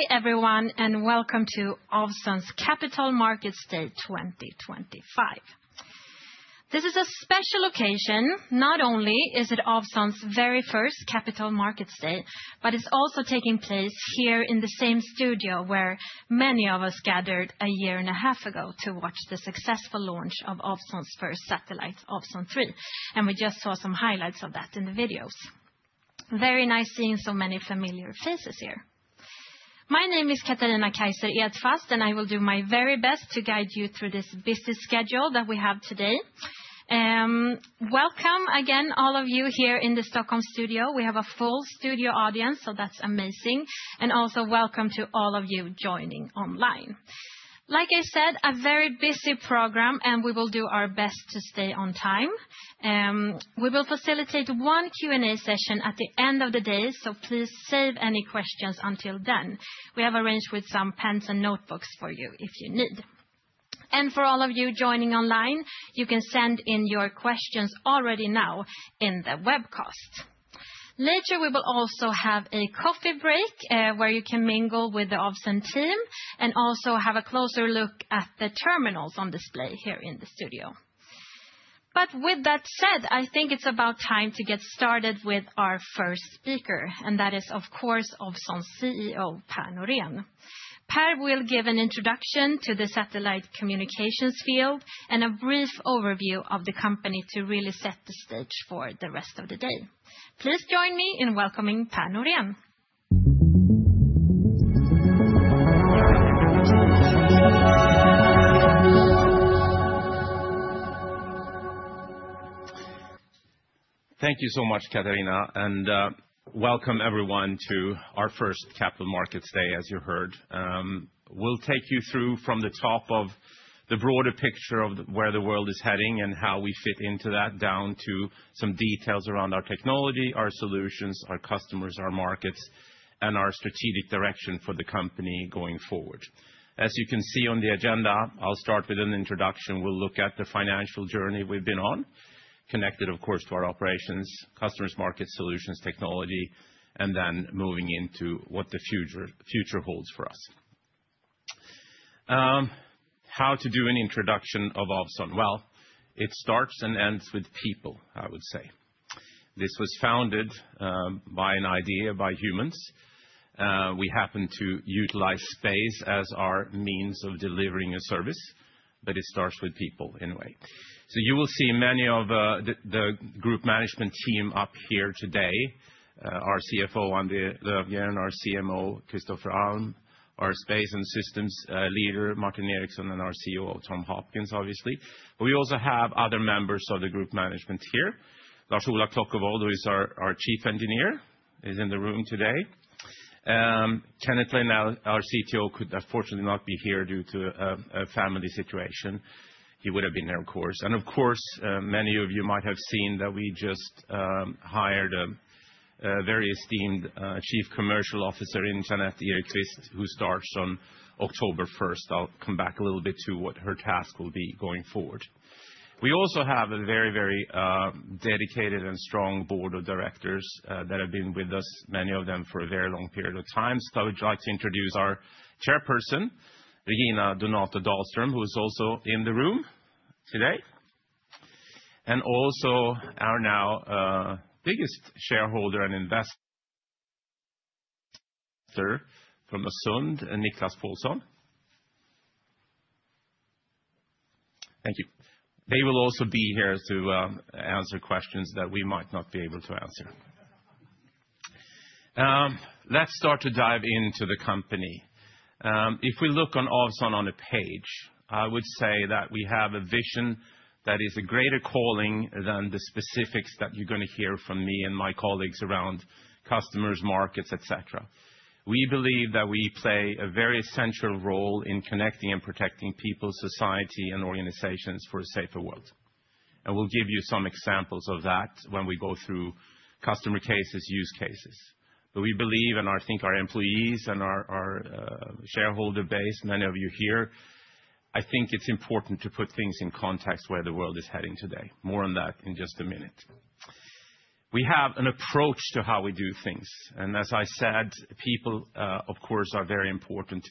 Hi, everyone, and welcome to Ovzon's Capital Markets Day 2025. This is a special occasion. Not only is it Ovzon's very first Capital Markets Day, but it's also taking place here in the same studio where many of us gathered a year and a half ago to watch the successful launch of Ovzon's first satellite, Ovzon 3, and we just saw some highlights of that in the videos. Very nice seeing so many familiar faces here. My name is Katarina Kaiser Edfast, and I will do my very best to guide you through this busy schedule that we have today. Welcome again, all of you here in the Stockholm studio. We have a full studio audience, so that's amazing, and also welcome to all of you joining online. Like I said, a very busy program, and we will do our best to stay on time. We will facilitate one Q&A session at the end of the day, so please save any questions until then. We have arranged with some pens and notebooks for you if you need. And for all of you joining online, you can send in your questions already now in the webcast. Later, we will also have a coffee break, where you can mingle with the Ovzon team and also have a closer look at the terminals on display here in the studio. But with that said, I think it's about time to get started with our first speaker, and that is, of course, Ovzon's CEO, Per Norén. Per will give an introduction to the satellite communications field and a brief overview of the company to really set the stage for the rest of the day. Please join me in welcoming Per Norén. Thank you so much, Katarina, and welcome everyone to our first Capital Markets Day, as you heard. We'll take you through from the top of the broader picture of where the world is heading and how we fit into that, down to some details around our technology, our solutions, our customers, our markets, and our strategic direction for the company going forward. As you can see on the agenda, I'll start with an introduction. We'll look at the financial journey we've been on, connected, of course, to our operations, customers, market, solutions, technology, and then moving into what the future holds for us. How to do an introduction of Ovzon? Well, it starts and ends with people, I would say. This was founded by an idea by humans. We happen to utilize space as our means of delivering a service, but it starts with people anyway. So you will see many of the group management team up here today, our CFO, Andy Löfgren, our CMO, Kristofer Alm, our Space and Systems leader, Martin Eriksson, and our CEO, Tom Hopkins, obviously. But we also have other members of the group management here. Lars-Ola Klockervold, who is our Chief Engineer, is in the room today. Kenneth Danielsson, our CTO, could unfortunately not be here due to a family situation. He would have been here, of course. And of course, many of you might have seen that we just hired a very esteemed Chief Commercial Officer in Jeanette Ekqvist, who starts on October first. I'll come back a little bit to what her task will be going forward. We also have a very, very, dedicated and strong board of directors, that have been with us, many of them, for a very long period of time. So I would like to introduce our Chairperson, Regina Donato Dahlström, who is also in the room today, and also our now, biggest shareholder and investor from Öresund and Nicklas Paulson. Thank you. They will also be here to answer questions that we might not be able to answer. Let's start to dive into the company. If we look on Ovzon on a page, I would say that we have a vision that is a greater calling than the specifics that you're gonna hear from me and my colleagues around customers, markets, et cetera. We believe that we play a very essential role in connecting and protecting people, society, and organizations for a safer world. We'll give you some examples of that when we go through customer cases, use cases. But we believe, and I think our employees and our shareholder base, many of you here, I think it's important to put things in context where the world is heading today. More on that in just a minute. We have an approach to how we do things, and as I said, people, of course, are very important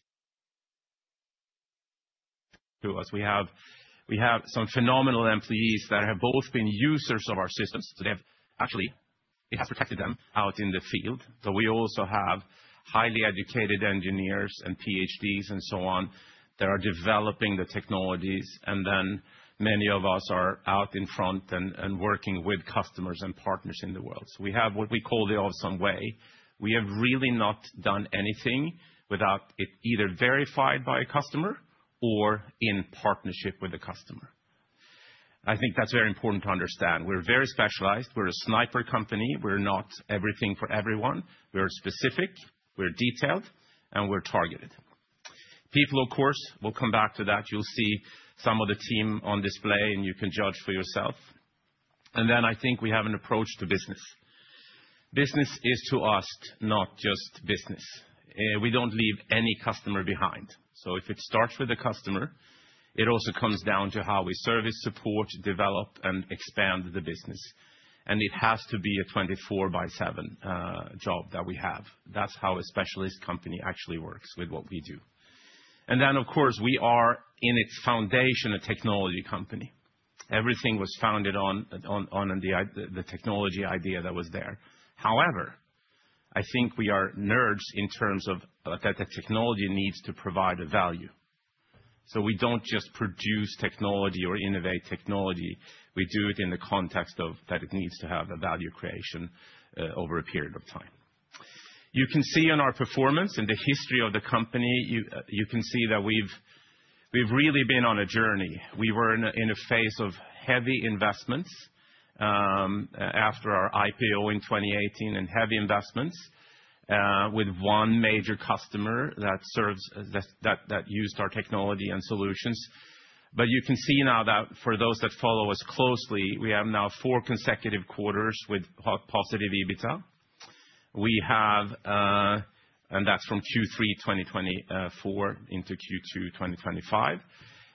to us. We have some phenomenal employees that have both been users of our systems, so they have. Actually, it has protected them out in the field. So we also have highly educated engineers and PhDs and so on that are developing the technologies, and then many of us are out in front and working with customers and partners in the world. So we have what we call the Ovzon way. We have really not done anything without it either verified by a customer or in partnership with the customer. I think that's very important to understand. We're very specialized. We're a sniper company. We're not everything for everyone. We're specific, we're detailed, and we're targeted. People, of course, we'll come back to that. You'll see some of the team on display, and you can judge for yourself, and then I think we have an approach to business. Business is, to us, not just business. We don't leave any customer behind. So if it starts with the customer, it also comes down to how we service, support, develop, and expand the business, and it has to be a 24/7 job that we have. That's how a specialist company actually works with what we do, and then, of course, we are, in its foundation, a technology company. Everything was founded on the technology idea that was there. However, I think we are nerds in terms of that technology needs to provide a value. So we don't just produce technology or innovate technology, we do it in the context of that it needs to have a value creation over a period of time. You can see in our performance and the history of the company, you can see that we've really been on a journey. We were in a phase of heavy investments after our IPO in 2018, and heavy investments with one major customer that used our technology and solutions. But you can see now that for those that follow us closely, we have now four consecutive quarters with positive EBITDA. We have... And that's from Q3 2020 to Q2 2025,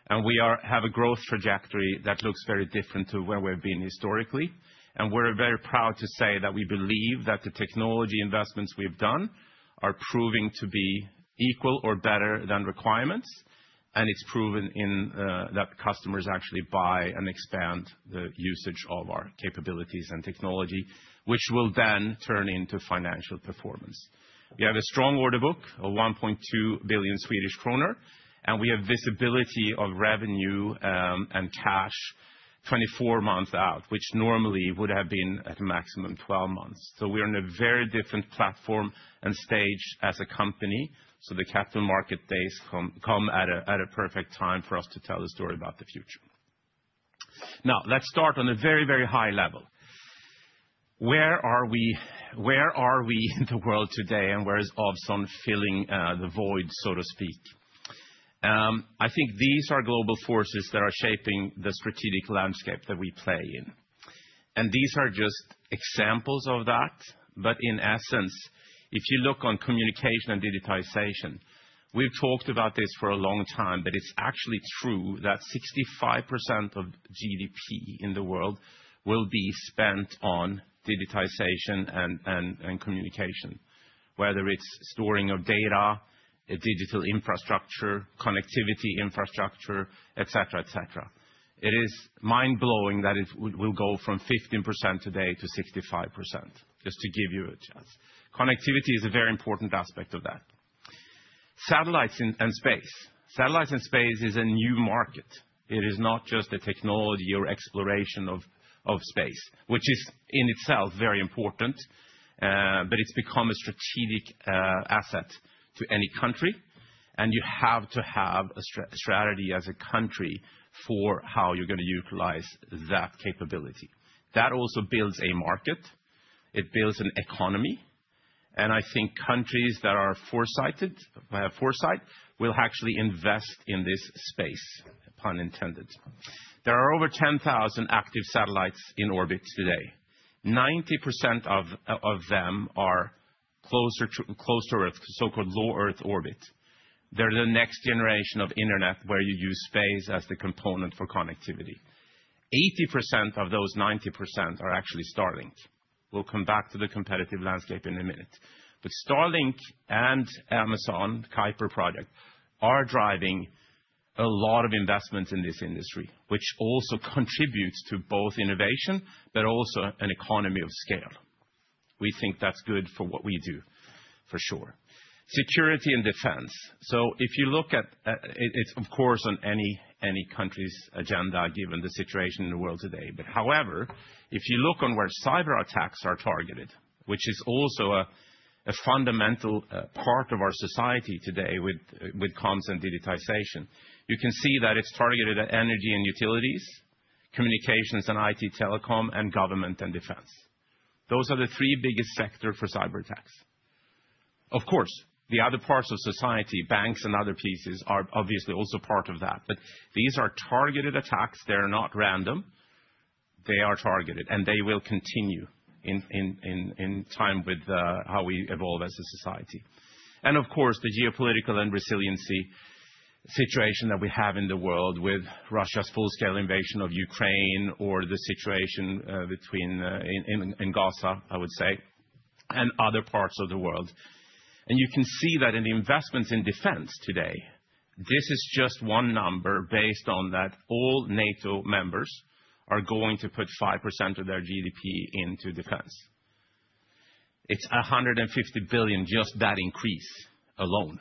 and we have a growth trajectory that looks very different to where we've been historically. And we're very proud to say that we believe that the technology investments we've done are proving to be equal or better than requirements, and it's proven in that customers actually buy and expand the usage of our capabilities and technology, which will then turn into financial performance. We have a strong order book, 1.2 billion Swedish kronor, and we have visibility of revenue and cash 24 months out, which normally would have been at maximum 12 months. So we're in a very different platform and stage as a company, so the capital market days come at a perfect time for us to tell the story about the future. Now, let's start on a very, very high level. Where are we? Where are we in the world today, and where is Ovzon filling the void, so to speak? I think these are global forces that are shaping the strategic landscape that we play in, and these are just examples of that. But in essence, if you look on communication and digitization, we've talked about this for a long time, but it's actually true that 65% of GDP in the world will be spent on digitization and communication. Whether it's storing of data, a digital infrastructure, connectivity infrastructure, et cetera. It is mind-blowing that it will go from 15% today to 65%, just to give you a chance. Connectivity is a very important aspect of that. Satellites and space. Satellites and space is a new market. It is not just the technology or exploration of space, which is, in itself, very important, but it's become a strategic asset to any country, and you have to have a strategy as a country for how you're gonna utilize that capability. That also builds a market, it builds an economy, and I think countries that are foresighted will actually invest in this space, pun intended. There are over 10,000 active satellites in orbit today. 90% of them are close to Earth, so-called Low Earth Orbit. They're the next generation of internet, where you use space as the component for connectivity. 80% of those 90% are actually Starlink. We'll come back to the competitive landscape in a minute. But Starlink and Amazon, Project Kuiper, are driving a lot of investment in this industry, which also contributes to both innovation, but also an economy of scale. We think that's good for what we do, for sure. Security and defense. So if you look at. It's, of course, on any country's agenda, given the situation in the world today. But however, if you look on where cyberattacks are targeted, which is also a fundamental part of our society today with comms and digitization, you can see that it's targeted at energy and utilities, communications and IT/telecom, and government and defense. Those are the three biggest sector for cyberattacks. Of course, the other parts of society, banks and other pieces, are obviously also part of that, but these are targeted attacks. They're not random. They are targeted, and they will continue in time with how we evolve as a society. And of course, the geopolitical and resiliency situation that we have in the world with Russia's full-scale invasion of Ukraine or the situation in Gaza, I would say, and other parts of the world. And you can see that in the investments in defense today. This is just one number based on that all NATO members are going to put 5% of their GDP into defense. It's $150 billion, just that increase alone.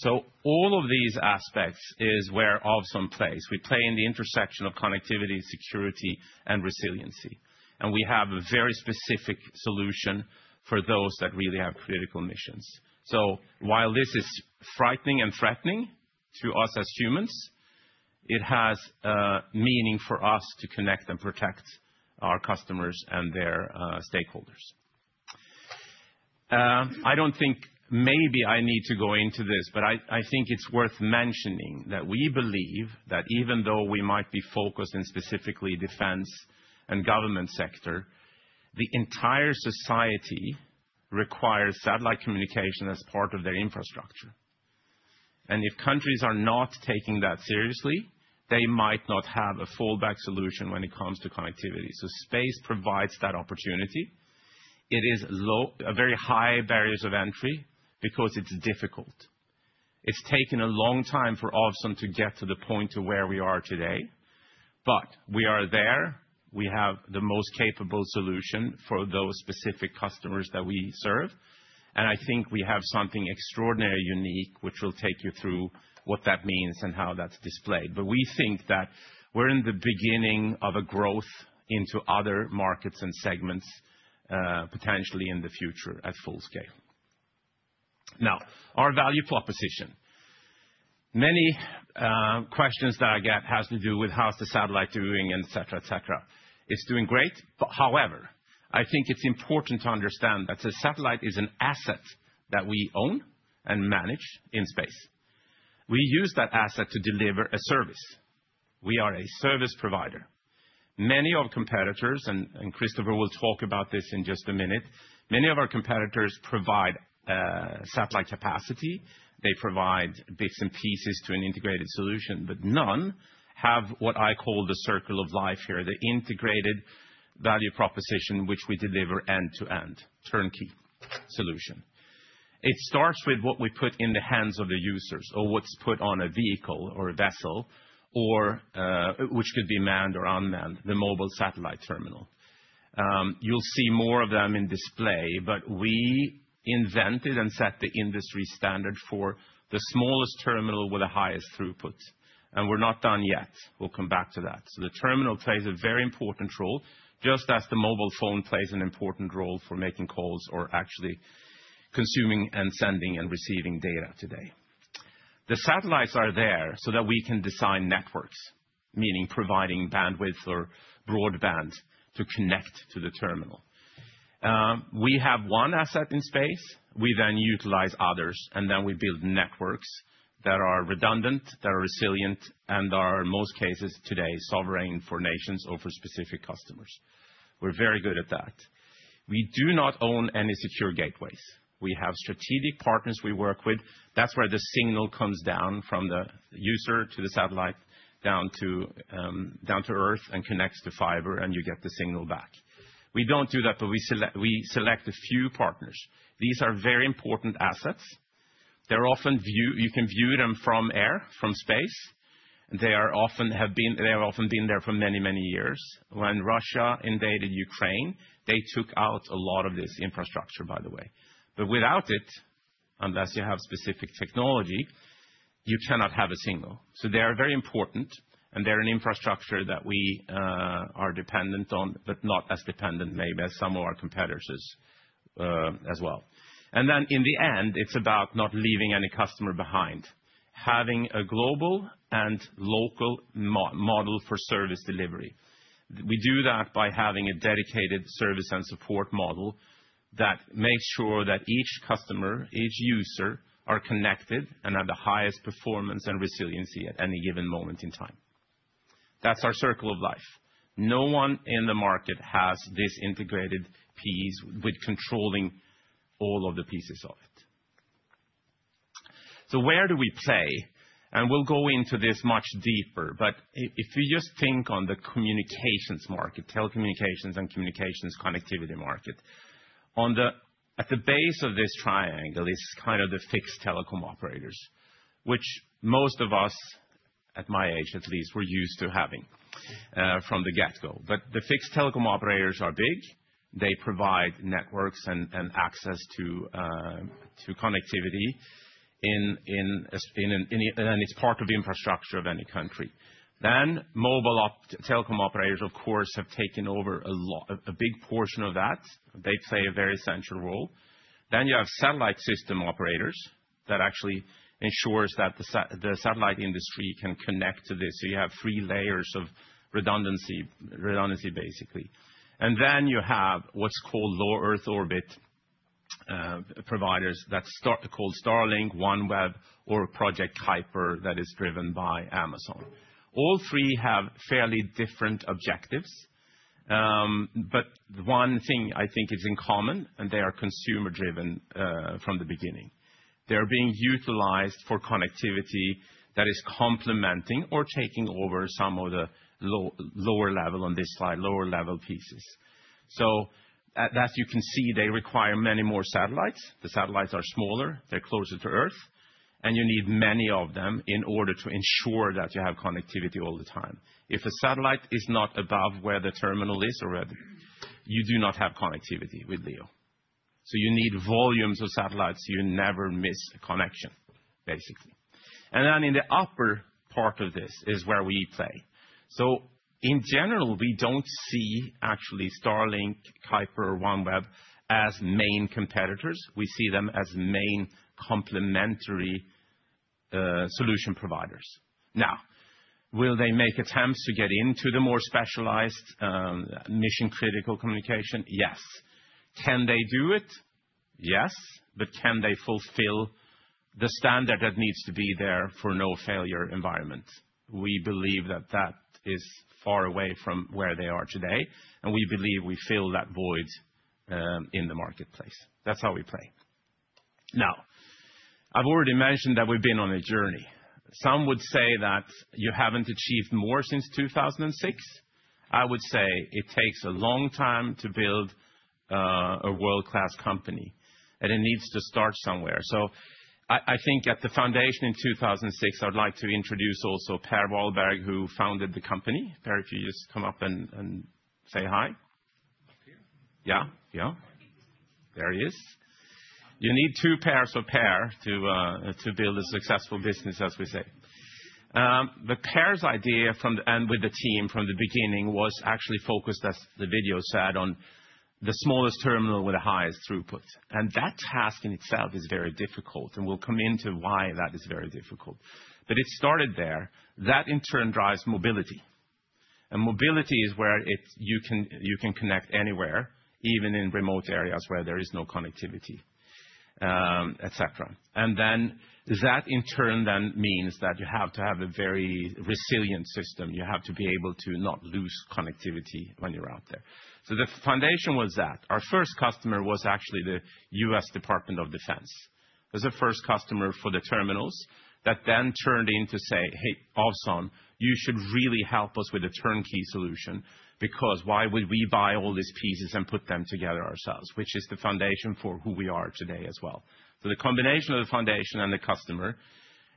So all of these aspects is where Ovzon plays. We play in the intersection of connectivity, security, and resiliency, and we have a very specific solution for those that really have critical missions. So while this is frightening and threatening to us as humans, it has meaning for us to Connect and Protect our customers and their stakeholders. I don't think maybe I need to go into this, but I think it's worth mentioning that we believe that even though we might be focused in specifically defense and government sector, the entire society requires satellite communication as part of their infrastructure. And if countries are not taking that seriously, they might not have a fallback solution when it comes to connectivity, so space provides that opportunity. It is low, a very high barriers of entry because it's difficult. It's taken a long time for Ovzon to get to the point to where we are today, but we are there. We have the most capable solution for those specific customers that we serve, and I think we have something extraordinary unique, which will take you through what that means and how that's displayed. But we think that we're in the beginning of a growth into other markets and segments, potentially in the future at full scale. Now, our value proposition. Many questions that I get has to do with how is the satellite doing, et cetera, et cetera. It's doing great, but however, I think it's important to understand that the satellite is an asset that we own and manage in space. We use that asset to deliver a service. We are a service provider. Many of our competitors, and Kristofer will talk about this in just a minute, many of our competitors provide satellite capacity. They provide bits and pieces to an integrated solution, but none have what I call the circle of life here, the integrated value proposition, which we deliver end-to-end, turnkey solution. It starts with what we put in the hands of the users, or what's put on a vehicle or a vessel, which could be manned or unmanned, the mobile satellite terminal. You'll see more of them on display, but we invented and set the industry standard for the smallest terminal with the highest throughput, and we're not done yet. We'll come back to that. So the terminal plays a very important role, just as the mobile phone plays an important role for making calls or actually consuming and sending and receiving data today. The satellites are there so that we can design networks, meaning providing bandwidth or broadband to connect to the terminal. We have one asset in space. We then utilize others, and then we build networks that are redundant, that are resilient, and are, in most cases today, sovereign for nations or for specific customers. We're very good at that. We do not own any secure gateways. We have strategic partners we work with. That's where the signal comes down from the user to the satellite, down to Earth and connects to fiber, and you get the signal back. We don't do that, but we select, we select a few partners. These are very important assets. They're often viewed. You can view them from air, from space, and they have often been there for many, many years. When Russia invaded Ukraine, they took out a lot of this infrastructure, by the way. But without it, unless you have specific technology, you cannot have a signal. So they are very important, and they're an infrastructure that we are dependent on, but not as dependent maybe as some of our competitors, as well. And then in the end, it's about not leaving any customer behind. Having a global and local model for service delivery. We do that by having a dedicated service and support model that makes sure that each customer, each user, are connected and have the highest performance and resiliency at any given moment in time. That's our circle of life. No one in the market has this integrated piece with controlling all of the pieces of it. So where do we play? And we'll go into this much deeper, but if you just think on the communications market, telecommunications and communications connectivity market, at the base of this triangle is kind of the fixed telecom operators, which most of us, at my age at least, we're used to having from the get-go. But the fixed telecom operators are big. They provide networks and access to connectivity in, in, and it's part of the infrastructure of any country. Then mobile telecom operators, of course, have taken over a lot, a big portion of that. They play a very central role. Then you have satellite system operators that actually ensures that the satellite industry can connect to this. So you have three layers of redundancy, basically. And then you have what's called Low Earth Orbit providers that start called Starlink, OneWeb, or Project Kuiper, that is driven by Amazon. All three have fairly different objectives, but one thing I think is in common, and they are consumer-driven, from the beginning. They're being utilized for connectivity that is complementing or taking over some of the lower level on this slide, lower level pieces. So you can see, they require many more satellites. The satellites are smaller, they're closer to Earth, and you need many of them in order to ensure that you have connectivity all the time. If a satellite is not above where the terminal is already, you do not have connectivity with Leo. So you need volumes of satellites so you never miss a connection, basically. And then in the upper part of this is where we play. So in general, we don't see actually Starlink, Kuiper, or OneWeb as main competitors. We see them as main complementary solution providers. Now, will they make attempts to get into the more specialized mission-critical communication? Yes. Can they do it? Yes. But can they fulfill the standard that needs to be there for no failure environment? We believe that that is far away from where they are today, and we believe we fill that void in the marketplace. That's how we play. Now, I've already mentioned that we've been on a journey. Some would say that you haven't achieved more since 2006. I would say it takes a long time to build a world-class company, and it needs to start somewhere, so I think at the foundation in 2006, I would like to introduce also Per Wahlberg, who founded the company. Per, if you just come up and say hi. Up here? Yeah, yeah. There he is. You need two pairs of Per to build a successful business, as we say. But Per's idea from the beginning with the team was actually focused, as the video said, on the smallest terminal with the highest throughput. That task in itself is very difficult, and we'll come into why that is very difficult. It started there. That, in turn, drives mobility. Mobility is where it's at. You can connect anywhere, even in remote areas where there is no connectivity, et cetera. That, in turn, means that you have to have a very resilient system. You have to be able to not lose connectivity when you're out there. The foundation was that. Our first customer was actually the U.S. Department of Defense. It was the first customer for the terminals that then turned into say, "Hey, Ovzon, you should really help us with a turnkey solution, because why would we buy all these pieces and put them together ourselves?" Which is the foundation for who we are today as well. So the combination of the foundation and the customer,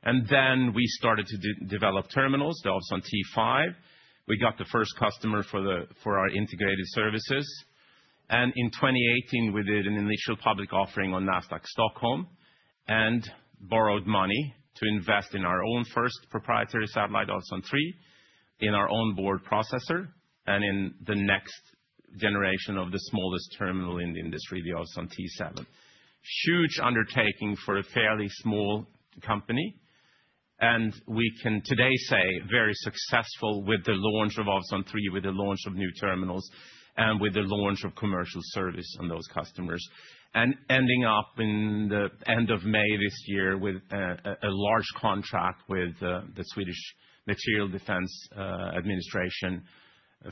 and then we started to develop terminals, the Ovzon T5. We got the first customer for our integrated services, and in 2018, we did an initial public offering on Nasdaq Stockholm, and borrowed money to invest in our own first proprietary satellite, Ovzon 3, in our own On-Board Processor, and in the next generation of the smallest terminal in the industry, the Ovzon T7. Huge undertaking for a fairly small company, and we can today say very successful with the launch of Ovzon 3, with the launch of new terminals, and with the launch of commercial service on those customers. And ending up in the end of May this year with a large contract with the Swedish Defence Materiel Administration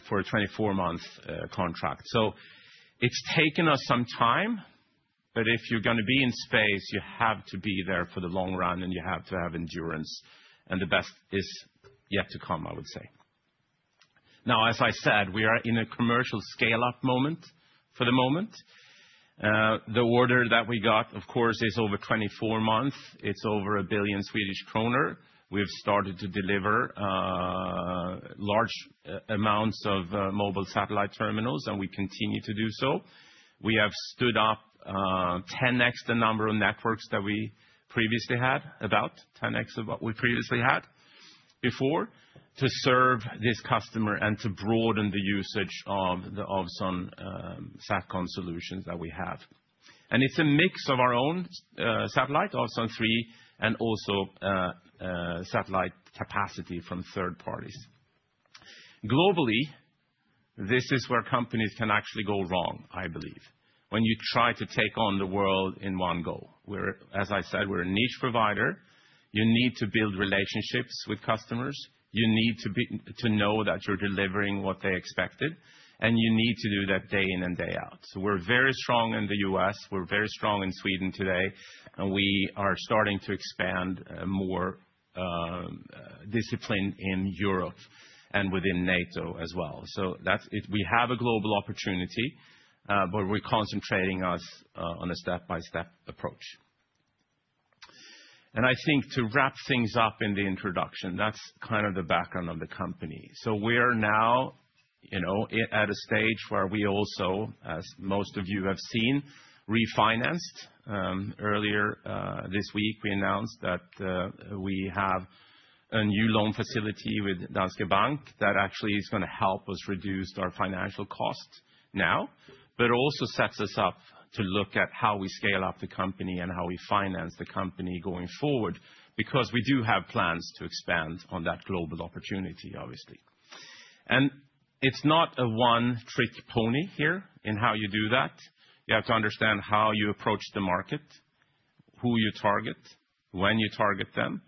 for a 24 month contract. So it's taken us some time, but if you're gonna be in space, you have to be there for the long run, and you have to have endurance, and the best is yet to come, I would say. Now, as I said, we are in a commercial scale-up moment for the moment. The order that we got, of course, is over 24 months. It's over 1 billion Swedish kronor. We've started to deliver large amounts of mobile satellite terminals, and we continue to do so. We have stood up ten X the number of networks that we previously had, about ten X of what we previously had before, to serve this customer and to broaden the usage of the Ovzon SatCom solutions that we have. And it's a mix of our own satellite, Ovzon 3, and also satellite capacity from third parties. Globally, this is where companies can actually go wrong, I believe, when you try to take on the world in one go. We're, as I said, we're a niche provider. You need to build relationships with customers. You need to be, to know that you're delivering what they expected, and you need to do that day in and day out. So we're very strong in the U.S., we're very strong in Sweden today, and we are starting to expand more disciplined in Europe and within NATO as well. So that's it. We have a global opportunity, but we're concentrating our on a step-by-step approach. And I think to wrap things up in the introduction, that's kind of the background of the company. So we're now, you know, at a stage where we also, as most of you have seen, refinanced. Earlier this week, we announced that we have a new loan facility with Danske Bank that actually is gonna help us reduce our financial costs now, but it also sets us up to look at how we scale up the company and how we finance the company going forward, because we do have plans to expand on that global opportunity, obviously. It's not a one-trick pony here in how you do that. You have to understand how you approach the market, who you target, when you target them.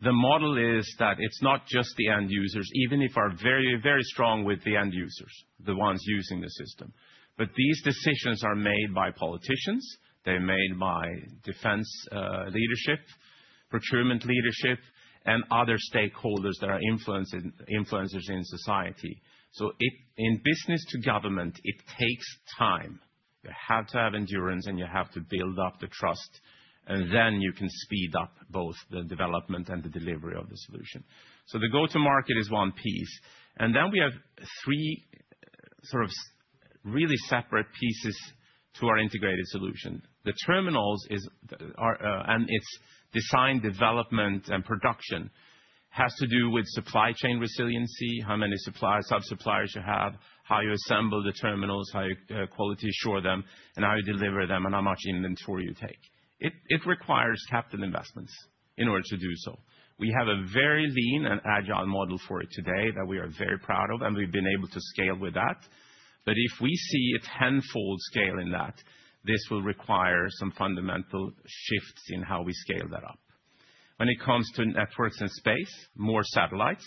The model is that it's not just the end users, even if are very, very strong with the end users, the ones using the system. But these decisions are made by politicians, they're made by defense leadership, procurement leadership, and other stakeholders that are influencers in society. So, in business to government, it takes time. You have to have endurance, and you have to build up the trust, and then you can speed up both the development and the delivery of the solution. So the go-to-market is one piece, and then we have three sort of really separate pieces to our integrated solution. The terminals are its design, development, and production has to do with supply chain resiliency, how many suppliers, sub-suppliers you have, how you assemble the terminals, how you quality assure them, and how you deliver them, and how much inventory you take. It requires capital investments in order to do so. We have a very lean and agile model for it today that we are very proud of, and we've been able to scale with that. But if we see a tenfold scale in that, this will require some fundamental shifts in how we scale that up. When it comes to networks and space, more satellites,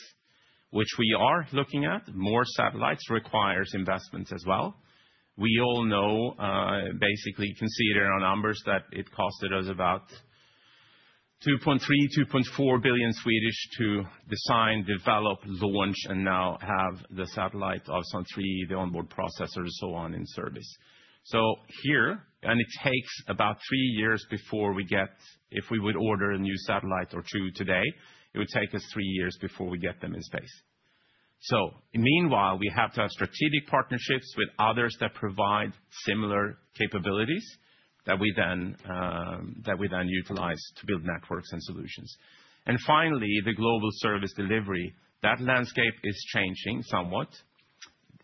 which we are looking at, requires investments as well. We all know, basically, you can see it in our numbers, that it costed us about 2.3 billion-2.4 billion to design, develop, launch, and now have the satellite, Ovzon 3, the On-Board Processor, so on, in service. So here, and it takes about three years if we would order a new satellite or two today, it would take us three years before we get them in space. So meanwhile, we have to have strategic partnerships with others that provide similar capabilities, that we then utilize to build networks and solutions. And finally, the global service delivery, that landscape is changing somewhat.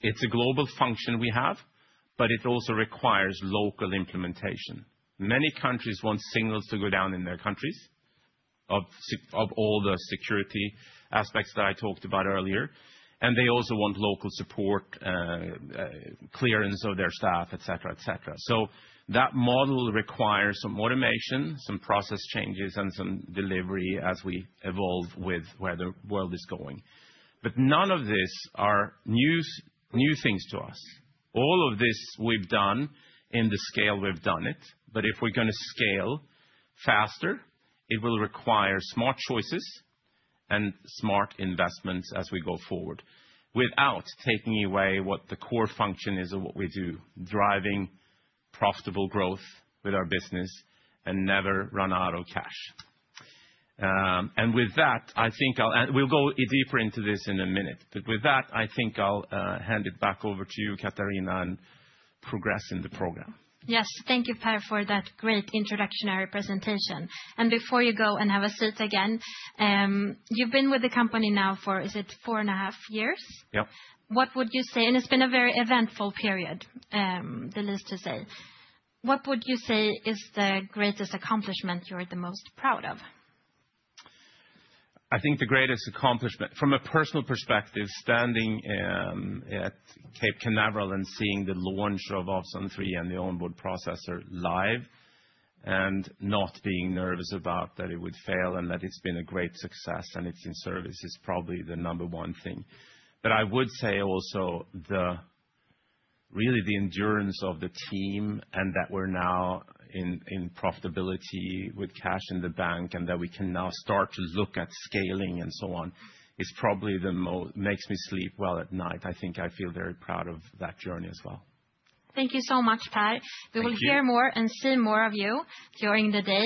It's a global function we have, but it also requires local implementation. Many countries want signals to go down in their countries, of all the security aspects that I talked about earlier, and they also want local support, clearance of their staff, et cetera, et cetera. So that model requires some automation, some process changes, and some delivery as we evolve with where the world is going. But none of this are new things to us. All of this we've done in the scale we've done it, but if we're gonna scale faster, it will require smart choices and smart investments as we go forward, without taking away what the core function is of what we do, driving profitable growth with our business and never run out of cash. And with that, I think I'll... And we'll go deeper into this in a minute, but with that, I think I'll hand it back over to you, Katarina, and progress in the program. Yes. Thank you, Per, for that great introductory presentation, and before you go and have a seat again, you've been with the company now for, is it four and a half years? Yep. It's been a very eventful period, to say the least. What would you say is the greatest accomplishment you're the most proud of? I think the greatest accomplishment, from a personal perspective, standing at Cape Canaveral and seeing the launch of Ovzon 3 and the On-Board Processor live, and not being nervous about that it would fail, and that it's been a great success, and it's in service, is probably the number one thing. But I would say also really the endurance of the team and that we're now in profitability with cash in the bank, and that we can now start to look at scaling and so on, is probably what makes me sleep well at night. I think I feel very proud of that journey as well. Thank you so much, Per. Thank you. We will hear more and see more of you during the day.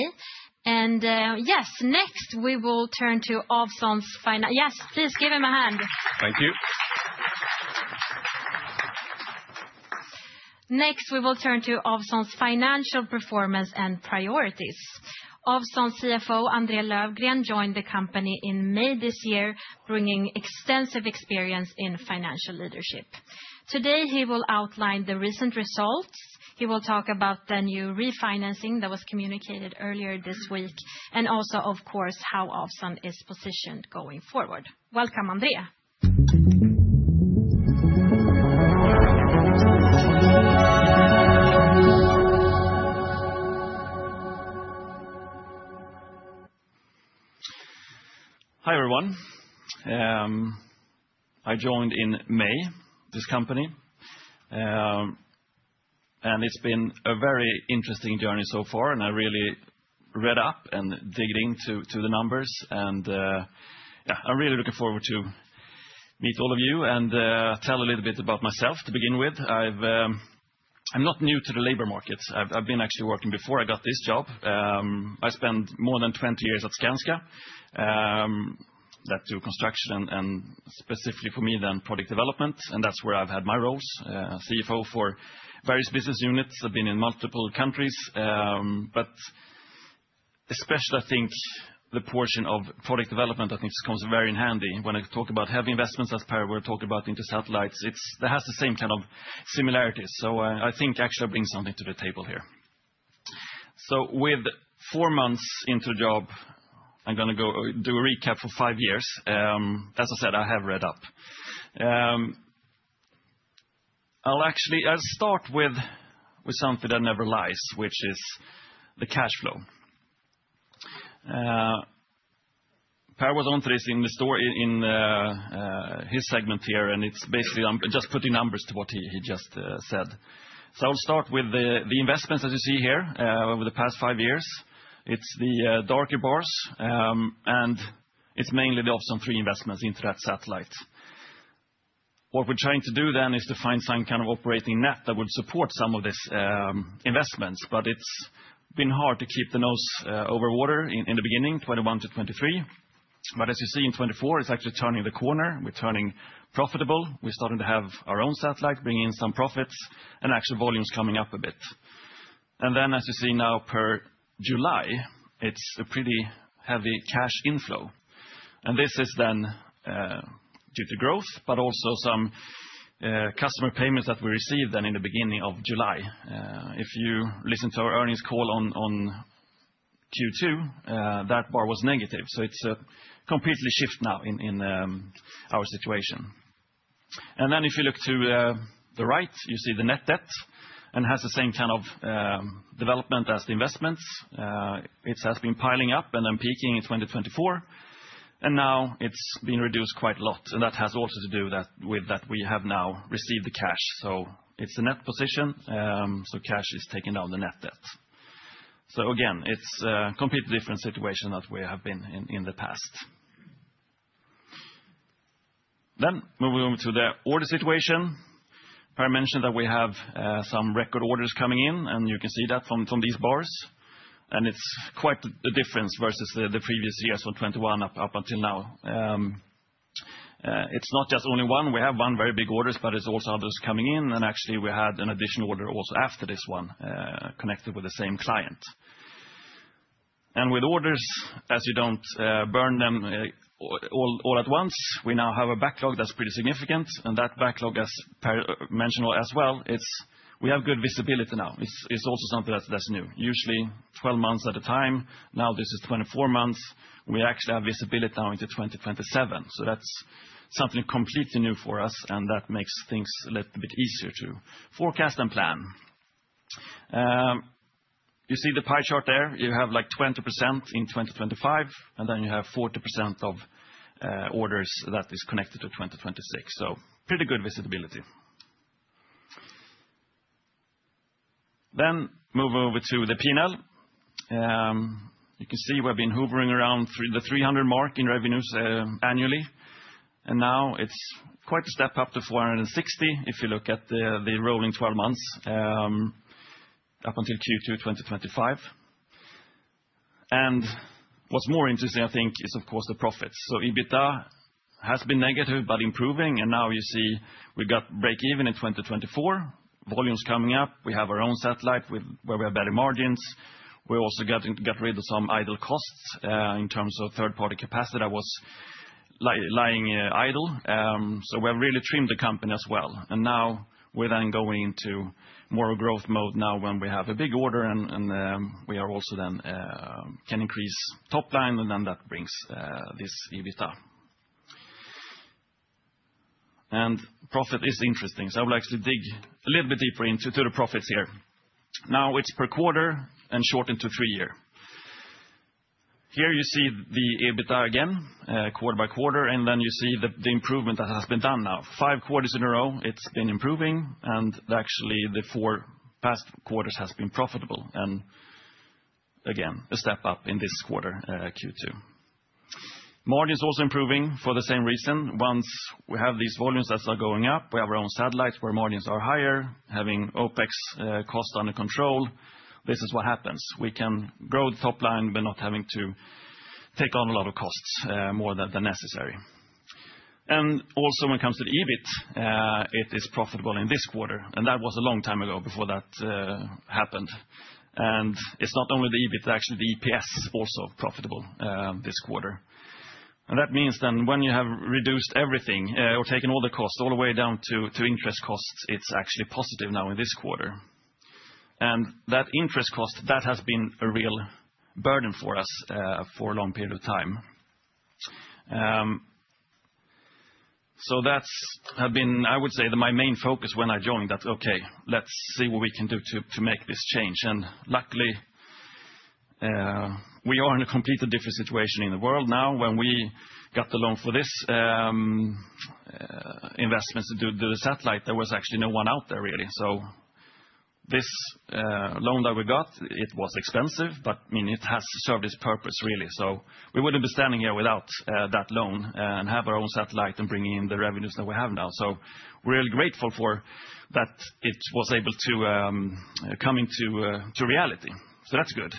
Yes, next, we will turn to Ovzon's. Yes, please give him a hand. Thank you. Next, we will turn to Ovzon's financial performance and priorities. Ovzon's CFO, Andreas Löfgren, joined the company in May this year, bringing extensive experience in financial leadership. Today, he will outline the recent results. He will talk about the new refinancing that was communicated earlier this week, and also, of course, how Ovzon is positioned going forward. Welcome, Andreas. Hi, everyone. I joined in May this company, and it's been a very interesting journey so far, and I really read up and dug into the numbers, and yeah, I'm really looking forward to meet all of you and tell a little bit about myself to begin with. I'm not new to the labor markets. I've been actually working before I got this job. I spent more than 20 years at Skanska, that do construction and specifically for me, then product development, and that's where I've had my roles, CFO for various business units. I've been in multiple countries, but especially, I think, the portion of product development, I think, comes in very handy when I talk about heavy investments, as Per was talking about, into satellites. It has the same kind of similarities, so I think actually I bring something to the table here. So with four months into the job, I'm gonna go do a recap for five years. As I said, I have read up. I'll actually start with something that never lies, which is the cash flow. Per was onto this in the story in his segment here, and it's basically, I'm just putting numbers to what he just said. So I'll start with the investments, as you see here, over the past five years. It's the darker bars, and it's mainly the Ovzon 3 investments into that satellite. What we're trying to do then is to find some kind of operating net that would support some of this investments, but it's been hard to keep the head above water in the beginning, 2021 to 2023. But as you see, in 2024, it's actually turning the corner. We're turning profitable. We're starting to have our own satellite, bringing in some profits, and actual volumes coming up a bit. And then, as you see now, per July, it's a pretty heavy cash inflow. And this is then due to growth, but also some customer payments that we received then in the beginning of July. If you listen to our earnings call on Q2, that bar was negative, so it's completely shift now in our situation. If you look to the right, you see the net debt, and has the same kind of development as the investments. It has been piling up and then peaking in 2024, and now it's been reduced quite a lot, and that has also to do with that we have now received the cash. It's a net position, so cash is taking down the net debt. Again, it's a completely different situation that we have been in the past. Moving on to the order situation. I mentioned that we have some record orders coming in, and you can see that from these bars. It's quite a difference versus the previous years from 2021 up until now. It's not just only one. We have one very big order, but it's also others coming in, and actually we had an additional order also after this one connected with the same client. And with orders, as you don't burn them all at once, we now have a backlog that's pretty significant, and that backlog, as Per mentioned as well, it's we have good visibility now. It's also something that's new. Usually 12 months at a time, now this is 24 months. We actually have visibility now into 2027, so that's something completely new for us, and that makes things a little bit easier to forecast and plan. You see the pie chart there? You have, like, 20% in 2025, and then you have 40% of orders that is connected to 2026, so pretty good visibility. Then move over to the P&L. You can see we've been hovering around the 300 mark in revenues, annually, and now it's quite a step up to 460, if you look at the rolling 12 months, up until Q2 2025. And what's more interesting, I think, is of course the profits. So EBITDA has been negative but improving, and now you see we got breakeven in 2024. Volumes coming up, we have our own satellite with... where we have better margins. We're also getting to get rid of some idle costs, in terms of third-party capacity that was lying, idle. So we've really trimmed the company as well. Now we're then going into more growth mode now when we have a big order, and we are also then can increase top line, and then that brings this EBITDA. Profit is interesting, so I would like to dig a little bit deeper into the profits here. Now it's per quarter and shortened to three year. Here you see the EBITDA again quarter by quarter, and then you see the improvement that has been done now. Five quarters in a row, it's been improving, and actually, the four past quarters has been profitable. Again, a step up in this quarter, Q2. Margin's also improving for the same reason. Once we have these volumes that are going up, we have our own satellites, where margins are higher, having OpEx costs under control, this is what happens. We can grow the top line by not having to take on a lot of costs, more than necessary. Also, when it comes to the EBIT, it is profitable in this quarter, and that was a long time ago before that happened. It's not only the EBIT, actually, the EPS is also profitable this quarter. That means then when you have reduced everything, or taken all the costs all the way down to interest costs, it's actually positive now in this quarter. That interest cost that has been a real burden for us for a long period of time. So that's been, I would say, my main focus when I joined, okay, let's see what we can do to make this change. And luckily, we are in a completely different situation in the world now. When we got the loan for this, investments to do the satellite, there was actually no one out there, really. So this, loan that we got, it was expensive, but, I mean, it has served its purpose, really. So we wouldn't be standing here without, that loan, and have our own satellite and bringing in the revenues that we have now. So we're grateful for that it was able to, come into, to reality. So that's good.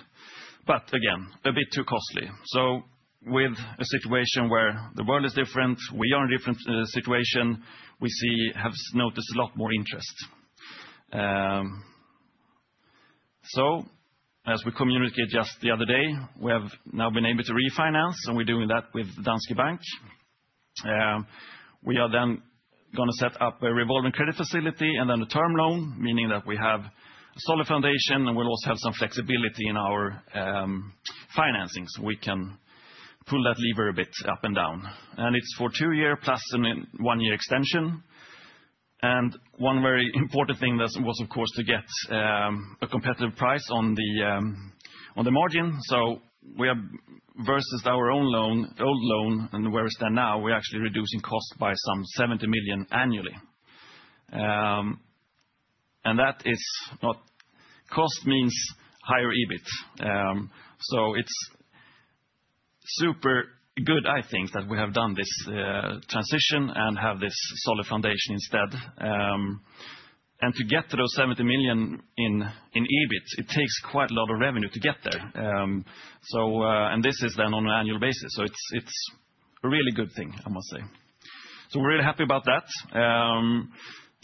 But again, a bit too costly. So with a situation where the world is different, we are in a different, situation, we see, have noticed a lot more interest. So as we communicated just the other day, we have now been able to refinance, and we're doing that with Danske Bank. We are then gonna set up a revolving credit facility and then a term loan, meaning that we have a solid foundation, and we'll also have some flexibility in our financings. We can pull that lever a bit up and down, and it's for two year plus an one-year extension. And one very important thing that was, of course, to get a competitive price on the margin. So we have versus our own loan, old loan, and where we stand now, we're actually reducing costs by some 70 million SEK annually. And that is not... Cost means higher EBIT. So it's super good, I think, that we have done this transition and have this solid foundation instead. To get to those 70 million in EBIT, it takes quite a lot of revenue to get there. And this is then on an annual basis, so it's a really good thing, I must say. So we're really happy about that.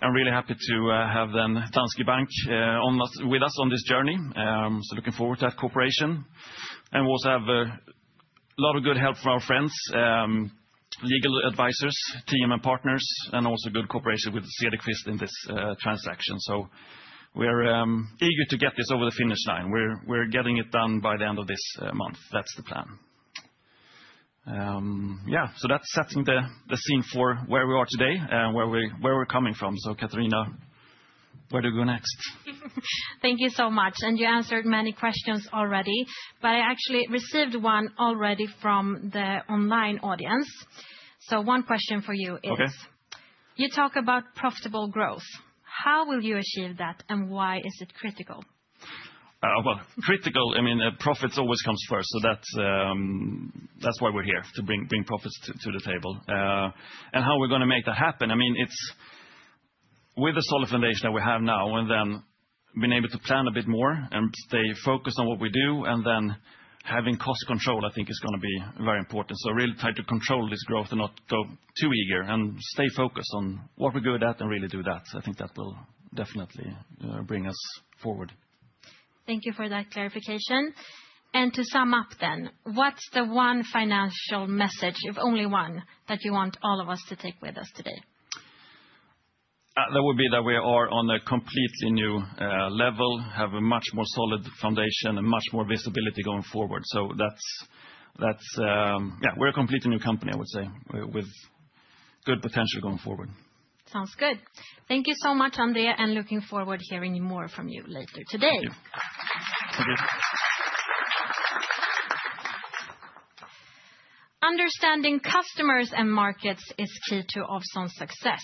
I'm really happy to have then Danske Bank with us on this journey. So looking forward to that cooperation. And we also have a lot of good help from our friends, legal advisors, team and partners, and also good cooperation with Cederquist in this transaction. So we're eager to get this over the finish line. We're getting it done by the end of this month. That's the plan. Yeah, so that's setting the scene for where we are today and where we're coming from. Katarina, where do we go next? Thank you so much, and you answered many questions already, but I actually received one already from the online audience. So one question for you is- Okay. You talk about profitable growth. How will you achieve that, and why is it critical? Well, critical, I mean, profits always comes first, so that's why we're here, to bring profits to the table. And how we're gonna make that happen, I mean, it's with the solid foundation that we have now, and then being able to plan a bit more and stay focused on what we do, and then having cost control, I think, is gonna be very important. So really try to control this growth and not go too eager, and stay focused on what we're good at and really do that. I think that will definitely bring us forward. Thank you for that clarification, and to sum up then, what's the one financial message, if only one, that you want all of us to take with us today? That we are on a completely new level, have a much more solid foundation and much more visibility going forward. So that's... Yeah, we're a completely new company, I would say, with good potential going forward. Sounds good. Thank you so much, Andreas, and looking forward to hearing more from you later today. Thank you. Understanding customers and markets is key to Ovzon's success.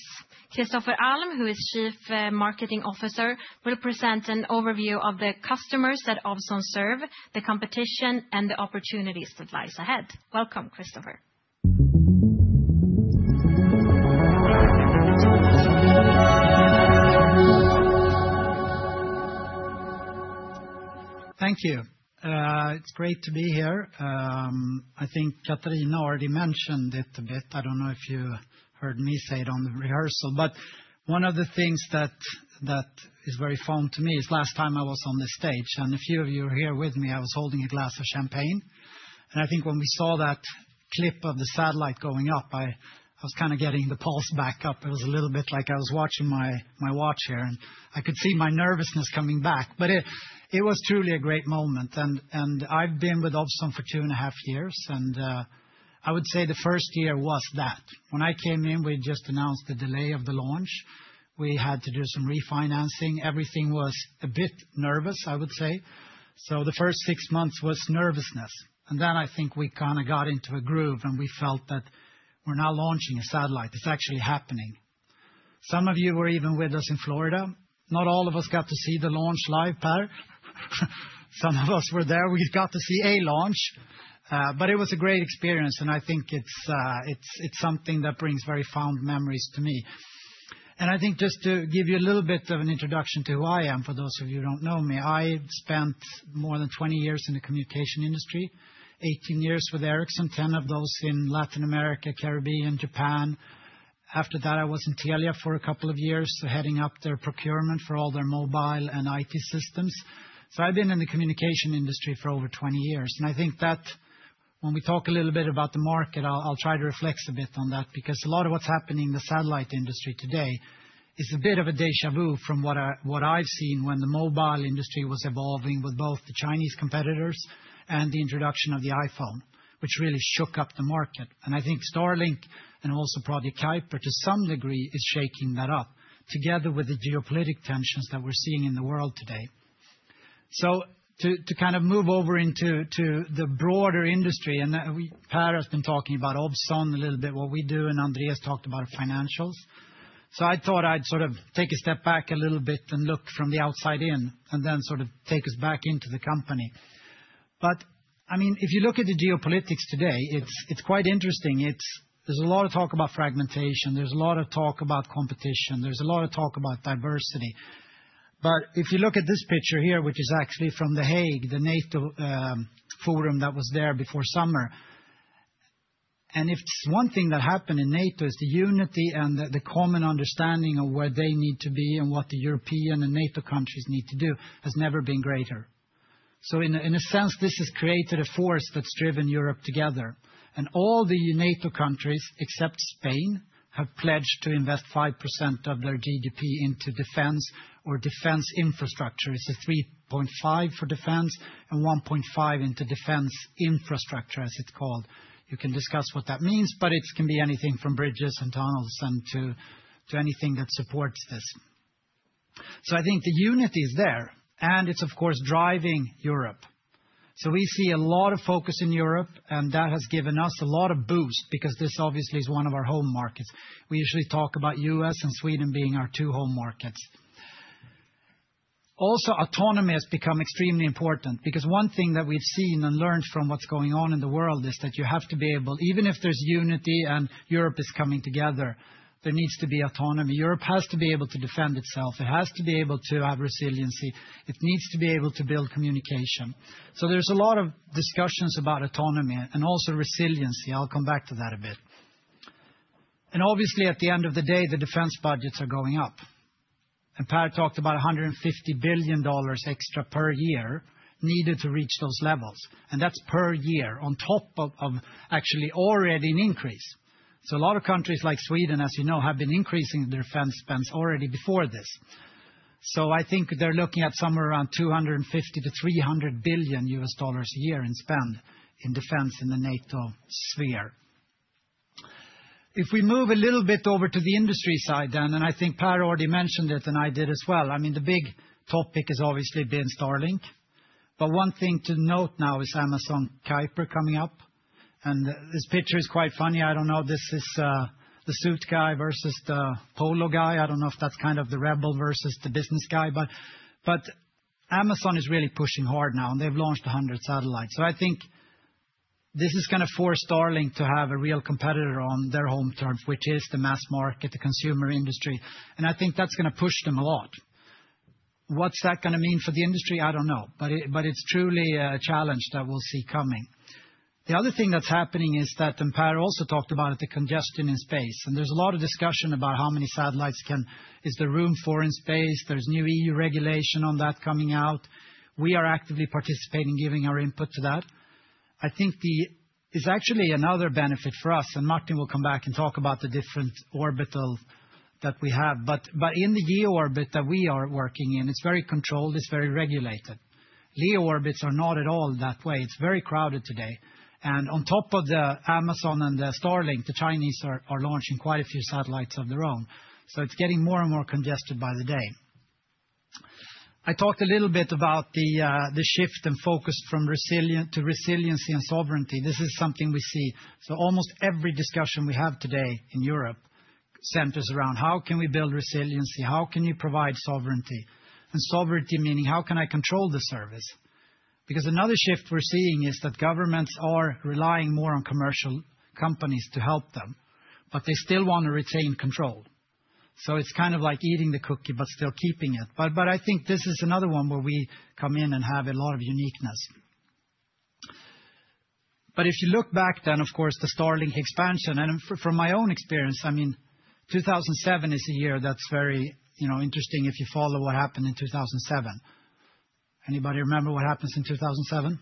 Kristofer Alm, who is Chief Marketing Officer, will present an overview of the customers that Ovzon serve, the competition, and the opportunities that lies ahead. Welcome, Kristofer. Thank you. It's great to be here. I think Katarina already mentioned it a bit. I don't know if you heard me say it on the rehearsal, but one of the things that is very fond to me is last time I was on this stage, and a few of you were here with me, I was holding a glass of champagne. And I think when we saw that clip of the satellite going up, I was kinda getting the pulse back up. It was a little bit like I was watching my watch here, and I could see my nervousness coming back. But it was truly a great moment, and I've been with Ovzon for two and a half years, and I would say the first year was that. When I came in, we had just announced the delay of the launch. We had to do some refinancing. Everything was a bit nervous, I would say, so the first six months was nervousness, and then I think we kinda got into a groove, and we felt that we're now launching a satellite. It's actually happening. Some of you were even with us in Florida. Not all of us got to see the launch live, Per. Some of us were there. We got to see a launch, but it was a great experience, and I think it's, it's, it's something that brings very fond memories to me, and I think just to give you a little bit of an introduction to who I am, for those of you who don't know me, I spent more than twenty years in the communication industry. Eighteen years with Ericsson, ten of those in Latin America, Caribbean, Japan. After that, I was in Telia for a couple of years, heading up their procurement for all their mobile and IT systems, so I've been in the communication industry for over twenty years, and I think that when we talk a little bit about the market, I'll try to reflect a bit on that. Because a lot of what's happening in the satellite industry today is a bit of a déjà vu from what I've seen when the mobile industry was evolving with both the Chinese competitors and the introduction of the iPhone, which really shook up the market, and I think Starlink and also Project Kuiper, to some degree, is shaking that up, together with the geopolitical tensions that we're seeing in the world today. So to kind of move over into the broader industry, and Per has been talking about Ovzon a little bit, what we do, and Andreas talked about financials. So I thought I'd sort of take a step back a little bit and look from the outside in, and then sort of take us back into the company. But I mean, if you look at the geopolitics today, it's quite interesting. There's a lot of talk about fragmentation. There's a lot of talk about competition. There's a lot of talk about diversity. But if you look at this picture here, which is actually from The Hague, the NATO forum that was there before summer, and if one thing that happened in NATO is the unity and the common understanding of where they need to be and what the European and NATO countries need to do, has never been greater. So in a sense, this has created a force that's driven Europe together, and all the NATO countries, except Spain, have pledged to invest 5% of their GDP into defense or defense infrastructure. It's 3.5 for defense and 1.5 into defense infrastructure, as it's called. You can discuss what that means, but it can be anything from bridges and tunnels to anything that supports this. So I think the unity is there, and it's of course driving Europe. So we see a lot of focus in Europe, and that has given us a lot of boost because this obviously is one of our home markets. We usually talk about U.S. and Sweden being our two home markets. Also, autonomy has become extremely important because one thing that we've seen and learned from what's going on in the world is that you have to be able... Even if there's unity and Europe is coming together, there needs to be autonomy. Europe has to be able to defend itself. It has to be able to have resiliency. It needs to be able to build communication. So there's a lot of discussions about autonomy and also resiliency. I'll come back to that a bit. Obviously, at the end of the day, the defense budgets are going up, and Per talked about $150 billion extra per year needed to reach those levels, and that's per year, on top of actually already an increase. So a lot of countries like Sweden, as you know, have been increasing their defense spends already before this. I think they're looking at somewhere around $250-$300 billion a year in spend in defense in the NATO sphere. If we move a little bit over to the industry side then, and I think Per already mentioned it, and I did as well, I mean, the big topic has obviously been Starlink. But one thing to note now is Amazon Kuiper coming up, and this picture is quite funny. I don't know, this is the suit guy versus the polo guy. I don't know if that's kind of the rebel versus the business guy, but Amazon is really pushing hard now, and they've launched 100 satellites. So I think this is gonna force Starlink to have a real competitor on their home turf, which is the mass market, the consumer industry, and I think that's gonna push them a lot. What's that gonna mean for the industry? I don't know, but it's truly a challenge that we'll see coming. The other thing that's happening is that, and Per also talked about it, the congestion in space, and there's a lot of discussion about how many satellites is there room for in space. There's new EU regulation on that coming out. We are actively participating, giving our input to that. I think the... It's actually another benefit for us, and Martin will come back and talk about the different orbits that we have, but in the GEO orbit that we are working in, it's very controlled, it's very regulated. LEO orbits are not at all that way. It's very crowded today, and on top of the Amazon and the Starlink, the Chinese are launching quite a few satellites of their own, so it's getting more and more congested by the day. I talked a little bit about the shift and focus from resilient to resiliency and sovereignty. This is something we see, so almost every discussion we have today in Europe centers around: How can we build resiliency? How can you provide sovereignty? And sovereignty, meaning how can I control the service? Because another shift we're seeing is that governments are relying more on commercial companies to help them, but they still wanna retain control. So it's kind of like eating the cookie, but still keeping it. But I think this is another one where we come in and have a lot of uniqueness. But if you look back then, of course, the Starlink expansion, and from my own experience, I mean, 2007 is a year that's very, you know, interesting if you follow what happened in 2007. Anybody remember what happens in 2007?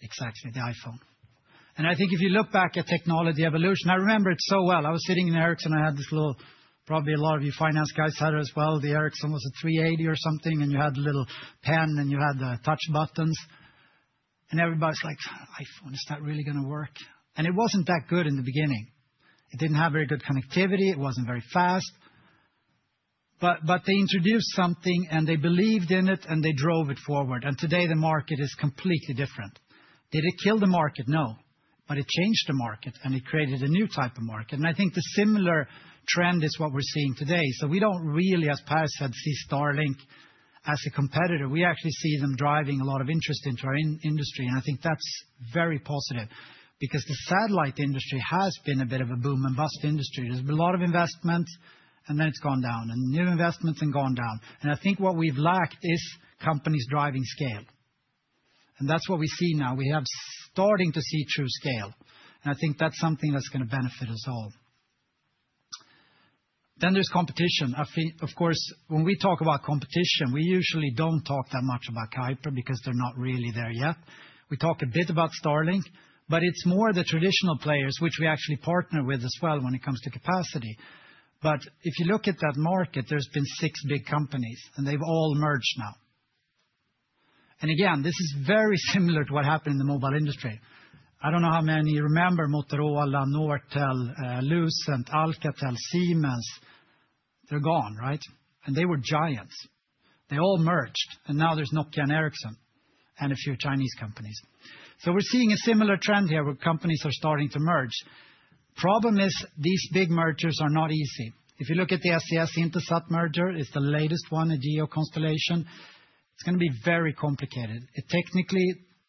Exactly, the iPhone. And I think if you look back at technology evolution, I remember it so well. I was sitting in Ericsson, I had this little... Probably a lot of you finance guys had it as well, the Ericsson was a three eighty or something, and you had the little pen, and you had the touch buttons. And everybody's like: "iPhone, is that really gonna work?" And it wasn't that good in the beginning. It didn't have very good connectivity, it wasn't very fast, but they introduced something, and they believed in it, and they drove it forward. And today, the market is completely different. Did it kill the market? No, but it changed the market, and it created a new type of market. And I think the similar trend is what we're seeing today. So we don't really, as Per said, see Starlink as a competitor. We actually see them driving a lot of interest into our industry, and I think that's very positive because the satellite industry has been a bit of a boom-and-bust industry. There's been a lot of investment, and then it's gone down, and new investments and gone down. And I think what we've lacked is companies driving scale, and that's what we see now. We are starting to see true scale, and I think that's something that's gonna benefit us all. Then there's competition. I think, of course, when we talk about competition, we usually don't talk that much about Kuiper because they're not really there yet. We talk a bit about Starlink, but it's more the traditional players, which we actually partner with as well when it comes to capacity. But if you look at that market, there's been six big companies, and they've all merged now. And again, this is very similar to what happened in the mobile industry. I don't know how many remember Motorola, Nortel, Lucent, Alcatel, Siemens. They're gone, right? And they were giants. They all merged, and now there's Nokia and Ericsson and a few Chinese companies. So we're seeing a similar trend here, where companies are starting to merge. Problem is, these big mergers are not easy. If you look at the SES Intelsat merger, it's the latest one, a GEO constellation. It's gonna be very complicated. It technically,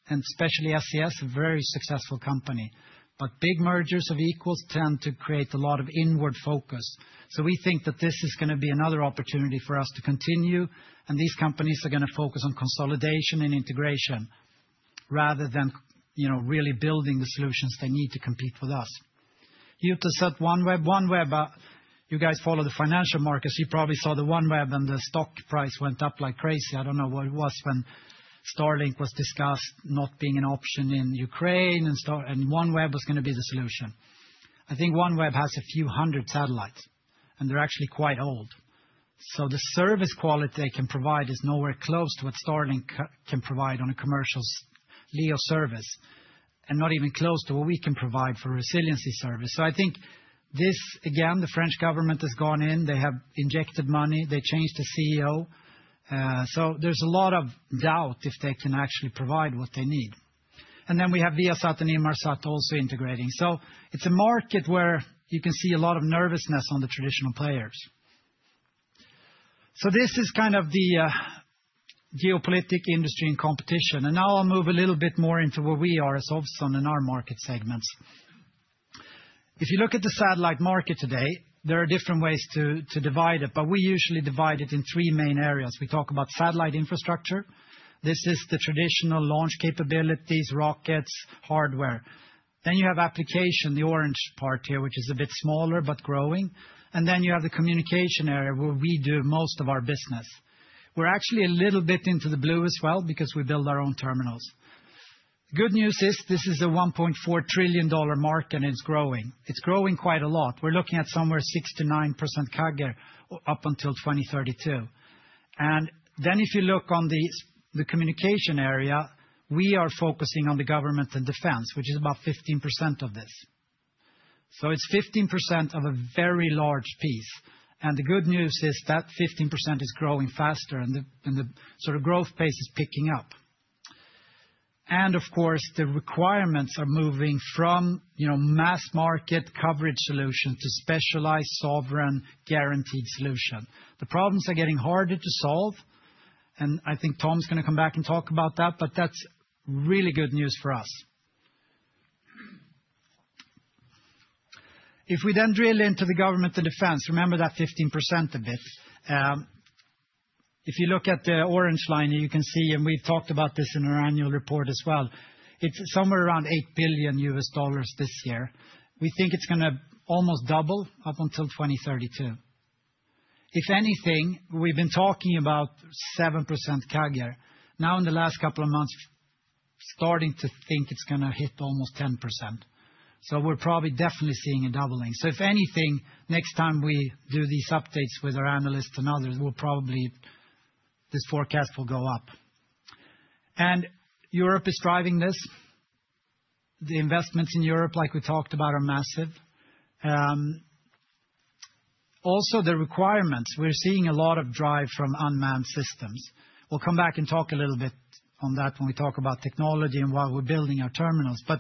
and especially SES, a very successful company, but big mergers of equals tend to create a lot of inward focus. So we think that this is gonna be another opportunity for us to continue, and these companies are gonna focus on consolidation and integration rather than, you know, really building the solutions they need to compete with us. Eutelsat, OneWeb. OneWeb, you guys follow the financial markets, you probably saw the OneWeb, and the stock price went up like crazy. I don't know what it was when Starlink was discussed not being an option in Ukraine, and Starlink and OneWeb was gonna be the solution. I think OneWeb has a few hundred satellites, and they're actually quite old, so the service quality they can provide is nowhere close to what Starlink can provide on a commercial LEO service, and not even close to what we can provide for a resiliency service. So I think this, again, the French government has gone in, they have injected money, they changed the CEO, so there's a lot of doubt if they can actually provide what they need. And then we have Viasat and Inmarsat also integrating. So it's a market where you can see a lot of nervousness on the traditional players. So this is kind of the geopolitical industry and competition, and now I'll move a little bit more into where we are as Ovzon in our market segments. If you look at the satellite market today, there are different ways to divide it, but we usually divide it in three main areas. We talk about satellite infrastructure. This is the traditional launch capabilities, rockets, hardware. Then you have application, the orange part here, which is a bit smaller but growing, and then you have the communication area, where we do most of our business. We're actually a little bit into the blue as well because we build our own terminals. Good news is this is a $1.4 trillion market, and it's growing. It's growing quite a lot. We're looking at somewhere 6-9% CAGR up until 2032. And then if you look on the communication area, we are focusing on the government and defense, which is about 15% of this. So it's 15% of a very large piece, and the good news is that 15% is growing faster, and the sort of growth pace is picking up. And of course, the requirements are moving from, you know, mass market coverage solution to specialized, sovereign, guaranteed solution. The problems are getting harder to solve, and I think Tom's gonna come back and talk about that, but that's really good news for us. If we then drill into the government and defense, remember that 15% of it. If you look at the orange line, you can see, and we've talked about this in our annual report as well, it's somewhere around $8 billion this year. We think it's gonna almost double up until 2032. If anything, we've been talking about 7% CAGR. Now, in the last couple of months, starting to think it's gonna hit almost 10%. So we're probably definitely seeing a doubling. So if anything, next time we do these updates with our analysts and others, we'll probably this forecast will go up. And Europe is driving this. The investments in Europe, like we talked about, are massive. Also the requirements, we're seeing a lot of drive from unmanned systems. We'll come back and talk a little bit on that when we talk about technology and why we're building our terminals, but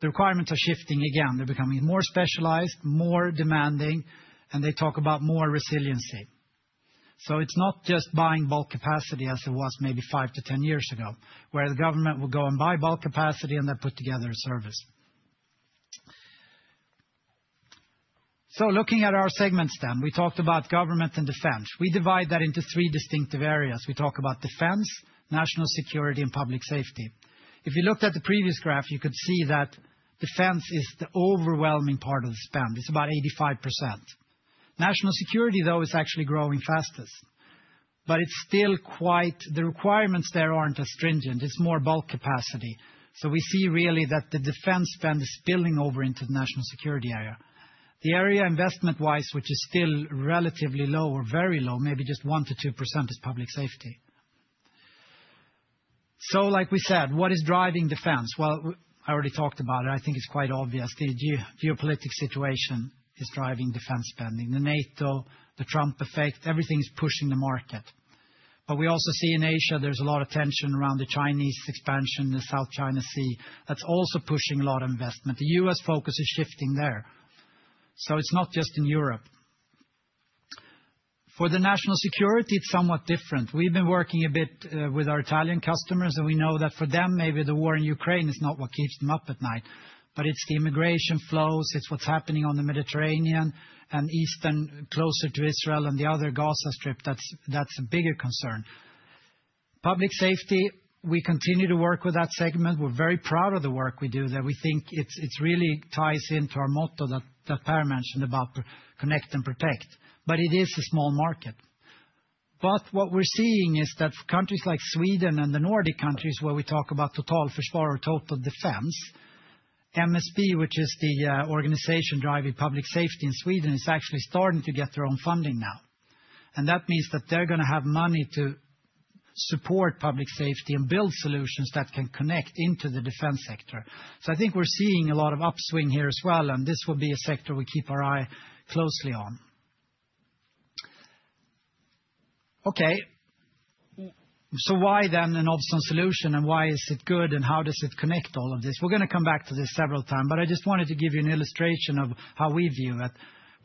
the requirements are shifting again. They're becoming more specialized, more demanding, and they talk about more resiliency. So it's not just buying bulk capacity as it was maybe five to 10 years ago, where the government would go and buy bulk capacity, and they put together a service. So looking at our segments then, we talked about government and defense. We divide that into three distinctive areas. We talk about defense, national security, and public safety. If you looked at the previous graph, you could see that defense is the overwhelming part of the spend. It's about 85%. National security, though, is actually growing fastest, but it's still quite, the requirements there aren't as stringent. It's more bulk capacity. So we see really that the defense spend is spilling over into the national security area. The area, investment-wise, which is still relatively low or very low, maybe just 1-2%, is public safety so like we said, what is driving defense? Well, I already talked about it. I think it's quite obvious. The geopolitical situation is driving defense spending. The NATO, the Trump effect, everything is pushing the market. But we also see in Asia, there's a lot of tension around the Chinese expansion in the South China Sea. That's also pushing a lot of investment. The U.S. focus is shifting there, so it's not just in Europe. For the national security, it's somewhat different. We've been working a bit with our Italian customers, and we know that for them, maybe the war in Ukraine is not what keeps them up at night, but it's the immigration flows, it's what's happening on the Mediterranean and eastern, closer to Israel and the other Gaza Strip, that's, that's a bigger concern. Public safety, we continue to work with that segment. We're very proud of the work we do there. We think it's, it's really ties into our motto that, that Per mentioned about Connect and Protect, but it is a small market. What we're seeing is that countries like Sweden and the Nordic countries, where we talk about Totalförsvar or total defense, MSB, which is the organization driving public safety in Sweden, is actually starting to get their own funding now. And that means that they're gonna have money to support public safety and build solutions that can connect into the defense sector. So I think we're seeing a lot of upswing here as well, and this will be a sector we keep a close eye on. Okay, so why then an Ovzon solution, and why is it good, and how does it connect all of this? We're gonna come back to this several times, but I just wanted to give you an illustration of how we view it.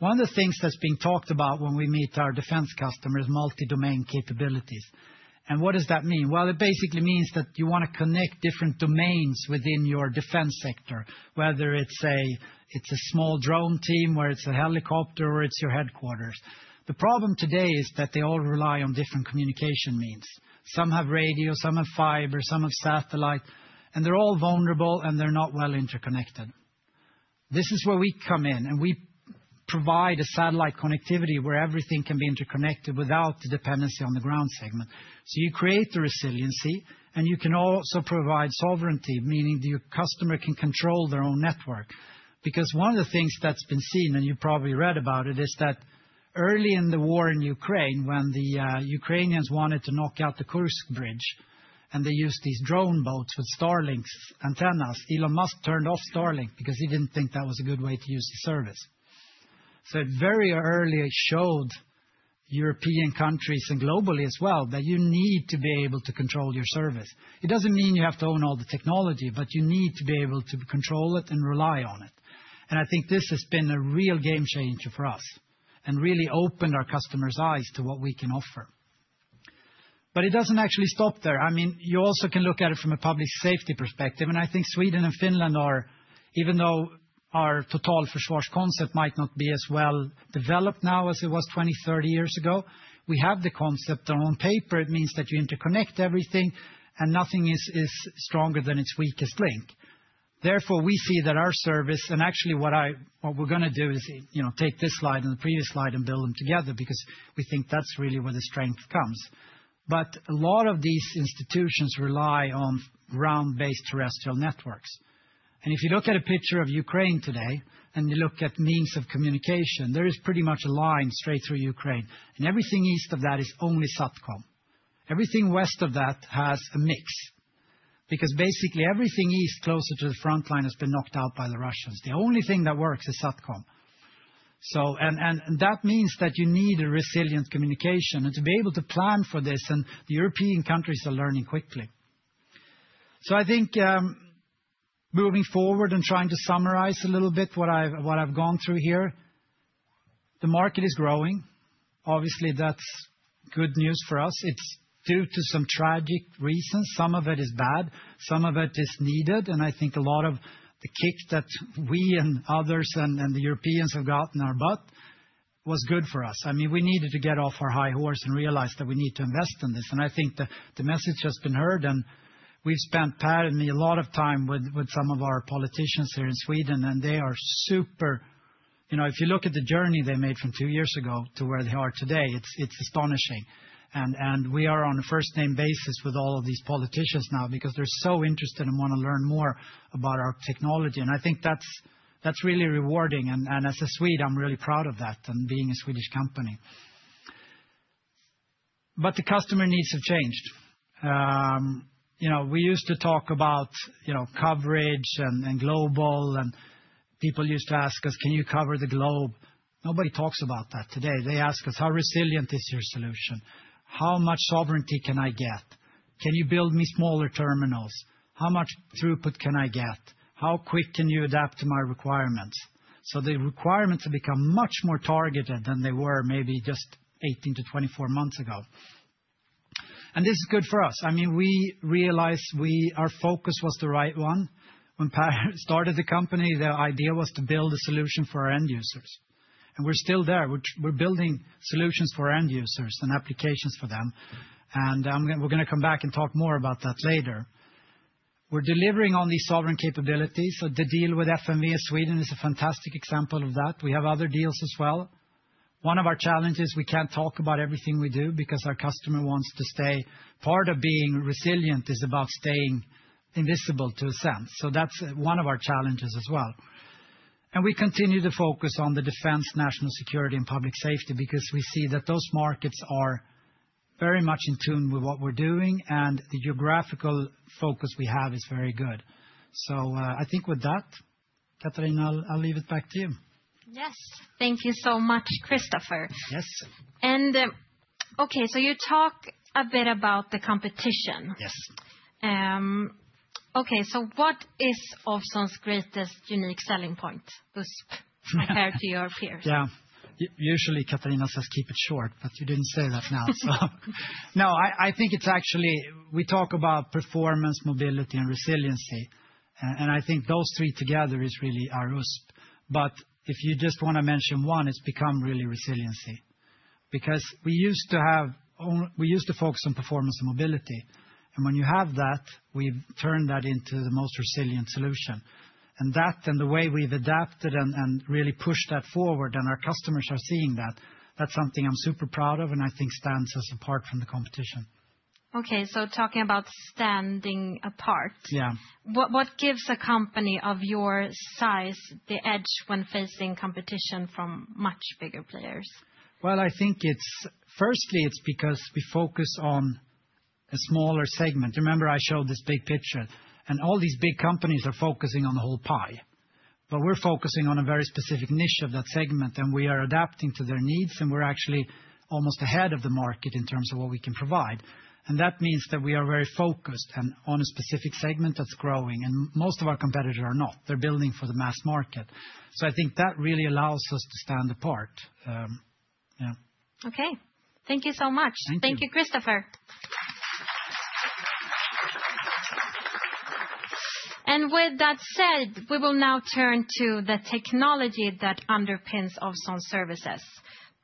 One of the things that's being talked about when we meet our defense customer is Multi-Domain Capabilities. And what does that mean? Well, it basically means that you wanna connect different domains within your defense sector, whether it's a small drone team, or it's a helicopter, or it's your headquarters. The problem today is that they all rely on different communication means. Some have radio, some have fiber, some have satellite, and they're all vulnerable, and they're not well interconnected. This is where we come in, and we provide a satellite connectivity where everything can be interconnected without the dependency on the ground segment. So you create the resiliency, and you can also provide sovereignty, meaning the customer can control their own network. Because one of the things that's been seen, and you probably read about it, is that early in the war in Ukraine, when the Ukrainians wanted to knock out the Kerch Bridge, and they used these drone boats with Starlink's antennas, Elon Musk turned off Starlink because he didn't think that was a good way to use the service. It very early showed European countries and globally as well, that you need to be able to control your service. It doesn't mean you have to own all the technology, but you need to be able to control it and rely on it. I think this has been a real game changer for us and really opened our customers' eyes to what we can offer. It doesn't actually stop there. I mean, you also can look at it from a public safety perspective, and I think Sweden and Finland are, even though our Totalförsvar concept might not be as well developed now as it was twenty, thirty years ago, we have the concept. On paper, it means that you interconnect everything, and nothing is stronger than its weakest link. Therefore, we see that our service, and actually what we're gonna do is, you know, take this slide and the previous slide and build them together, because we think that's really where the strength comes. But a lot of these institutions rely on ground-based terrestrial networks. And if you look at a picture of Ukraine today, and you look at means of communication, there is pretty much a line straight through Ukraine, and everything east of that is only SATCOM. Everything west of that has a mix, because basically everything east closer to the front line has been knocked out by the Russians. The only thing that works is SATCOM. So, that means that you need a resilient communication, and to be able to plan for this, and the European countries are learning quickly. I think, moving forward and trying to summarize a little bit what I've gone through here, the market is growing. Obviously, that's good news for us. It's due to some tragic reasons. Some of it is bad, some of it is needed, and I think a lot of the kick that we and others and the Europeans have got in our butt was good for us. I mean, we needed to get off our high horse and realize that we need to invest in this. I think the message has been heard, and we've spent, Per and me, a lot of time with some of our politicians here in Sweden, and they are super... You know, if you look at the journey they made from two years ago to where they are today, it's astonishing. We are on a first-name basis with all of these politicians now because they're so interested and wanna learn more about our technology, and I think that's really rewarding, and as a Swede, I'm really proud of that, and being a Swedish company. But the customer needs have changed. You know, we used to talk about, you know, coverage and global, and people used to ask us: Can you cover the globe? Nobody talks about that today. They ask us: How resilient is your solution? How much sovereignty can I get? Can you build me smaller terminals? How much throughput can I get? How quick can you adapt to my requirements? So the requirements have become much more targeted than they were maybe just 18-24 months ago. This is good for us. I mean, we realize our focus was the right one. When Per started the company, the idea was to build a solution for our end users, and we're still there. We're building solutions for our end users and applications for them, and we're gonna come back and talk more about that later. We're delivering on these sovereign capabilities, so the deal with FMV Sweden is a fantastic example of that. We have other deals as well. One of our challenges, we can't talk about everything we do because our customer wants to stay... Part of being resilient is about staying invisible, to a sense, so that's one of our challenges as well. And we continue to focus on the defense, national security, and public safety because we see that those markets are very much in tune with what we're doing, and the geographical focus we have is very good. So, I think with that, Katarina, I'll leave it back to you. Yes. Thank you so much, Kristofer. Yes. Okay, so you talk a bit about the competition. Yes. Okay, so what is Ovzon's greatest unique selling point, USP, compared to your peers? Yeah. Usually Katarina says, "Keep it short," but you didn't say that now, so. No, I think it's actually... We talk about performance, mobility, and resiliency, and I think those three together is really our USP. But if you just wanna mention one, it's become really resiliency. Because we used to focus on performance and mobility, and when you have that, we've turned that into the most resilient solution. And that, the way we've adapted and really pushed that forward, and our customers are seeing that, that's something I'm super proud of and I think stands us apart from the competition. Okay, so talking about standing apart- Yeah. What gives a company of your size the edge when facing competition from much bigger players? I think it's... Firstly, it's because we focus on a smaller segment. Remember, I showed this big picture, and all these big companies are focusing on the whole pie, but we're focusing on a very specific niche of that segment, and we are adapting to their needs, and we're actually almost ahead of the market in terms of what we can provide. And that means that we are very focused and on a specific segment that's growing, and most of our competitors are not. They're building for the mass market. So I think that really allows us to stand apart, yeah. Okay, thank you so much. Thank you. Thank you, Kristofer. And with that said, we will now turn to the technology that underpins Ovzon services.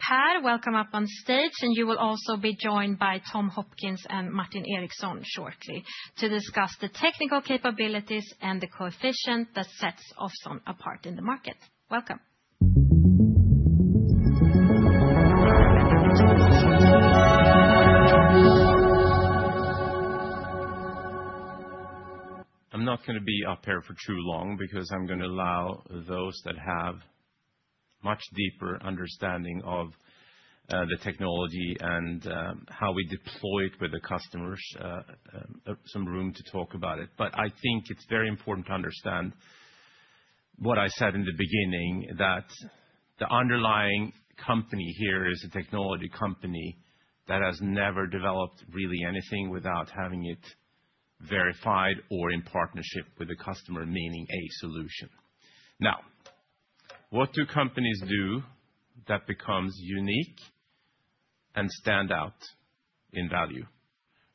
Per, welcome up on stage, and you will also be joined by Tom Hopkins and Martin Eriksson shortly, to discuss the technical capabilities and the coefficient that sets Ovzon apart in the market. Welcome. I'm not gonna be up here for too long because I'm gonna allow those that have much deeper understanding of the technology and how we deploy it with the customers some room to talk about it. But I think it's very important to understand what I said in the beginning, that the underlying company here is a technology company that has never developed really anything without having it verified or in partnership with a customer, meaning a solution. Now, what do companies do that becomes unique and stand out in value?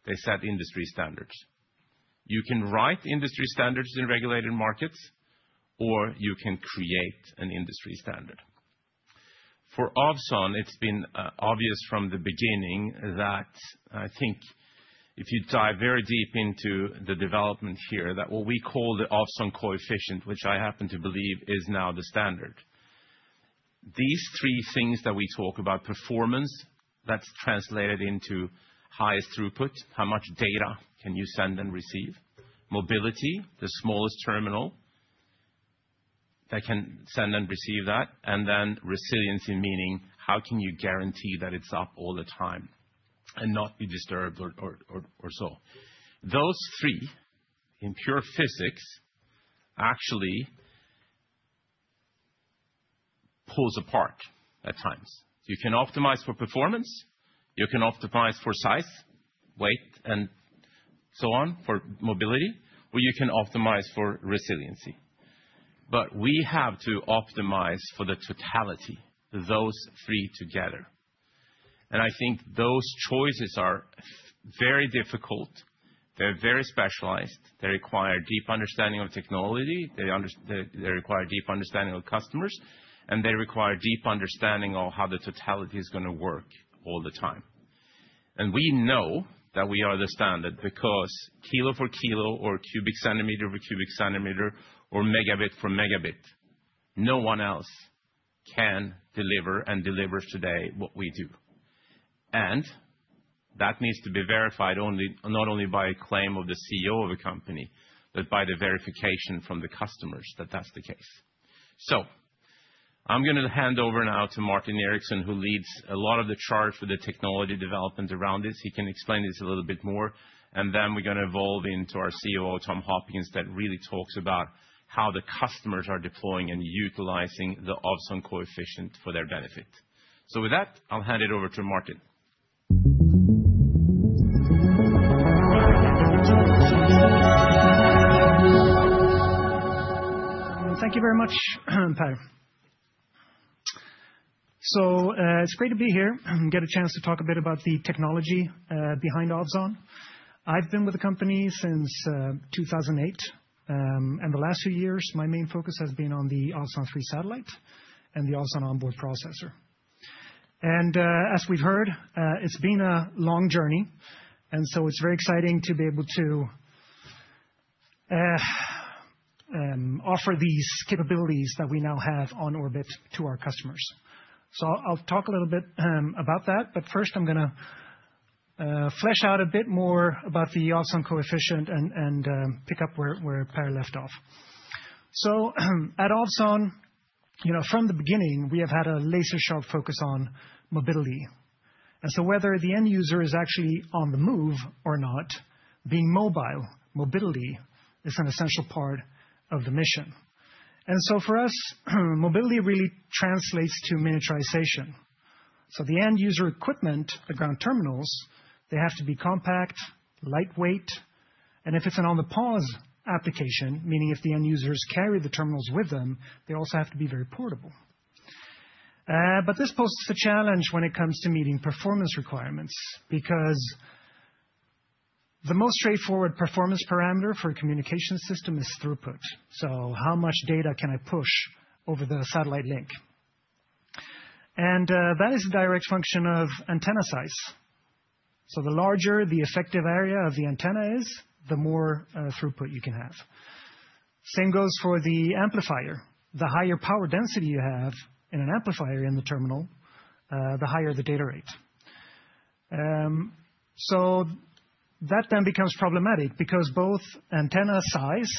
They set industry standards. You can write industry standards in regulated markets, or you can create an industry standard.... For Ovzon, it's been obvious from the beginning that I think if you dive very deep into the development here, that what we call the Ovzon Coefficient, which I happen to believe is now the standard. These three things that we talk about, performance, that's translated into highest throughput. How much data can you send and receive? Mobility, the smallest terminal that can send and receive that, and then resiliency, meaning how can you guarantee that it's up all the time and not be disturbed or so? Those three, in pure physics, actually pulls apart at times. You can optimize for performance, you can optimize for size, weight, and so on, for mobility, or you can optimize for resiliency. But we have to optimize for the totality, those three together. And I think those choices are very difficult. They're very specialized. They require a deep understanding of technology. They require a deep understanding of customers, and they require a deep understanding of how the totality is gonna work all the time. We know that we are the standard, because kilo for kilo or cubic centimeter for cubic centimeter or megabit for megabit, no one else can deliver and delivers today what we do. And that needs to be verified only... not only by a claim of the CEO of a company, but by the verification from the customers that that's the case. So I'm gonna hand over now to Martin Eriksson, who leads a lot of the charge for the technology development around this. He can explain this a little bit more, and then we're gonna evolve into our CEO, Tom Hopkins, that really talks about how the customers are deploying and utilizing the Ovzon Coefficient for their benefit. So with that, I'll hand it over to Martin. Thank you very much, Per. So, it's great to be here, get a chance to talk a bit about the technology behind Ovzon. I've been with the company since two thousand and eight. And the last few years, my main focus has been on the Ovzon 3 satellite and the Ovzon On-Board Processor. And, as we've heard, it's been a long journey, and so it's very exciting to be able to offer these capabilities that we now have on orbit to our customers. So I'll talk a little bit about that, but first, I'm gonna flesh out a bit more about the Ovzon Coefficient and pick up where Per left off. So at Ovzon, you know, from the beginning, we have had a laser-sharp focus on mobility. Whether the end user is actually On-the-Move or not, being mobile, mobility is an essential part of the mission. For us, mobility really translates to miniaturization. The end user equipment, the ground terminals, they have to be compact, lightweight, and if it's an On-the-Pause application, meaning if the end users carry the terminals with them, they also have to be very portable. But this poses a challenge when it comes to meeting performance requirements, because the most straightforward performance parameter for a communication system is throughput. How much data can I push over the satellite link? That is a direct function of antenna size. The larger the effective area of the antenna is, the more throughput you can have. Same goes for the amplifier. The higher power density you have in an amplifier in the terminal, the higher the data rate. So that then becomes problematic because both antenna size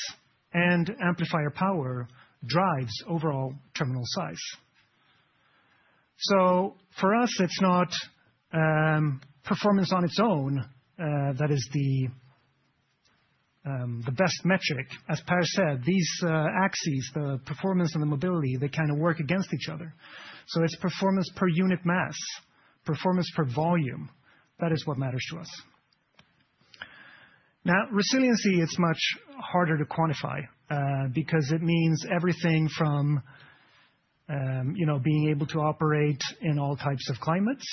and amplifier power drives overall terminal size. So for us, it's not performance on its own that is the best metric. As Per said, these axes, the performance and the mobility, they kinda work against each other. So it's performance per unit mass, performance per volume. That is what matters to us. Now, resiliency is much harder to quantify because it means everything from, you know, being able to operate in all types of climates,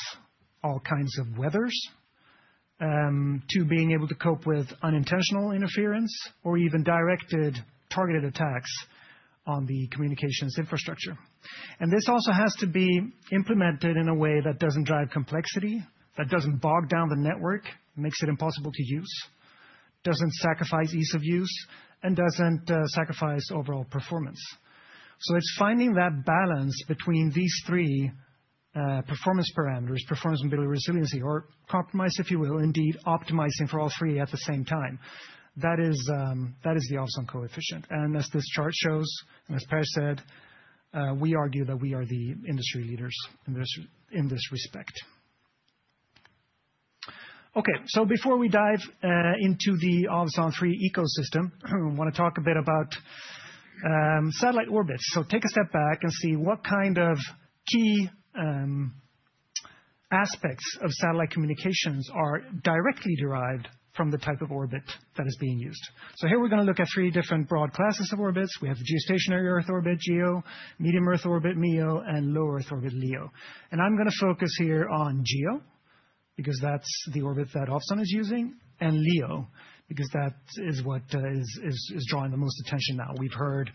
all kinds of weather, to being able to cope with unintentional interference or even directed targeted attacks on the communications infrastructure. And this also has to be implemented in a way that doesn't drive complexity, that doesn't bog down the network, makes it impossible to use, doesn't sacrifice ease of use, and doesn't sacrifice overall performance. So it's finding that balance between these three performance parameters, performance, mobility, resiliency, or compromise, if you will, indeed, optimizing for all three at the same time. That is the Ovzon Coefficient. And as this chart shows, and as Per said, we argue that we are the industry leaders in this respect. Okay, so before we dive into the Ovzon 3 ecosystem, I wanna talk a bit about satellite orbits. So take a step back and see what kind of key aspects of satellite communications are directly derived from the type of orbit that is being used. So here we're gonna look at three different broad classes of orbits. We have the geostationary Earth orbit, GEO, medium earth orbit, MEO, and Low Earth Orbit, LEO. And I'm gonna focus here on GEO because that's the orbit that Ovzon is using, and LEO, because that is what is drawing the most attention now. We've heard,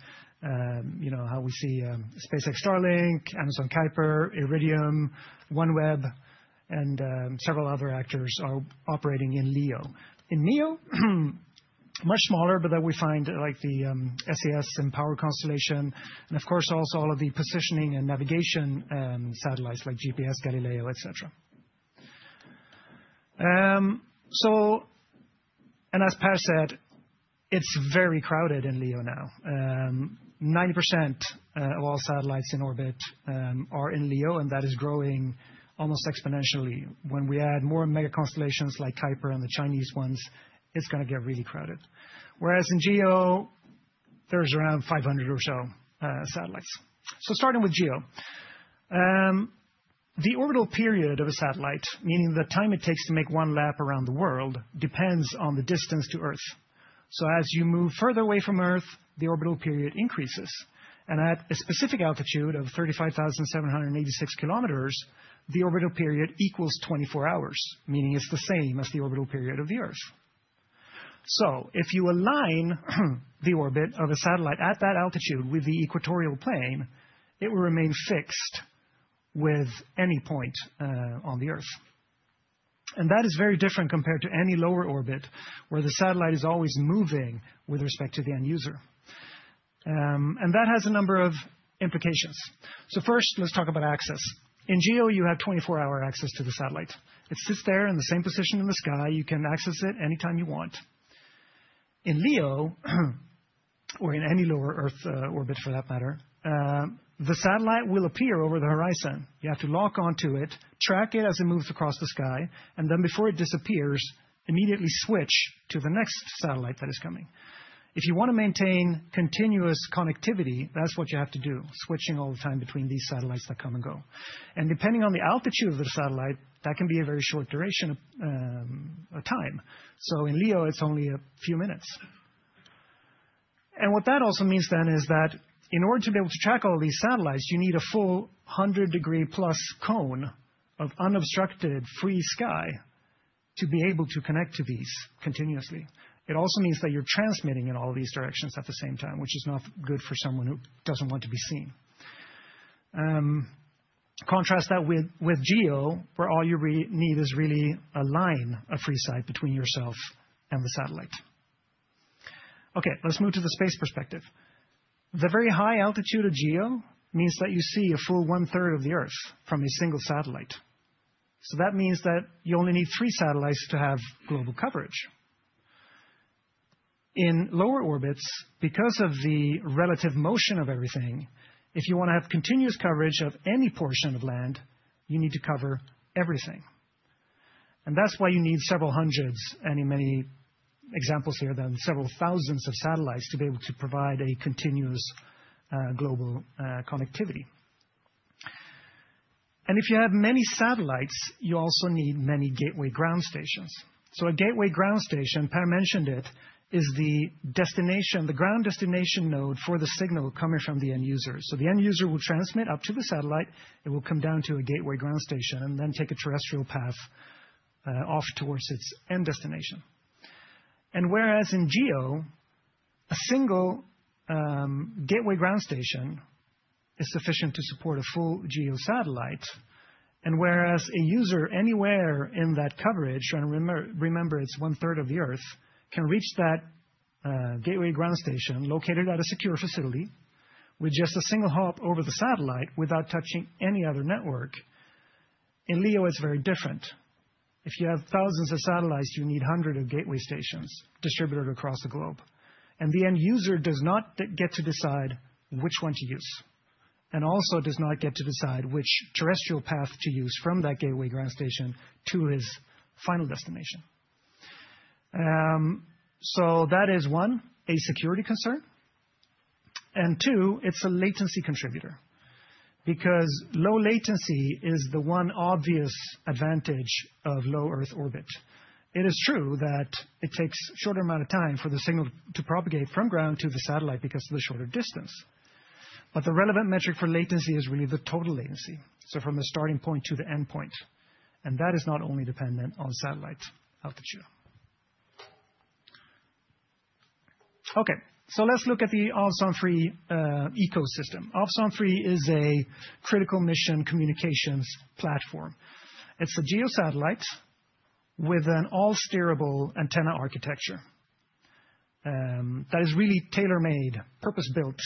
you know, how we see, SpaceX Starlink, Amazon Kuiper, Iridium, OneWeb, and several other actors are operating in LEO. In MEO, much smaller, but then we find, like the, SES mPOWER constellation and, of course, also all of the positioning and navigation, satellites like GPS, Galileo, et cetera. So, and as Per said, it's very crowded in LEO now. 90% of all satellites in orbit are in LEO, and that is growing almost exponentially. When we add more mega constellations like Kuiper and the Chinese ones, it's gonna get really crowded. Whereas in GEO, there's around five hundred or so, satellites. So starting with GEO. The orbital period of a satellite, meaning the time it takes to make one lap around the world, depends on the distance to Earth. So as you move further away from Earth, the orbital period increases, and at a specific altitude of thirty-five thousand seven hundred and eighty-six kilometers, the orbital period equals 24 hours, meaning it's the same as the orbital period of the Earth. So if you align the orbit of a satellite at that altitude with the equatorial plane, it will remain fixed with any point, on the Earth. And that is very different compared to any lower orbit, where the satellite is always moving with respect to the end user. And that has a number of implications. So first, let's talk about access. In GEO, you have 24 hour access to the satellite. It sits there in the same position in the sky. You can access it anytime you want. In LEO, or in any Low Earth Orbit, for that matter, the satellite will appear over the horizon. You have to lock on to it, track it as it moves across the sky, and then, before it disappears, immediately switch to the next satellite that is coming. If you want to maintain continuous connectivity, that's what you have to do, switching all the time between these satellites that come and go. And depending on the altitude of the satellite, that can be a very short duration of time. So in LEO, it's only a few minutes. What that also means then is that in order to be able to track all these satellites, you need a full hundred degree-plus cone of unobstructed free sky to be able to connect to these continuously. It also means that you're transmitting in all these directions at the same time, which is not good for someone who doesn't want to be seen. Contrast that with GEO, where all you need is really a line of free sight between yourself and the satellite. Okay, let's move to the space perspective. The very high altitude of GEO means that you see a full one-third of the Earth from a single satellite. So that means that you only need three satellites to have global coverage. In lower orbits, because of the relative motion of everything, if you want to have continuous coverage of any portion of land, you need to cover everything. And that's why you need several hundreds and in many examples here, then several thousands of satellites to be able to provide a continuous, global, connectivity. And if you have many satellites, you also need many gateway ground stations. So a gateway ground station, Per mentioned it, is the destination, the ground destination node for the signal coming from the end user. So the end user will transmit up to the satellite, it will come down to a gateway ground station, and then take a terrestrial path, off towards its end destination. And whereas in GEO, a single, gateway ground station is sufficient to support a full GEO satellite, and whereas a user anywhere in that coverage, and remember, it's one-third of the Earth, can reach that, gateway ground station located at a secure facility with just a single hop over the satellite without touching any other network. In LEO, it's very different. If you have thousands of satellites, you need hundreds of gateway stations distributed across the globe, and the end user does not get to decide which one to use, and also does not get to decide which terrestrial path to use from that gateway ground station to his final destination. So that is, one, a security concern, and two, it's a latency contributor. Because low latency is the one obvious advantage of Low Earth Orbit. It is true that it takes a shorter amount of time for the signal to propagate from ground to the satellite because of the shorter distance, but the relevant metric for latency is really the total latency, so from the starting point to the endpoint, and that is not only dependent on satellite altitude. Okay, so let's look at the Ovzon 3 ecosystem. Ovzon 3 is a critical mission communications platform. It's a GEO satellite with an all-steerable antenna architecture that is really tailor-made, purpose-built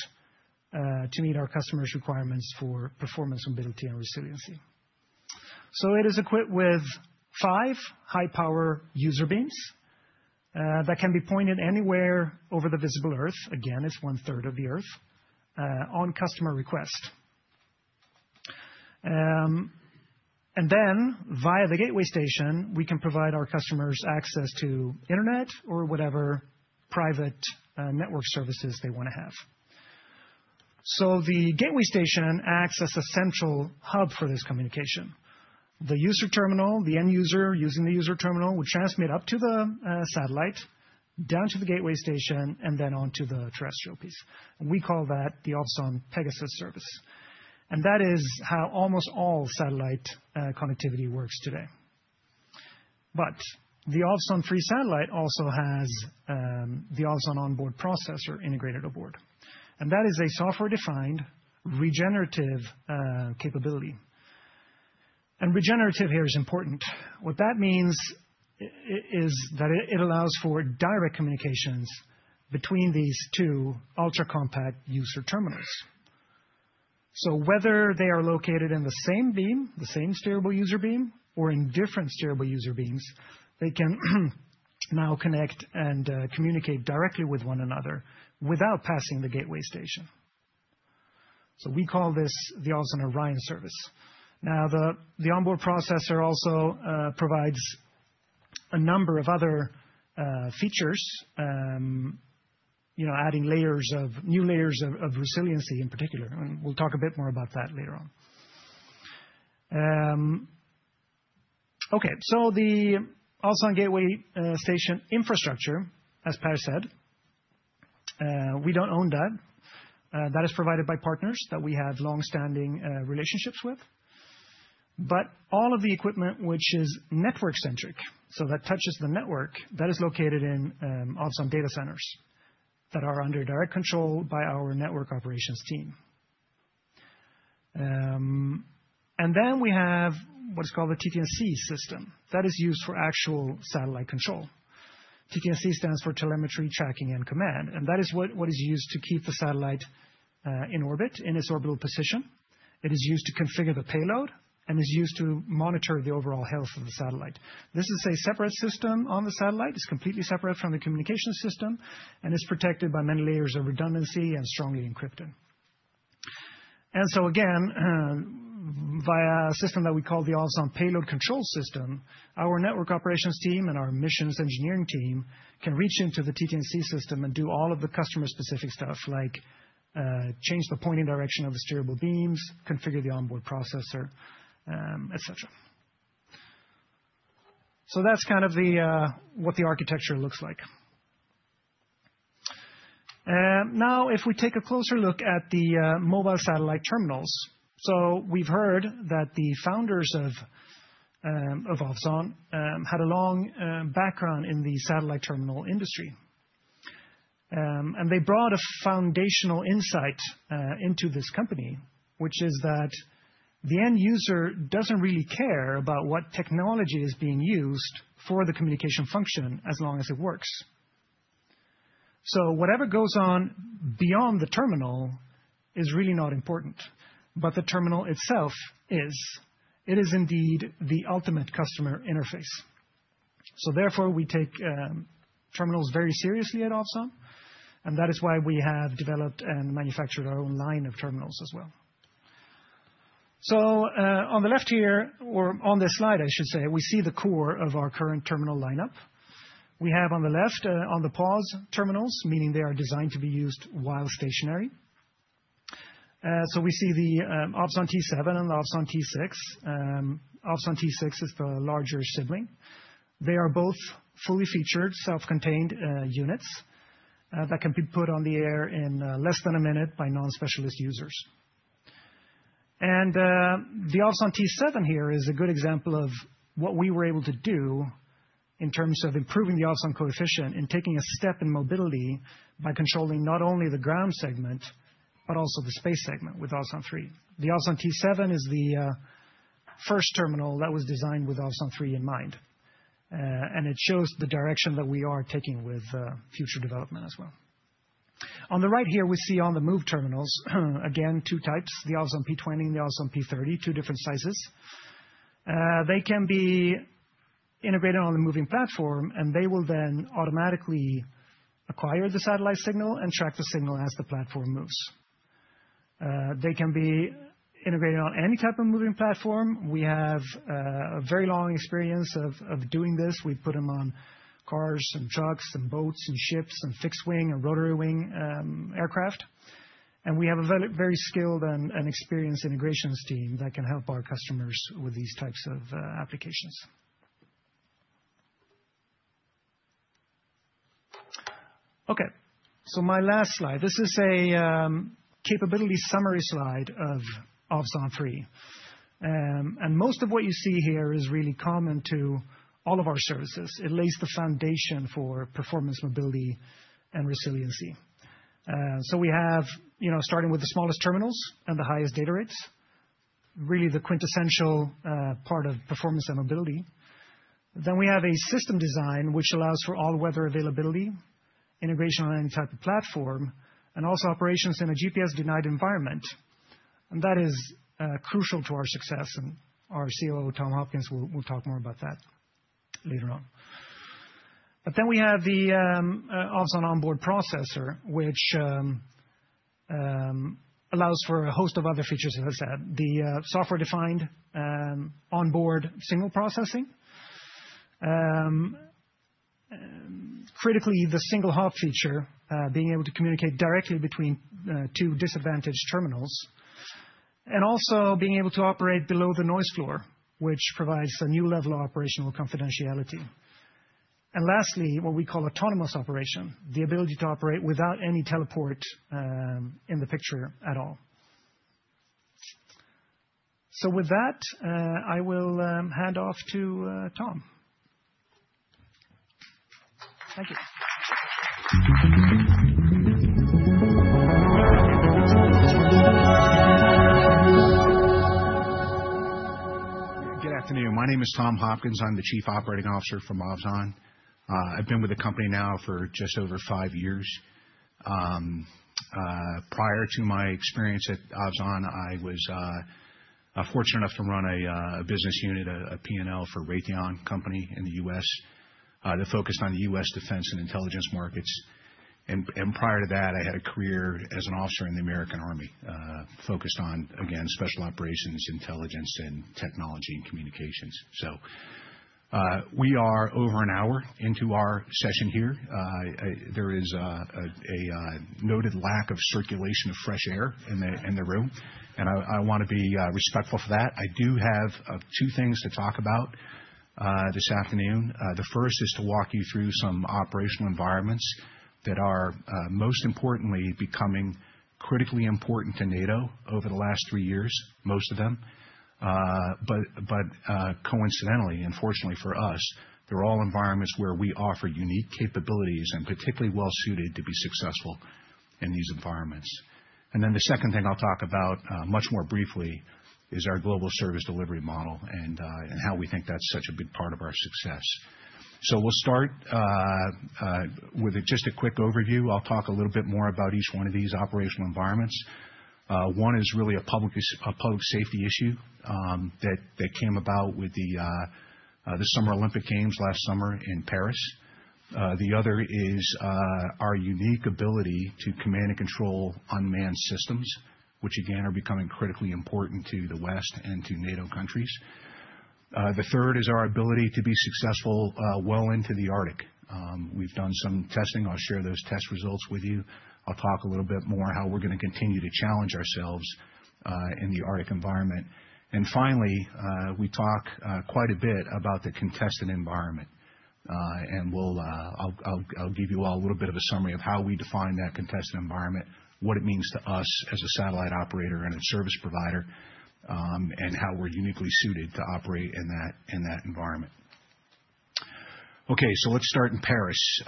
to meet our customers' requirements for performance, mobility, and resiliency. So it is equipped with five high-power user beams that can be pointed anywhere over the visible Earth. Again, it's one-third of the Earth on customer request, and then via the gateway station, we can provide our customers access to internet or whatever private network services they want to have. So the gateway station acts as a central hub for this communication. The user terminal, the end user using the user terminal, will transmit up to the satellite, down to the gateway station, and then on to the terrestrial piece. We call that the Ovzon Pegasus service, and that is how almost all satellite connectivity works today. But the Ovzon 3 satellite also has the Ovzon On-Board Processor integrated aboard, and that is a software-defined regenerative capability. And regenerative here is important. What that means is that it allows for direct communications between these two ultra compact user terminals. So whether they are located in the same beam, the same steerable user beam, or in different steerable user beams, they can now connect and communicate directly with one another without passing the gateway station. So we call this the Ovzon Orion service. Now, the On-Board Processor also provides a number of other features, you know, adding new layers of resiliency in particular, and we'll talk a bit more about that later on. Okay, so the Ovzon gateway station infrastructure, as Per said, we don't own that. That is provided by partners that we have long-standing relationships with. But all of the equipment, which is network-centric, so that touches the network, that is located in Ovzon data centers, that are under direct control by our network operations team. And then we have what is called the TT&C system. That is used for actual satellite control. TT&C stands for telemetry, tracking, and command, and that is what is used to keep the satellite in orbit, in its orbital position. It is used to configure the payload and is used to monitor the overall health of the satellite. This is a separate system on the satellite. It's completely separate from the communication system, and it's protected by many layers of redundancy and strongly encrypted, and so again, via a system that we call the Ovzon Payload Control System, our network operations team and our missions engineering team can reach into the TT&C system and do all of the customer-specific stuff, like, change the pointing direction of the steerable beams, configure the On-Board Processor, et cetera, so that's kind of the, what the architecture looks like. Now, if we take a closer look at the mobile satellite terminals, so we've heard that the founders of Ovzon had a long background in the satellite terminal industry. And they brought a foundational insight into this company, which is that the end user doesn't really care about what technology is being used for the communication function as long as it works. So whatever goes on beyond the terminal is really not important, but the terminal itself is. It is indeed the ultimate customer interface. So therefore, we take terminals very seriously at Ovzon, and that is why we have developed and manufactured our own line of terminals as well. So on the left here, or on this slide, I should say, we see the core of our current terminal lineup. We have on the left On-the-Pause terminals, meaning they are designed to be used while stationary. So we see the Ovzon T7 and Ovzon T6. Ovzon T6 is the larger sibling. They are both fully featured, self-contained units that can be put on the air in less than a minute by non-specialist users. And, the Ovzon T7 here is a good example of what we were able to do in terms of improving the Ovzon Coefficient and taking a step in mobility by controlling not only the ground segment, but also the space segment with Ovzon 3. The Ovzon T7 is the first terminal that was designed with Ovzon 3 in mind. And it shows the direction that we are taking with future development as well. On the right here, we see On-the-Move terminals, again, two types, the Ovzon P20 and the Ovzon P30, two different sizes. They can be integrated on the moving platform, and they will then automatically acquire the satellite signal and track the signal as the platform moves. They can be integrated on any type of moving platform. We have a very long experience of doing this. We put them on cars and trucks and boats and ships, and fixed-wing and rotary wing aircraft. And we have a very, very skilled and experienced integrations team that can help our customers with these types of applications. Okay, so my last slide. This is a capability summary slide of Ovzon 3. And most of what you see here is really common to all of our services. It lays the foundation for performance, mobility, and resiliency. So we have, you know, starting with the smallest terminals and the highest data rates, really the quintessential part of performance and mobility. Then we have a system design, which allows for all-weather availability, integration on any type of platform, and also operations in a GPS-denied environment. That is crucial to our success. Our COO, Tom Hopkins, will talk more about that later on. We have the Ovzon On-Board Processor, which allows for a host of other features, as I said, the software-defined onboard signal processing. Critically, the single hop feature, being able to communicate directly between two disadvantaged terminals, and also being able to operate below the noise floor, which provides a new level of operational confidentiality. Lastly, what we call autonomous operation, the ability to operate without any teleport in the picture at all. So with that, I will hand off to Tom. Thank you. Good afternoon. My name is Tom Hopkins. I'm the Chief Operating Officer for Ovzon. I've been with the company now for just over five years. Prior to my experience at Ovzon, I was fortunate enough to run a business unit, a P&L for Raytheon Company in the U.S., that focused on the U.S. defense and intelligence markets. And prior to that, I had a career as an officer in the U.S. Army, focused on, again, special operations, intelligence, and technology and communications. We are over an hour into our session here. There is a noted lack of circulation of fresh air in the room, and I wanna be respectful for that. I do have two things to talk about this afternoon. The first is to walk you through some operational environments that are most importantly becoming critically important to NATO over the last three years, most of them, but coincidentally, and fortunately for us, they're all environments where we offer unique capabilities and particularly well-suited to be successful in these environments. And then the second thing I'll talk about much more briefly is our global service delivery model and how we think that's such a big part of our success. So we'll start with just a quick overview. I'll talk a little bit more about each one of these operational environments. One is really a public safety issue that came about with the Summer Olympic Games last summer in Paris. The other is our unique ability to command and control unmanned systems, which again, are becoming critically important to the West and to NATO countries. The third is our ability to be successful well into the Arctic. We've done some testing. I'll share those test results with you. I'll talk a little bit more how we're gonna continue to challenge ourselves in the Arctic environment. Finally, we talk quite a bit about the contested environment. I'll give you all a little bit of a summary of how we define that contested environment, what it means to us as a satellite operator and a service provider, and how we're uniquely suited to operate in that environment. Okay, so let's start in Paris.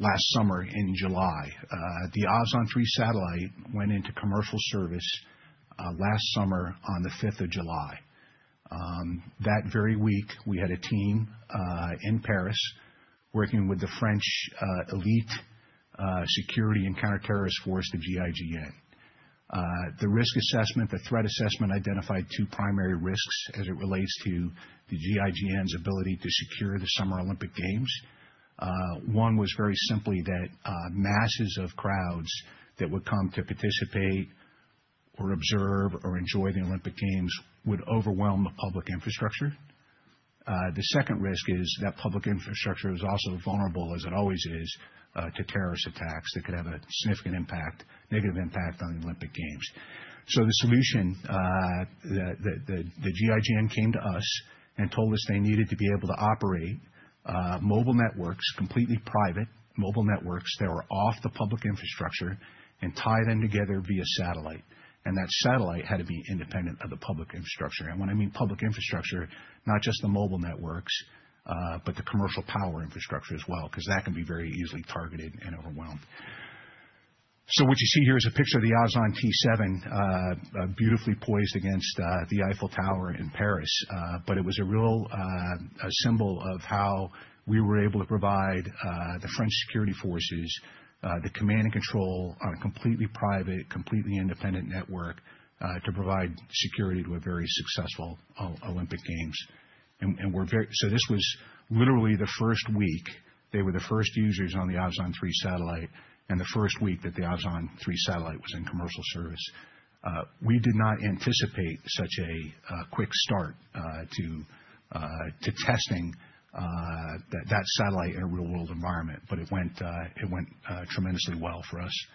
Last summer in July, the Ovzon 3 satellite went into commercial service, last summer on the fifth of July. That very week, we had a team in Paris, working with the French elite security and counterterrorist force, the GIGN. The risk assessment, the threat assessment identified two primary risks as it relates to the GIGN's ability to secure the Summer Olympic Games. One was very simply that masses of crowds that would come to participate or observe or enjoy the Olympic Games would overwhelm the public infrastructure. The second risk is that public infrastructure is also vulnerable, as it always is, to terrorist attacks that could have a significant impact, negative impact on the Olympic Games. The solution, the GIGN came to us and told us they needed to be able to operate mobile networks, completely private mobile networks that were off the public infrastructure and tie them together via satellite. That satellite had to be independent of the public infrastructure. When I mean public infrastructure, not just the mobile networks, but the commercial power infrastructure as well, 'cause that can be very easily targeted and overwhelmed. What you see here is a picture of the Ovzon T7, beautifully poised against the Eiffel Tower in Paris. But it was a real, a symbol of how we were able to provide the French security forces the command and control on a completely private, completely independent network to provide security to a very successful Olympic Games. This was literally the first week. They were the first users on the Ovzon 3 satellite, and the first week that the Ovzon 3 satellite was in commercial service. We did not anticipate such a quick start to testing that satellite in a real-world environment, but it went tremendously well for us.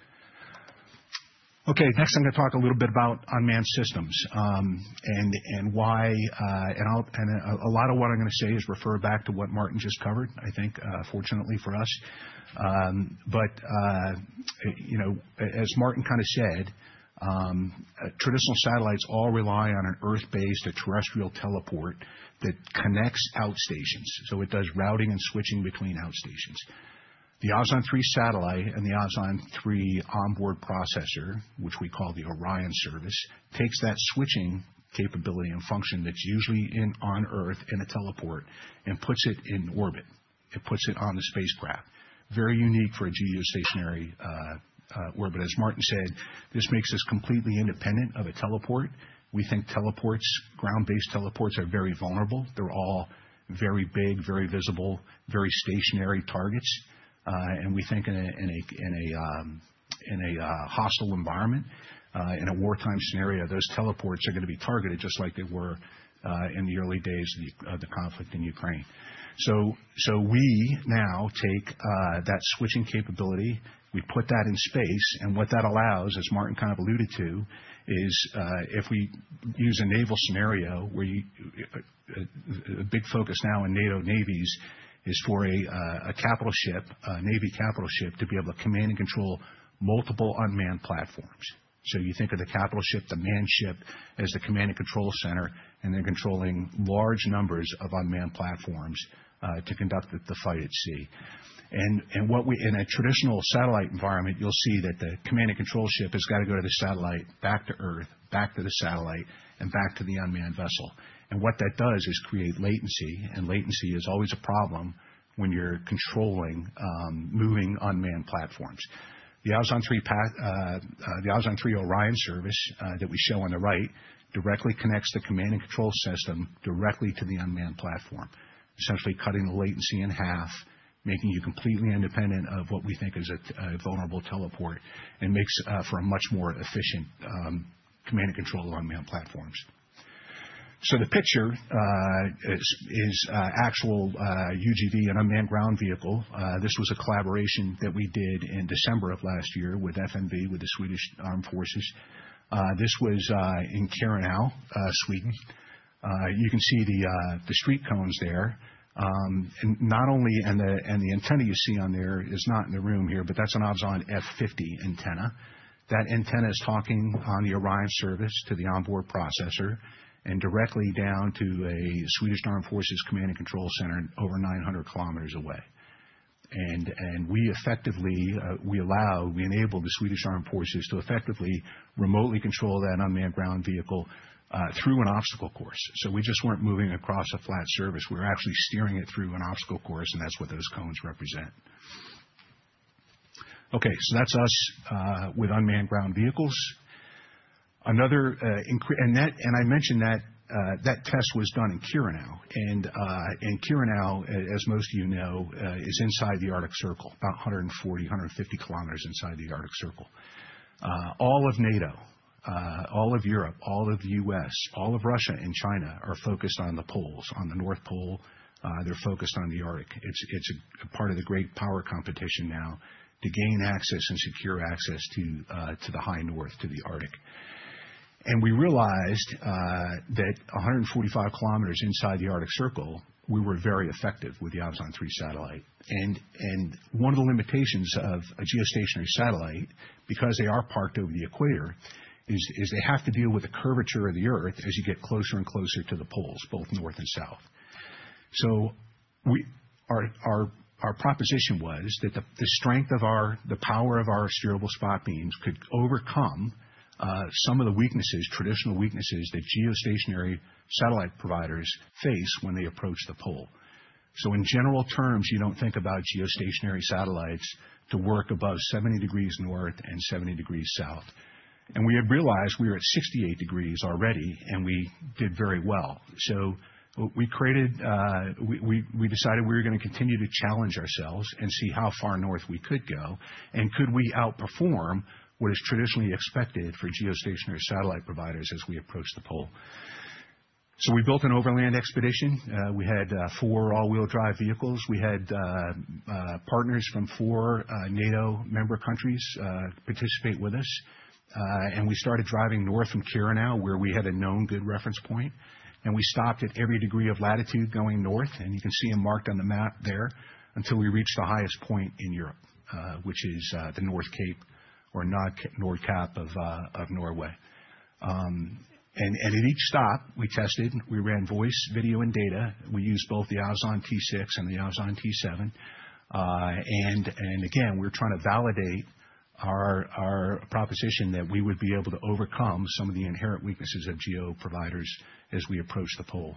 Okay, next, I'm going to talk a little bit about unmanned systems, and why, and a lot of what I'm gonna say is refer back to what Martin just covered, I think, fortunately for us. But you know, as Martin kind of said, traditional satellites all rely on an Earth-based terrestrial teleport that connects outstations. So it does routing and switching between outstations. The Ovzon 3 satellite and the Ovzon 3 On-Board processor, which we call the Ovzon Orion service, takes that switching capability and function that's usually in, on Earth in a teleport and puts it in orbit. It puts it on the spacecraft. Very unique for a geostationary orbit. As Martin said, this makes us completely independent of a teleport. We think teleports, ground-based teleports are very vulnerable. They're all very big, very visible, very stationary targets. And we think in a hostile environment, in a wartime scenario, those teleports are gonna be targeted just like they were in the early days of the conflict in Ukraine. We now take that switching capability, we put that in space, and what that allows, as Martin kind of alluded to, is if we use a naval scenario where a big focus now in NATO navies is for a capital ship, a navy capital ship, to be able to command and control multiple unmanned platforms. You think of the capital ship, the manned ship, as the command and control center, and they're controlling large numbers of unmanned platforms to conduct the fight at sea. In a traditional satellite environment, you'll see that the command and control ship has got to go to the satellite, back to Earth, back to the satellite, and back to the unmanned vessel. And what that does is create latency, and latency is always a problem when you're controlling moving unmanned platforms. The Ovzon 3 Orion service that we show on the right directly connects the command and control system directly to the unmanned platform, essentially cutting the latency in half, making you completely independent of what we think is a vulnerable teleport, and makes for a much more efficient command and control of unmanned platforms. So the picture is actual UGV, unmanned ground vehicle. This was a collaboration that we did in December of last year with FMV, with the Swedish Armed Forces. This was in Kiruna, Sweden. You can see the street cones there. And not only... The antenna you see on there is not in the room here, but that's an Ovzon F50 antenna. That antenna is talking on the Ovzon Orion service to the On-Board processor and directly down to a Swedish Armed Forces command and control center over 900 km away. We effectively enable the Swedish Armed Forces to effectively remotely control that unmanned ground vehicle through an obstacle course. We just weren't moving across a flat surface. We were actually steering it through an obstacle course, and that's what those cones represent. Okay, that's us with unmanned ground vehicles. I mentioned that test was done in Kiruna, and Kiruna, as most of you know, is inside the Arctic Circle, about 140-150 kilometers inside the Arctic Circle. All of NATO, all of Europe, all of the US, all of Russia and China are focused on the poles, on the North Pole. They're focused on the Arctic. It's a part of the great power competition now to gain access and secure access to the High North, to the Arctic. We realized that 145 kilometers inside the Arctic Circle, we were very effective with the Ovzon 3 satellite. One of the limitations of a geostationary satellite, because they are parked over the equator, is they have to deal with the curvature of the Earth as you get closer and closer to the poles, both north and south. Our proposition was that the power of our steerable spot beams could overcome some of the traditional weaknesses that geostationary satellite providers face when they approach the pole. In general terms, you don't think about geostationary satellites to work above 70 degrees north and 70 degrees south. We had realized we were at 68 degrees already, and we did very well. We created... We decided we were going to continue to challenge ourselves and see how far north we could go, and could we outperform what is traditionally expected for geostationary satellite providers as we approach the pole? So we built an overland expedition. We had four all-wheel drive vehicles. We had partners from four NATO member countries participate with us. And we started driving north from Kiruna, where we had a known good reference point, and we stopped at every degree of latitude going north, and you can see them marked on the map there, until we reached the highest point in Europe, which is the North Cape or Nordkapp of Norway. And at each stop, we tested, we ran voice, video, and data. We used both the Ovzon T6 and the Ovzon T7. And again, we were trying to validate our proposition that we would be able to overcome some of the inherent weaknesses of GEO providers as we approach the pole.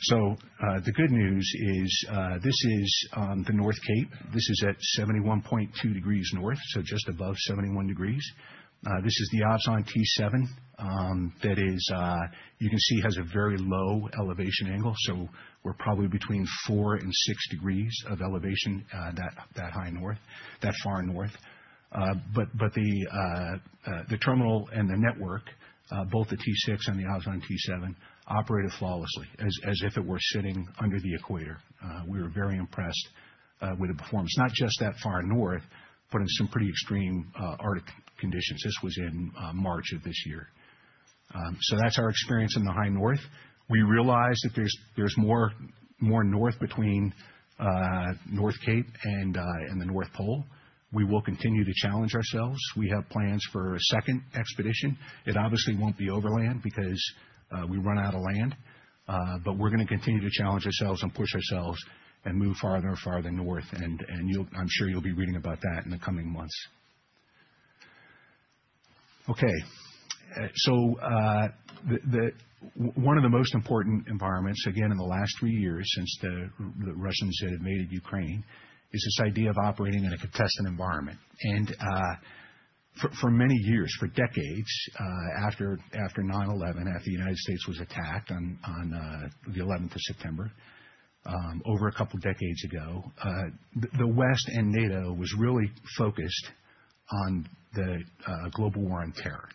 So, the good news is, this is the North Cape. This is at 71.2 degrees north, so just above 71 degrees. This is the Ovzon T7. That is, you can see, has a very low elevation angle, so we're probably between 4 and 6 degrees of elevation, that high north, that far north. But, the terminal and the network, both the T6 and the Ovzon T7, operated flawlessly, as if it were sitting under the equator. We were very impressed, with the performance, not just that far north, but in some pretty extreme, Arctic conditions. This was in March of this year. So that's our experience in the High North. We realized that there's more north between North Cape and the North Pole. We will continue to challenge ourselves. We have plans for a second expedition. It obviously won't be overland because we run out of land, but we're going to continue to challenge ourselves and push ourselves and move farther and farther north, and you'll-- I'm sure you'll be reading about that in the coming months. Okay, so the one of the most important environments, again, in the last three years since the Russians invaded Ukraine, is this idea of operating in a contested environment. For many years, for decades, after 9/11, after the United States was attacked on the eleventh of September, over a couple decades ago, the West and NATO was really focused on the Global War on Terror.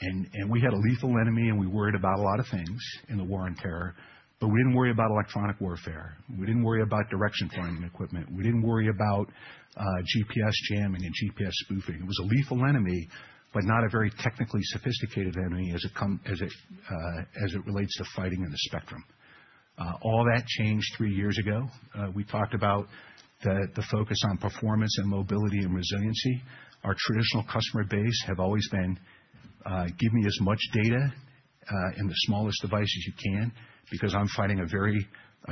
And we had a lethal enemy, and we worried about a lot of things in the war on terror, but we didn't worry about electronic warfare. We didn't worry about direction-finding equipment. We didn't worry about GPS jamming and GPS spoofing. It was a lethal enemy, but not a very technically sophisticated enemy as it relates to fighting in the spectrum. All that changed three years ago. We talked about the focus on performance and mobility and resiliency. Our traditional customer base have always been, "Give me as much data-... In the smallest devices you can, because I'm fighting a very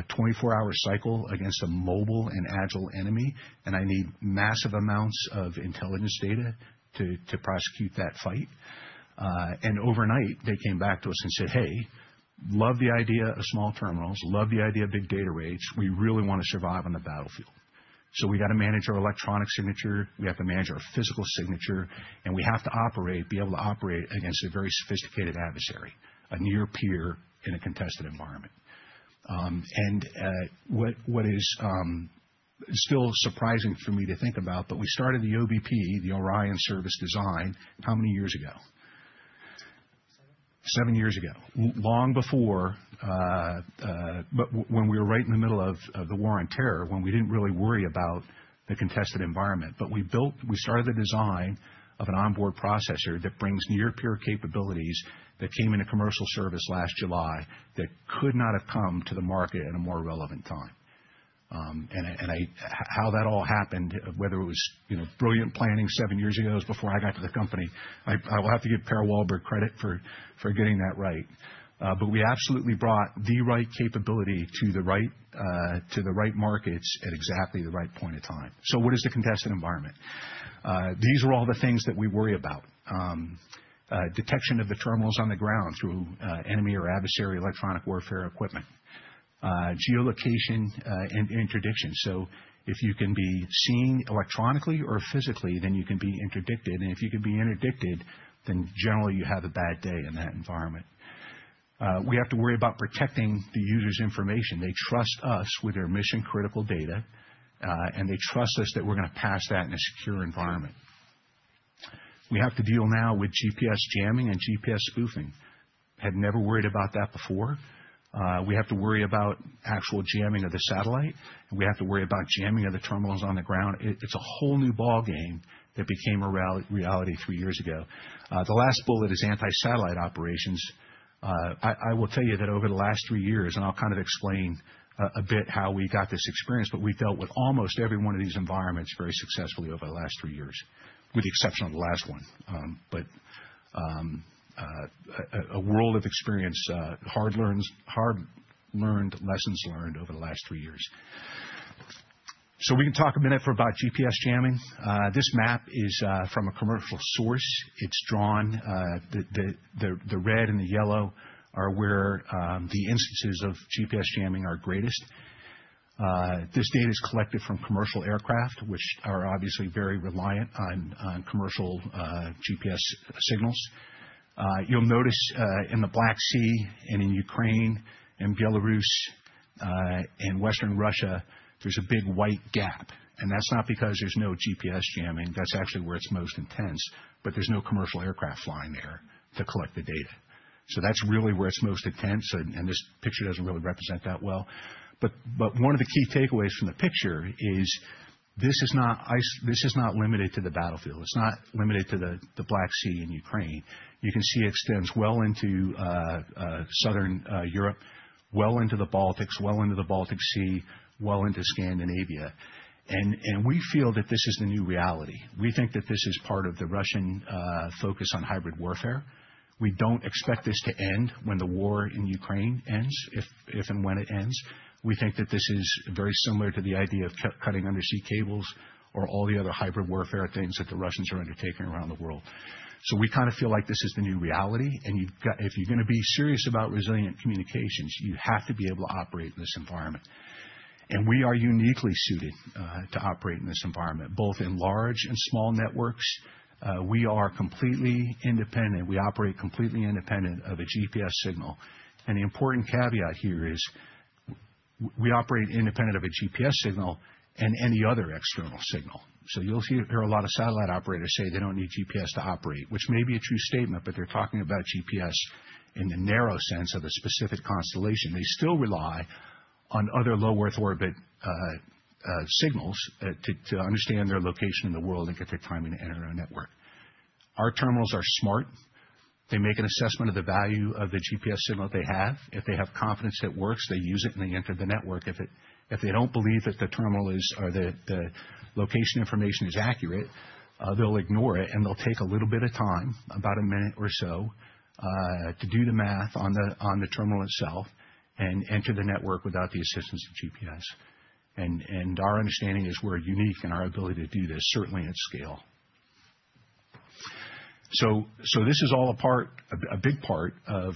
24 hour cycle against a mobile and agile enemy, and I need massive amounts of intelligence data to prosecute that fight. And overnight, they came back to us and said, "Hey, love the idea of small terminals, love the idea of big data rates. We really want to survive on the battlefield. So we got to manage our electronic signature, we have to manage our physical signature, and we have to operate, be able to operate against a very sophisticated adversary, a near-peer in a contested environment." What is still surprising for me to think about, but we started the OBP, the Orion service design, how many years ago? Seven. Seven years ago, long before, but when we were right in the middle of the War on Terror, when we didn't really worry about the contested environment, but we built, we started the design of an On-Board Processor that brings near-peer capabilities that came into commercial service last July, that could not have come to the market at a more relevant time. And how that all happened, whether it was, you know, brilliant planning seven years ago, that was before I got to the company, I will have to give Per Wahlberg credit for getting that right. But we absolutely brought the right capability to the right markets at exactly the right point in time. So what is the contested environment? These are all the things that we worry about. Detection of the terminals on the ground through enemy or adversary electronic warfare equipment. Geolocation and interdiction. So if you can be seen electronically or physically, then you can be interdicted, and if you can be interdicted, then generally you have a bad day in that environment. We have to worry about protecting the user's information. They trust us with their mission-critical data, and they trust us that we're gonna pass that in a secure environment. We have to deal now with GPS jamming and GPS spoofing. Had never worried about that before. We have to worry about actual jamming of the satellite, and we have to worry about jamming of the terminals on the ground. It's a whole new ballgame that became a reality three years ago. The last bullet is anti-satellite operations. I will tell you that over the last three years, and I'll kind of explain a bit how we got this experience, but we've dealt with almost every one of these environments very successfully over the last three years, with the exception of the last one. A world of experience, hard-learned lessons over the last three years. We can talk for a minute about GPS jamming. This map is from a commercial source. It's drawn. The red and the yellow are where the instances of GPS jamming are greatest. This data is collected from commercial aircraft, which are obviously very reliant on commercial GPS signals. You'll notice in the Black Sea and in Ukraine and Belarus and western Russia there's a big white gap, and that's not because there's no GPS jamming. That's actually where it's most intense, but there's no commercial aircraft flying there to collect the data. So that's really where it's most intense, and this picture doesn't really represent that well. But one of the key takeaways from the picture is this is not ice. This is not limited to the battlefield. It's not limited to the Black Sea in Ukraine. You can see it extends well into Southern Europe, well into the Baltics, well into the Baltic Sea, well into Scandinavia, and we feel that this is the new reality. We think that this is part of the Russian focus on hybrid warfare. We don't expect this to end when the war in Ukraine ends, if, if and when it ends. We think that this is very similar to the idea of cutting undersea cables or all the other hybrid warfare things that the Russians are undertaking around the world. So we kind of feel like this is the new reality, and you've got, if you're gonna be serious about resilient communications, you have to be able to operate in this environment. And we are uniquely suited to operate in this environment, both in large and small networks. We are completely independent. We operate completely independent of a GPS signal, and the important caveat here is we operate independent of a GPS signal and any other external signal. So you'll see that there are a lot of satellite operators say they don't need GPS to operate, which may be a true statement, but they're talking about GPS in the narrow sense of a specific constellation. They still rely on other Low Earth Orbit signals to understand their location in the world and get their timing to enter our network. Our terminals are smart. They make an assessment of the value of the GPS signal they have. If they have confidence it works, they use it, and they enter the network. If they don't believe that the terminal is, or the location information is accurate, they'll ignore it, and they'll take a little bit of time, about a minute or so, to do the math on the terminal itself and enter the network without the assistance of GPS. Our understanding is we're unique in our ability to do this, certainly at scale. This is all a big part of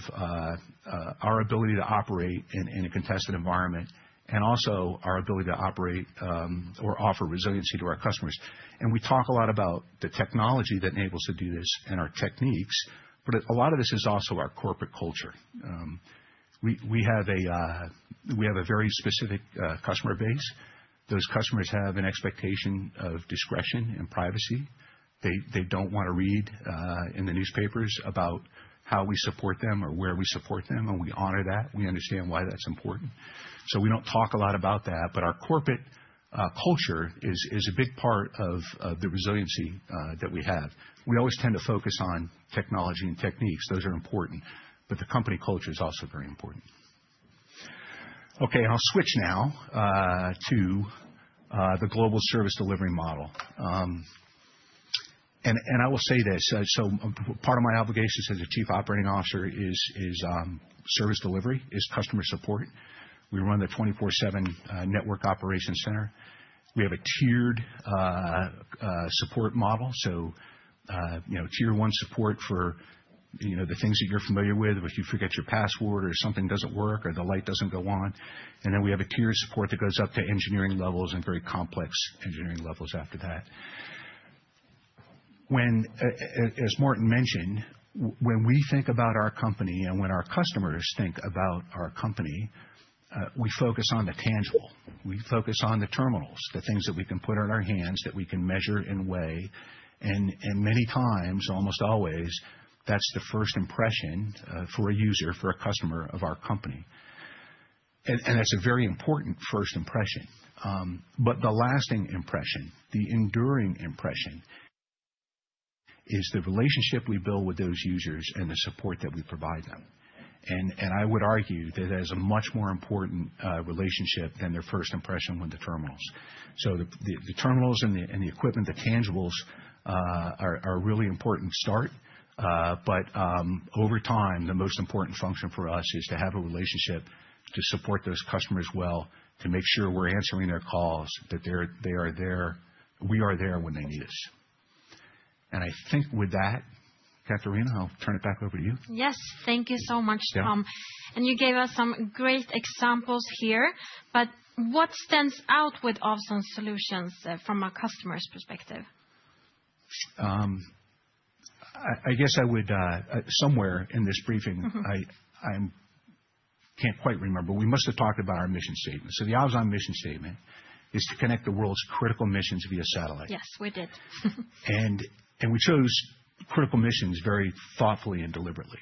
our ability to operate in a contested environment, and also our ability to operate or offer resiliency to our customers. We talk a lot about the technology that enables to do this and our techniques, but a lot of this is also our corporate culture. We have a very specific customer base. Those customers have an expectation of discretion and privacy. They don't want to read in the newspapers about how we support them or where we support them, and we honor that. We understand why that's important. So we don't talk a lot about that, but our corporate culture is a big part of the resiliency that we have. We always tend to focus on technology and techniques. Those are important, but the company culture is also very important. Okay, I'll switch now to the global service delivery model. And I will say this, so part of my obligations as a Chief Operating Officer is service delivery, is customer support. We run the 24/7 network operations center. We have a tiered support model, so, you know, tier one support for, you know, the things that you're familiar with, if you forget your password, or something doesn't work, or the light doesn't go on, and then we have a tiered support that goes up to engineering levels and very complex engineering levels after that. When, as Martin mentioned, when we think about our company and when our customers think about our company, we focus on the tangible. We focus on the terminals, the things that we can put on our hands, that we can measure and weigh, and many times, almost always, that's the first impression for a user, for a customer of our company, and that's a very important first impression. But the lasting impression, the enduring impression, is the relationship we build with those users and the support that we provide them, and I would argue that is a much more important relationship than their first impression with the terminals. So the terminals and the equipment, the tangibles, are a really important start, but over time, the most important function for us is to have a relationship to support those customers well, to make sure we're answering their calls, that they're there, we are there when they need us. And I think with that, Katarina, I'll turn it back over to you. Yes. Thank you so much, Tom. Yeah. And you gave us some great examples here, but what stands out with Ovzon solutions from a customer's perspective? I guess I would... Somewhere in this briefing- Mm-hmm. I can't quite remember. We must have talked about our mission statement. So the Ovzon mission statement is to connect the world's critical missions via satellite. Yes, we did. We chose critical missions very thoughtfully and deliberately.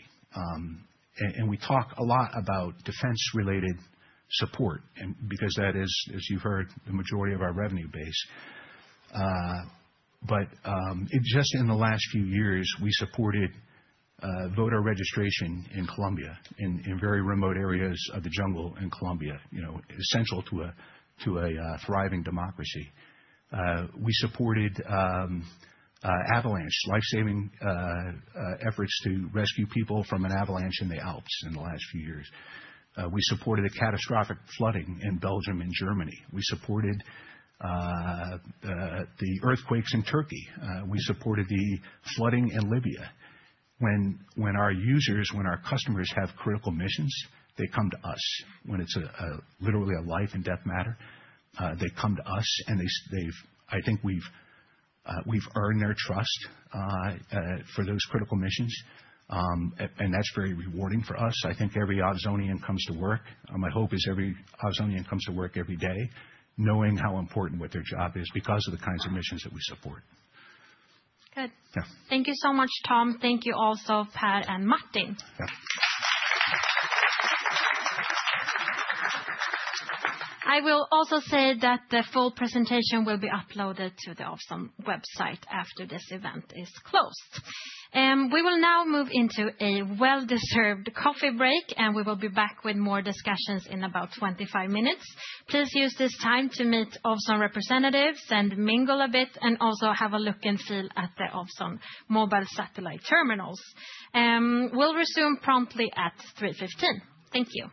We talk a lot about defense-related support, and because that is, as you've heard, the majority of our revenue base. Just in the last few years, we supported voter registration in Colombia, in very remote areas of the jungle in Colombia, you know, essential to a thriving democracy. We supported avalanche life-saving efforts to rescue people from an avalanche in the Alps in the last few years. We supported a catastrophic flooding in Belgium and Germany. We supported the earthquakes in Turkey. We supported the flooding in Libya. When our users, our customers have critical missions, they come to us. When it's literally a life and death matter, they come to us, and they've, I think we've earned their trust for those critical missions, and that's very rewarding for us. I think every Ovzonian comes to work, my hope is every Ovzonian comes to work every day knowing how important what their job is because of the kinds of missions that we support. Good. Yeah. Thank you so much, Tom. Thank you also, Per and Martin. Yeah. I will also say that the full presentation will be uploaded to the Ovzon website after this event is closed. We will now move into a well-deserved coffee break, and we will be back with more discussions in about 25 minutes. Please use this time to meet Ovzon representatives and mingle a bit, and also have a look and feel at the Ovzon mobile satellite terminals. We'll resume promptly at 3:15 P.M. Thank you.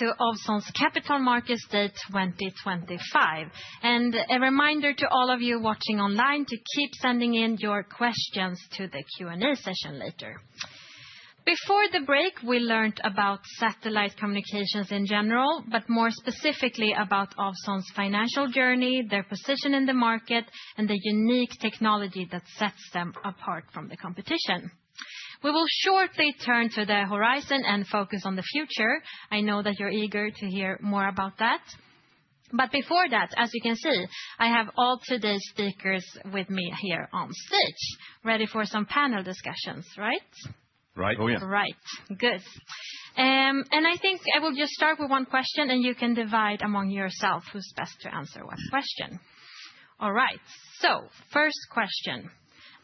Welcome back to Ovzon's Capital Markets Day 2025. And a reminder to all of you watching online to keep sending in your questions to the Q&A session later. Before the break, we learned about satellite communications in general, but more specifically about Ovzon's financial journey, their position in the market, and the unique technology that sets them apart from the competition. We will shortly turn to the horizon and focus on the future. I know that you're eager to hear more about that, but before that, as you can see, I have all today's speakers with me here on stage, ready for some panel discussions, right? Right. Oh, yeah. Right. Good, and I think I will just start with one question, and you can divide among yourself who's best to answer what question. All right, so first question: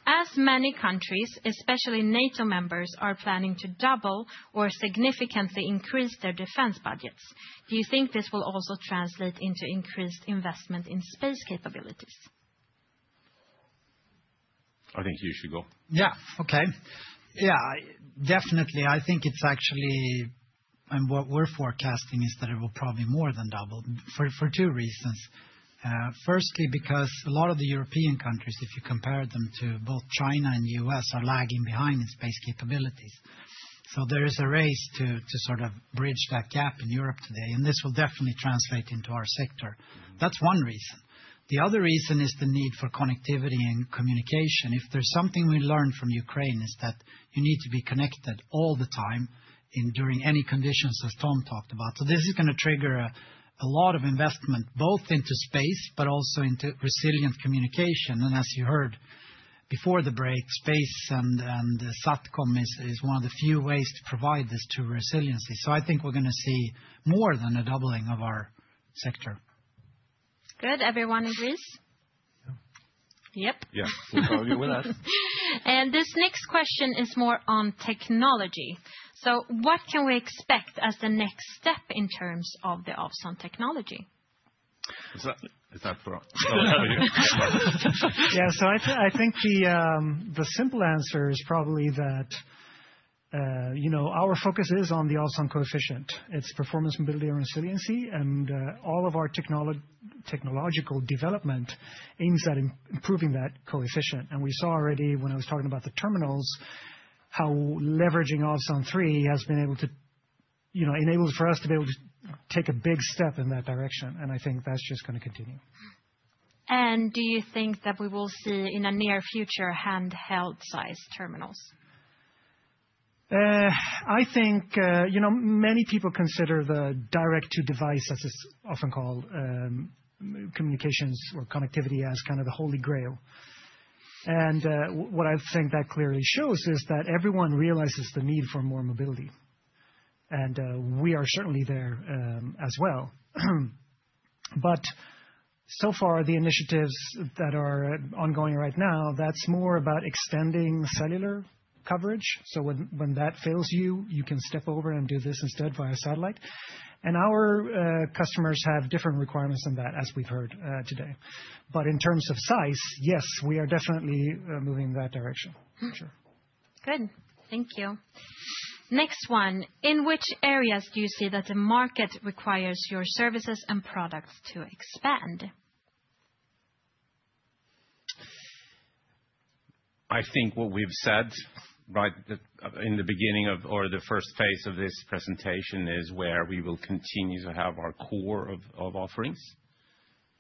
As many countries, especially NATO members, are planning to double or significantly increase their defense budgets, do you think this will also translate into increased investment in space capabilities? I think you should go. Yeah, okay. Yeah, definitely. I think it's actually and what we're forecasting is that it will probably more than double for two reasons. Firstly, because a lot of the European countries, if you compare them to both China and U.S., are lagging behind in space capabilities. So there is a race to sort of bridge that gap in Europe today, and this will definitely translate into our sector. That's one reason. The other reason is the need for connectivity and communication. If there's something we learned from Ukraine, is that you need to be connected all the time and during any conditions, as Tom talked about. So this is gonna trigger a lot of investment, both into space, but also into resilient communication. And as you heard before the break, space and SatCom is one of the few ways to provide this resiliency. I think we're gonna see more than a doubling of our sector. Good. Everyone agrees? Yeah. Yep. Yes, we're all here with us. This next question is more on technology. What can we expect as the next step in terms of the Ovzon technology? Is that, is that for us? Yeah, so I think the simple answer is probably that, you know, our focus is on the Ovzon Coefficient, it's performance, mobility, and resiliency, and all of our technological development aims at improving that coefficient. And we saw already, when I was talking about the terminals, how leveraging Ovzon 3 has been able to enables for us to be able to take a big step in that direction, and I think that's just gonna continue. Do you think that we will see, in the near future, handheld-sized terminals? I think, you know, many people consider the Direct-to-Device, as it's often called, communications or connectivity, as kind of the holy grail. And, what I think that clearly shows is that everyone realizes the need for more mobility, and we are certainly there, as well. But so far, the initiatives that are ongoing right now, that's more about extending cellular coverage, so when that fails you, you can step over and do this instead via satellite. And our customers have different requirements than that, as we've heard, today. But in terms of size, yes, we are definitely moving in that direction. For sure. Good. Thank you. Next one: In which areas do you see that the market requires your services and products to expand? I think what we've said right at, in the beginning of, or the first phase of this presentation, is where we will continue to have our core of, of offerings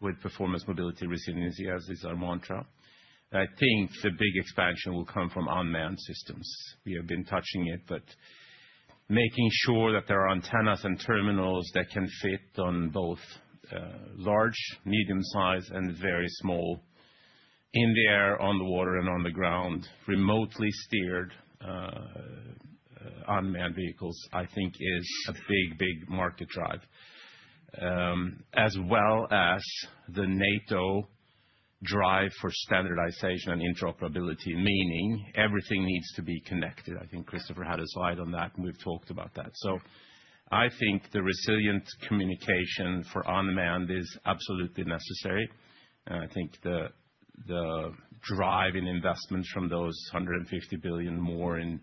with performance, mobility, resiliency, as is our mantra. I think the big expansion will come from unmanned systems. We have been touching it, but making sure that there are antennas and terminals that can fit on both, large, medium-sized, and very small, in the air, on the water, and on the ground, remotely steered, unmanned vehicles, I think is a big, big market drive. As well as the NATO drive for standardization and interoperability, meaning everything needs to be connected. I think Kristofer had a slide on that, and we've talked about that. I think the resilient communication for unmanned is absolutely necessary, and I think the drive in investments from those $150 billion more in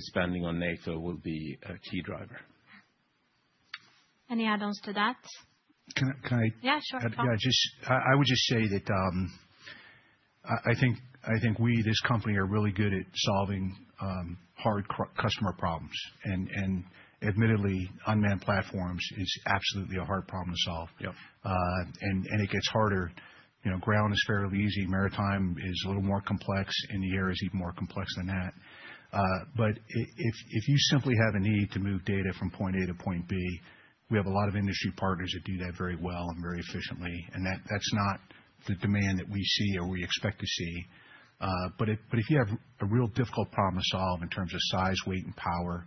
spending on NATO will be a key driver. Any add-ons to that? Can I? Yeah, sure, Tom. Yeah, just I would just say that I think we, this company, are really good at solving hard customer problems, and admittedly, unmanned platforms is absolutely a hard problem to solve. Yep. It gets harder, you know. Ground is fairly easy, maritime is a little more complex, and the air is even more complex than that, but if you simply have a need to move data from point A to point B, we have a lot of industry partners that do that very well and very efficiently, and that's not the demand that we see or we expect to see, but if you have a real difficult problem to solve in terms of size, weight, and power,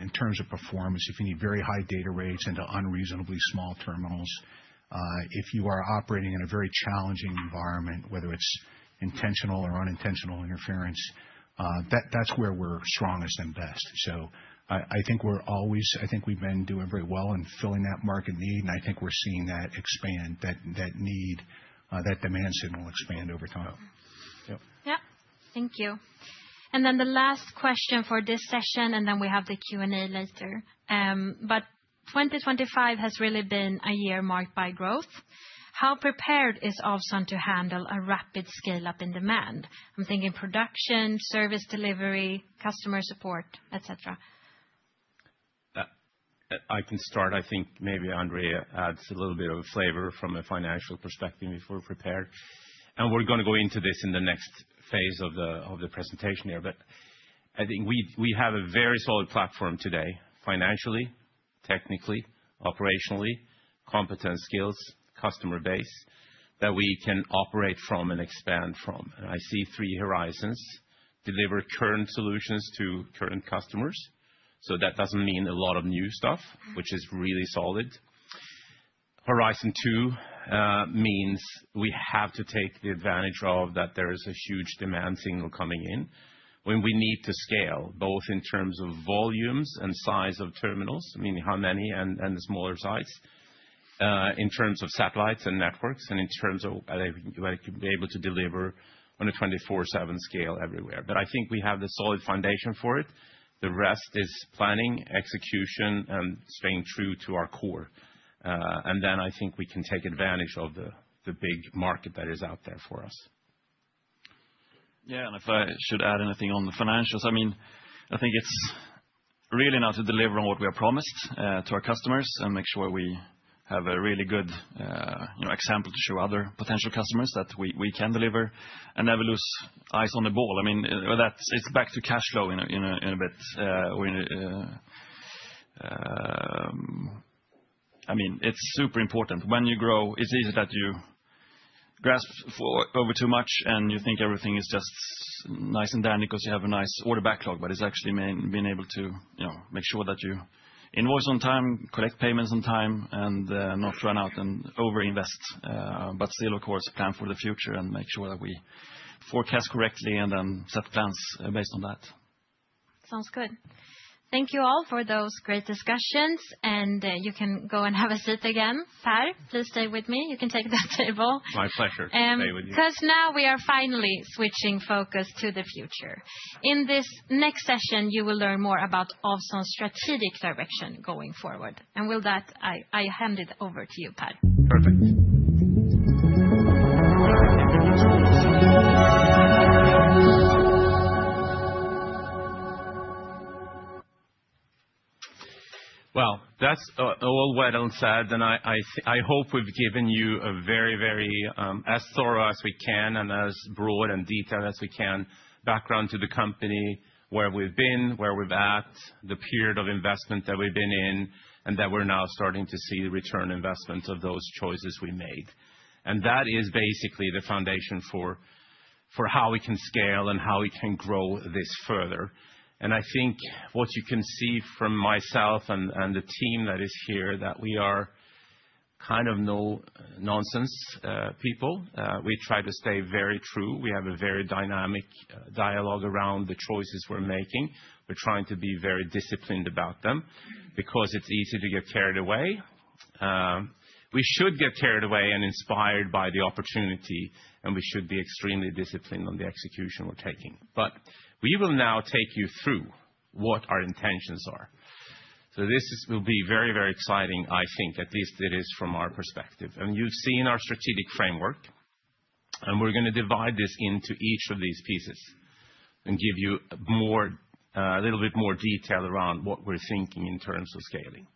in terms of performance, if you need very high data rates into unreasonably small terminals, if you are operating in a very challenging environment, whether it's intentional or unintentional interference, that's where we're strongest and best. I think we've been doing very well in filling that market need, and I think we're seeing that need, that demand signal expand over time. Yep. Yep. Thank you. And then the last question for this session, and then we have the Q&A later, but 2025 has really been a year marked by growth. How prepared is Ovzon to handle a rapid scale-up in demand? I'm thinking production, service delivery, customer support, et cetera. I can start. I think maybe Andreas adds a little bit of flavor from a financial perspective, if we're prepared. And we're gonna go into this in the next phase of the presentation here. But I think we have a very solid platform today, financially, technically, operationally, competence, skills, customer base, that we can operate from and expand from. And I see three horizons: Deliver current solutions to current customers, so that doesn't mean a lot of new stuff which is really solid. Horizon two means we have to take the advantage of that there is a huge demand signal coming in, when we need to scale, both in terms of volumes and size of terminals, meaning how many and the smaller size. In terms of satellites and networks, and in terms of like to be able to deliver on a 24/7 scale everywhere. But I think we have the solid foundation for it. The rest is planning, execution, and staying true to our core, and then I think we can take advantage of the big market that is out there for us. Yeah, and if I should add anything on the financials, I mean, I think it's really now to deliver on what we have promised to our customers, and make sure we have a really good, you know, example to show other potential customers that we can deliver, and never lose eyes on the ball. I mean, well, that's it, it's back to cash flow in a bit, when. I mean, it's super important. When you grow, it's easy that you grasp for over too much, and you think everything is just nice and dandy 'cause you have a nice order backlog, but it's actually mainly being able to, you know, make sure that you invoice on time, collect payments on time, and not run out and overinvest. But still, of course, plan for the future and make sure that we forecast correctly and then set plans based on that. Sounds good. Thank you all for those great discussions, and you can go and have a seat again. Per, please stay with me. You can take that table. My pleasure to stay with you. 'Cause now we are finally switching focus to the future. In this next session, you will learn more about Ovzon's strategic direction going forward. And with that, I hand it over to you, Per. Perfect. Well, that's all well said, and I hope we've given you a very, very as thorough as we can, and as broad and detailed as we can, background to the company, where we've been, where we're at, the period of investment that we've been in, and that we're now starting to see the return on investment of those choices we made. That is basically the foundation for how we can scale and how we can grow this further. I think what you can see from myself and the team that is here, that we are kind of no nonsense people. We try to stay very true. We have a very dynamic dialogue around the choices we're making. We're trying to be very disciplined about them, because it's easy to get carried away. We should get carried away and inspired by the opportunity, and we should be extremely disciplined on the execution we're taking. But we will now take you through what our intentions are. So this is, will be very, very exciting, I think, at least it is from our perspective, and you've seen our strategic framework, and we're gonna divide this into each of these pieces and give you more, a little bit more detail around what we're thinking in terms of scaling.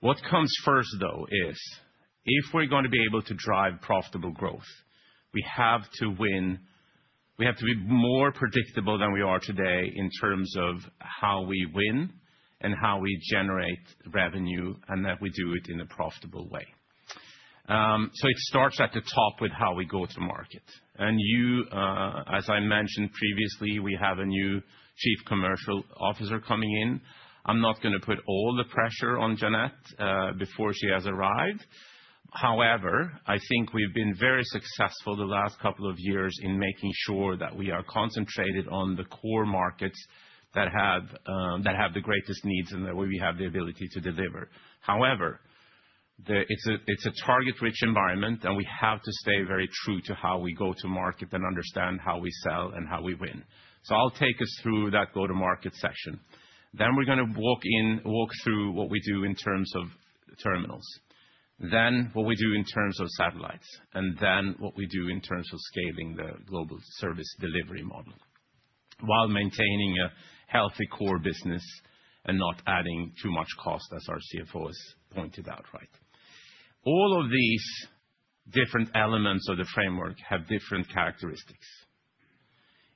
What comes first, though, is if we're gonna be able to drive profitable growth, we have to win. We have to be more predictable than we are today in terms of how we win and how we generate revenue, and that we do it in a profitable way, so it starts at the top with how we go to market. And you, as I mentioned previously, we have a new Chief Commercial Officer coming in. I'm not gonna put all the pressure on Jeanette before she has arrived. However, I think we've been very successful the last couple of years in making sure that we are concentrated on the core markets that have the greatest needs and that we have the ability to deliver. However, it's a target-rich environment, and we have to stay very true to how we go to market and understand how we sell and how we win. So I'll take us through that go-to-market section. Then we're gonna walk through what we do in terms of terminals, then what we do in terms of satellites, and then what we do in terms of scaling the global service delivery model, while maintaining a healthy core business and not adding too much cost, as our CFOs pointed out, right? All of these different elements of the framework have different characteristics.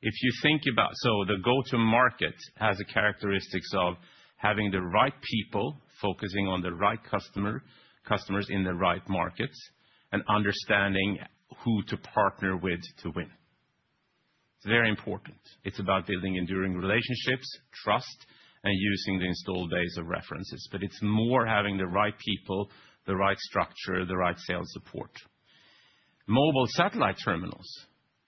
If you think about... So the go-to market has the characteristics of having the right people, focusing on the right customer, customers in the right markets, and understanding who to partner with to win. It's very important. It's about building enduring relationships, trust, and using the installed base of references. But it's more having the right people, the right structure, the right sales support. Mobile satellite terminals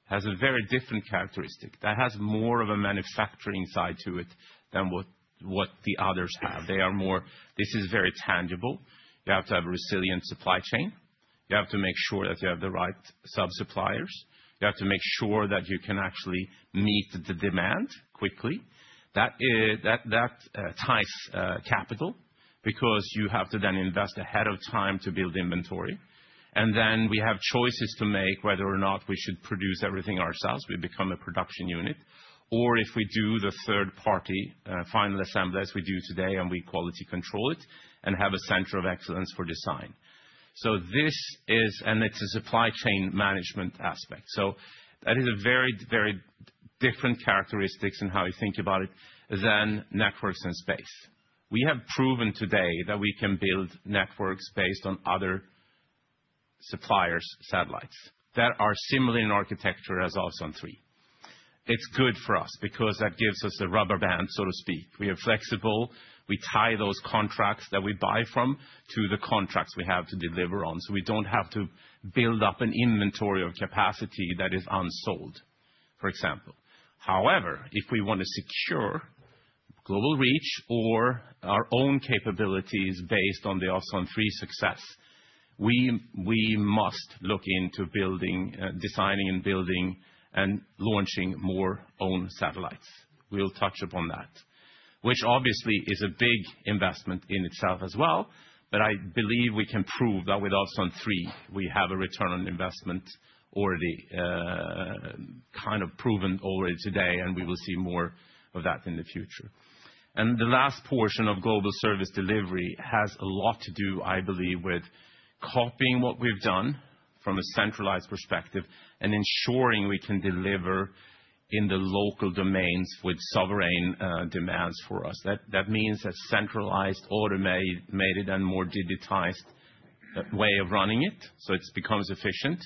has a very different characteristic. That has more of a manufacturing side to it than what the others have. They are more... This is very tangible. You have to have a resilient supply chain. You have to make sure that you have the right sub-suppliers. You have to make sure that you can actually meet the demand quickly. That ties capital, because you have to then invest ahead of time to build inventory. And then we have choices to make, whether or not we should produce everything ourselves, we become a production unit, or if we do the third party final assembly, as we do today, and we quality control it and have a center of excellence for design. So this is... And it's a supply chain management aspect. So that is a very, very different characteristics in how you think about it than networks and space. We have proven today that we can build networks based on other suppliers' satellites that are similar in architecture as Ovzon 3. It's good for us because that gives us a rubber band, so to speak. We are flexible. We tie those contracts that we buy from to the contracts we have to deliver on, so we don't have to build up an inventory of capacity that is unsold. For example, however, if we want to secure global reach or our own capabilities based on the Ovzon 3 success, we must look into building, designing and building and launching more own satellites. We'll touch upon that, which obviously is a big investment in itself as well, but I believe we can prove that with Ovzon 3, we have a return on investment already, kind of proven already today, and we will see more of that in the future. The last portion of global service delivery has a lot to do, I believe, with copying what we've done from a centralized perspective and ensuring we can deliver in the local domains with sovereign demands for us. That means a centralized, automated, and more digitized way of running it, so it becomes efficient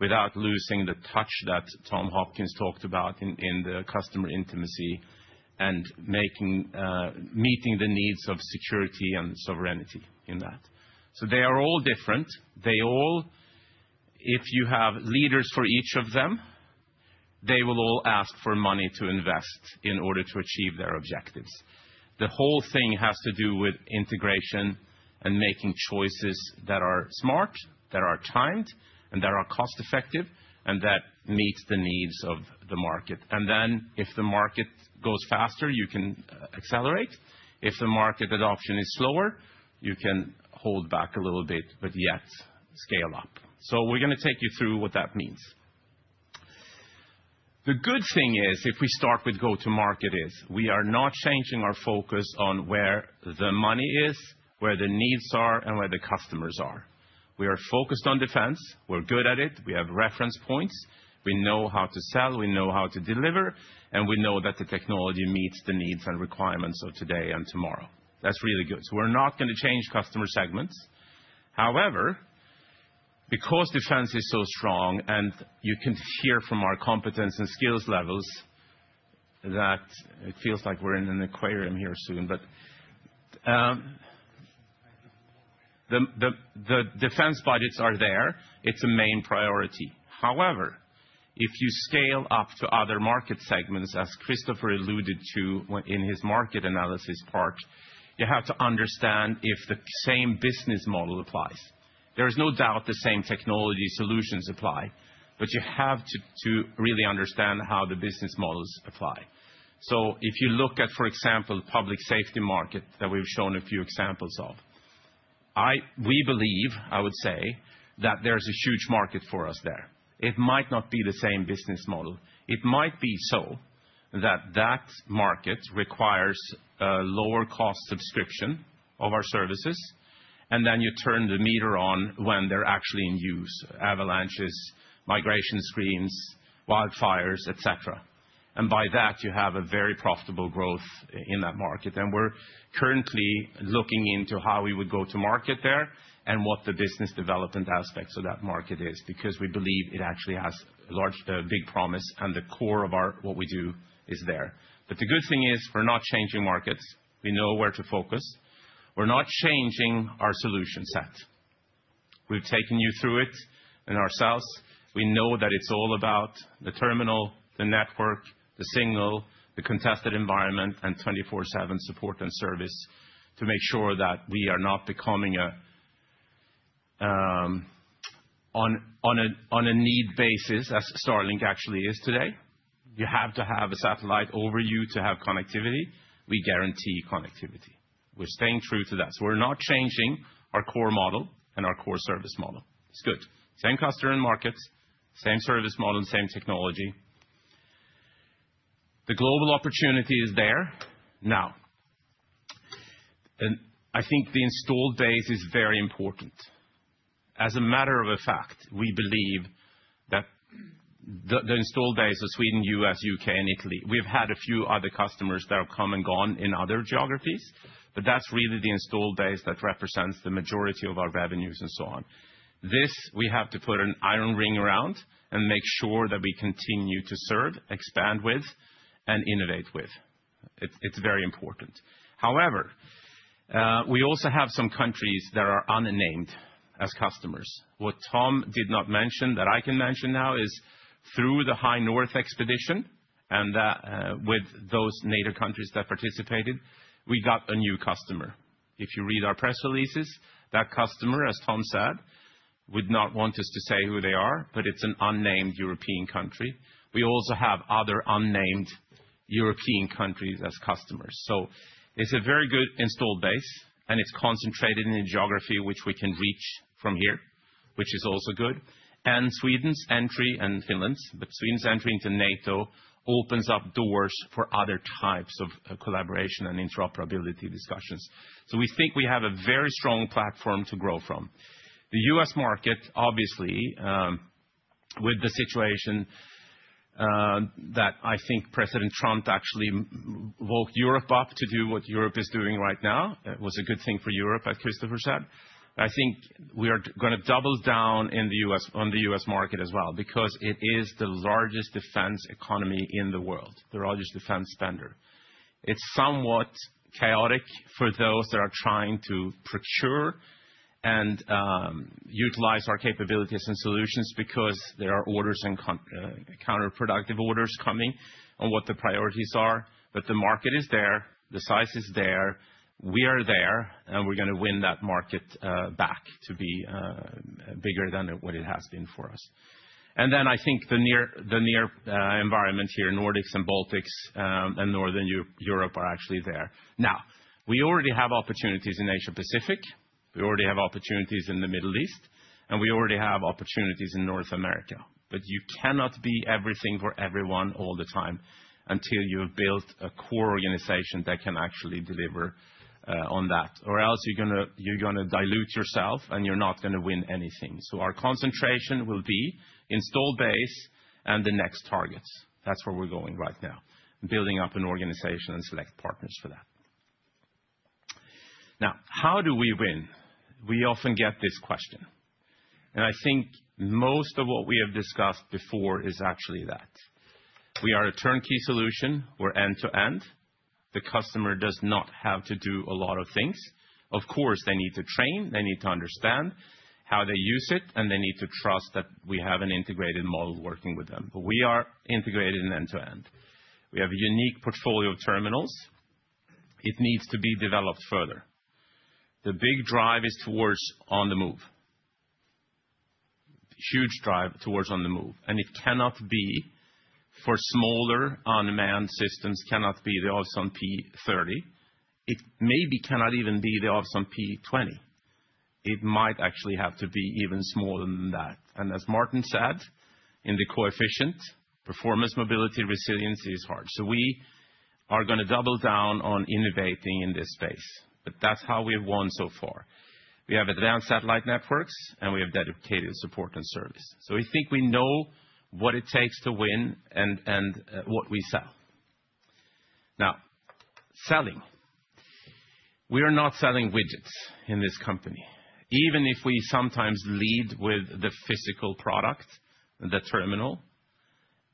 without losing the touch that Tom Hopkins talked about in the customer intimacy and making meeting the needs of security and sovereignty in that. So they are all different. They all. If you have leaders for each of them, they will all ask for money to invest in order to achieve their objectives. The whole thing has to do with integration and making choices that are smart, that are timed, and that are cost-effective, and that meets the needs of the market. Then, if the market goes faster, you can accelerate. If the market adoption is slower, you can hold back a little bit, but yet scale up. So we're gonna take you through what that means. The good thing is, if we start with go-to-market is, we are not changing our focus on where the money is, where the needs are, and where the customers are. We are focused on defense. We're good at it. We have reference points. We know how to sell, we know how to deliver, and we know that the technology meets the needs and requirements of today and tomorrow. That's really good. So we're not going to change customer segments. However, because defense is so strong and you can hear from our competence and skills levels, that it feels like we're in an aquarium here soon. But the defense budgets are there, it's a main priority. However, if you scale up to other market segments, as Kristofer alluded to in his market analysis part, you have to understand if the same business model applies. There is no doubt the same technology solutions apply, but you have to, to really understand how the business models apply. So if you look at, for example, public safety market, that we've shown a few examples of, we believe, I would say, that there's a huge market for us there. It might not be the same business model. It might be so that that market requires a lower cost subscription of our services, and then you turn the meter on when they're actually in use, avalanches, migration screens, wildfires, et cetera. And by that, you have a very profitable growth in that market. We're currently looking into how we would go to market there and what the business development aspects of that market is, because we believe it actually has large, big promise, and the core of our what we do is there. But the good thing is, we're not changing markets. We know where to focus. We're not changing our solution set. We've taken you through it and ourselves. We know that it's all about the terminal, the network, the signal, the contested environment, and 24/7 support and service to make sure that we are not becoming a on a need basis, as Starlink actually is today. You have to have a satellite over you to have connectivity. We guarantee connectivity. We're staying true to that. So we're not changing our core model and our core service model. It's good. Same customer and markets, same service model, same technology. The global opportunity is there now, and I think the installed base is very important. As a matter of fact, we believe that the installed base of Sweden, U.S., U.K., and Italy, we've had a few other customers that have come and gone in other geographies, but that's really the installed base that represents the majority of our revenues and so on. This, we have to put an iron ring around and make sure that we continue to serve, expand with, and innovate with. It's very important. However, we also have some countries that are unnamed as customers. What Tom did not mention, that I can mention now, is through the High North Expedition and that with those Nordic countries that participated, we got a new customer. If you read our press releases, that customer, as Tom said, would not want us to say who they are, but it's an unnamed European country. We also have other unnamed European countries as customers, so it's a very good installed base, and it's concentrated in a geography which we can reach from here, which is also good, and Sweden's entry and Finland, but Sweden's entry into NATO opens up doors for other types of collaboration and interoperability discussions, so we think we have a very strong platform to grow from. The U.S. market, obviously, with the situation, that I think President Trump actually woke Europe up to do what Europe is doing right now. It was a good thing for Europe, as Kristofer said. I think we are gonna double down in the U.S. on the U.S. market as well, because it is the largest defense economy in the world, the largest defense spender. It's somewhat chaotic for those that are trying to procure and utilize our capabilities and solutions because there are orders and counterproductive orders coming on what the priorities are, but the market is there, the size is there, we are there, and we're gonna win that market back to be bigger than what it has been for us. And then I think the near environment here, Nordics and Baltics, and Northern Europe are actually there. Now, we already have opportunities in Asia Pacific, we already have opportunities in the Middle East, and we already have opportunities in North America. But you cannot be everything for everyone all the time until you have built a core organization that can actually deliver on that, or else you're gonna dilute yourself and you're not gonna win anything. So our concentration will be installed base and the next targets. That's where we're going right now, building up an organization and select partners for that. Now, how do we win? We often get this question, and I think most of what we have discussed before is actually that. We are a turnkey solution, we're end to end. The customer does not have to do a lot of things. Of course, they need to train, they need to understand how they use it, and they need to trust that we have an integrated model working with them, but we are integrated end to end. We have a unique portfolio of terminals. It needs to be developed further. The big drive is towards On-the-Move. Huge drive towards On-the-Move, and it cannot be for smaller on-demand systems, cannot be the Ovzon P30. It maybe cannot even be the Ovzon P20. It might actually have to be even smaller than that. And as Martin said, in the coefficient, performance, mobility, resiliency is hard. So we are gonna double down on innovating in this space, but that's how we've won so far. We have advanced satellite networks, and we have dedicated support and service. So we think we know what it takes to win and what we sell. Now, selling. We are not selling widgets in this company. Even if we sometimes lead with the physical product, the terminal,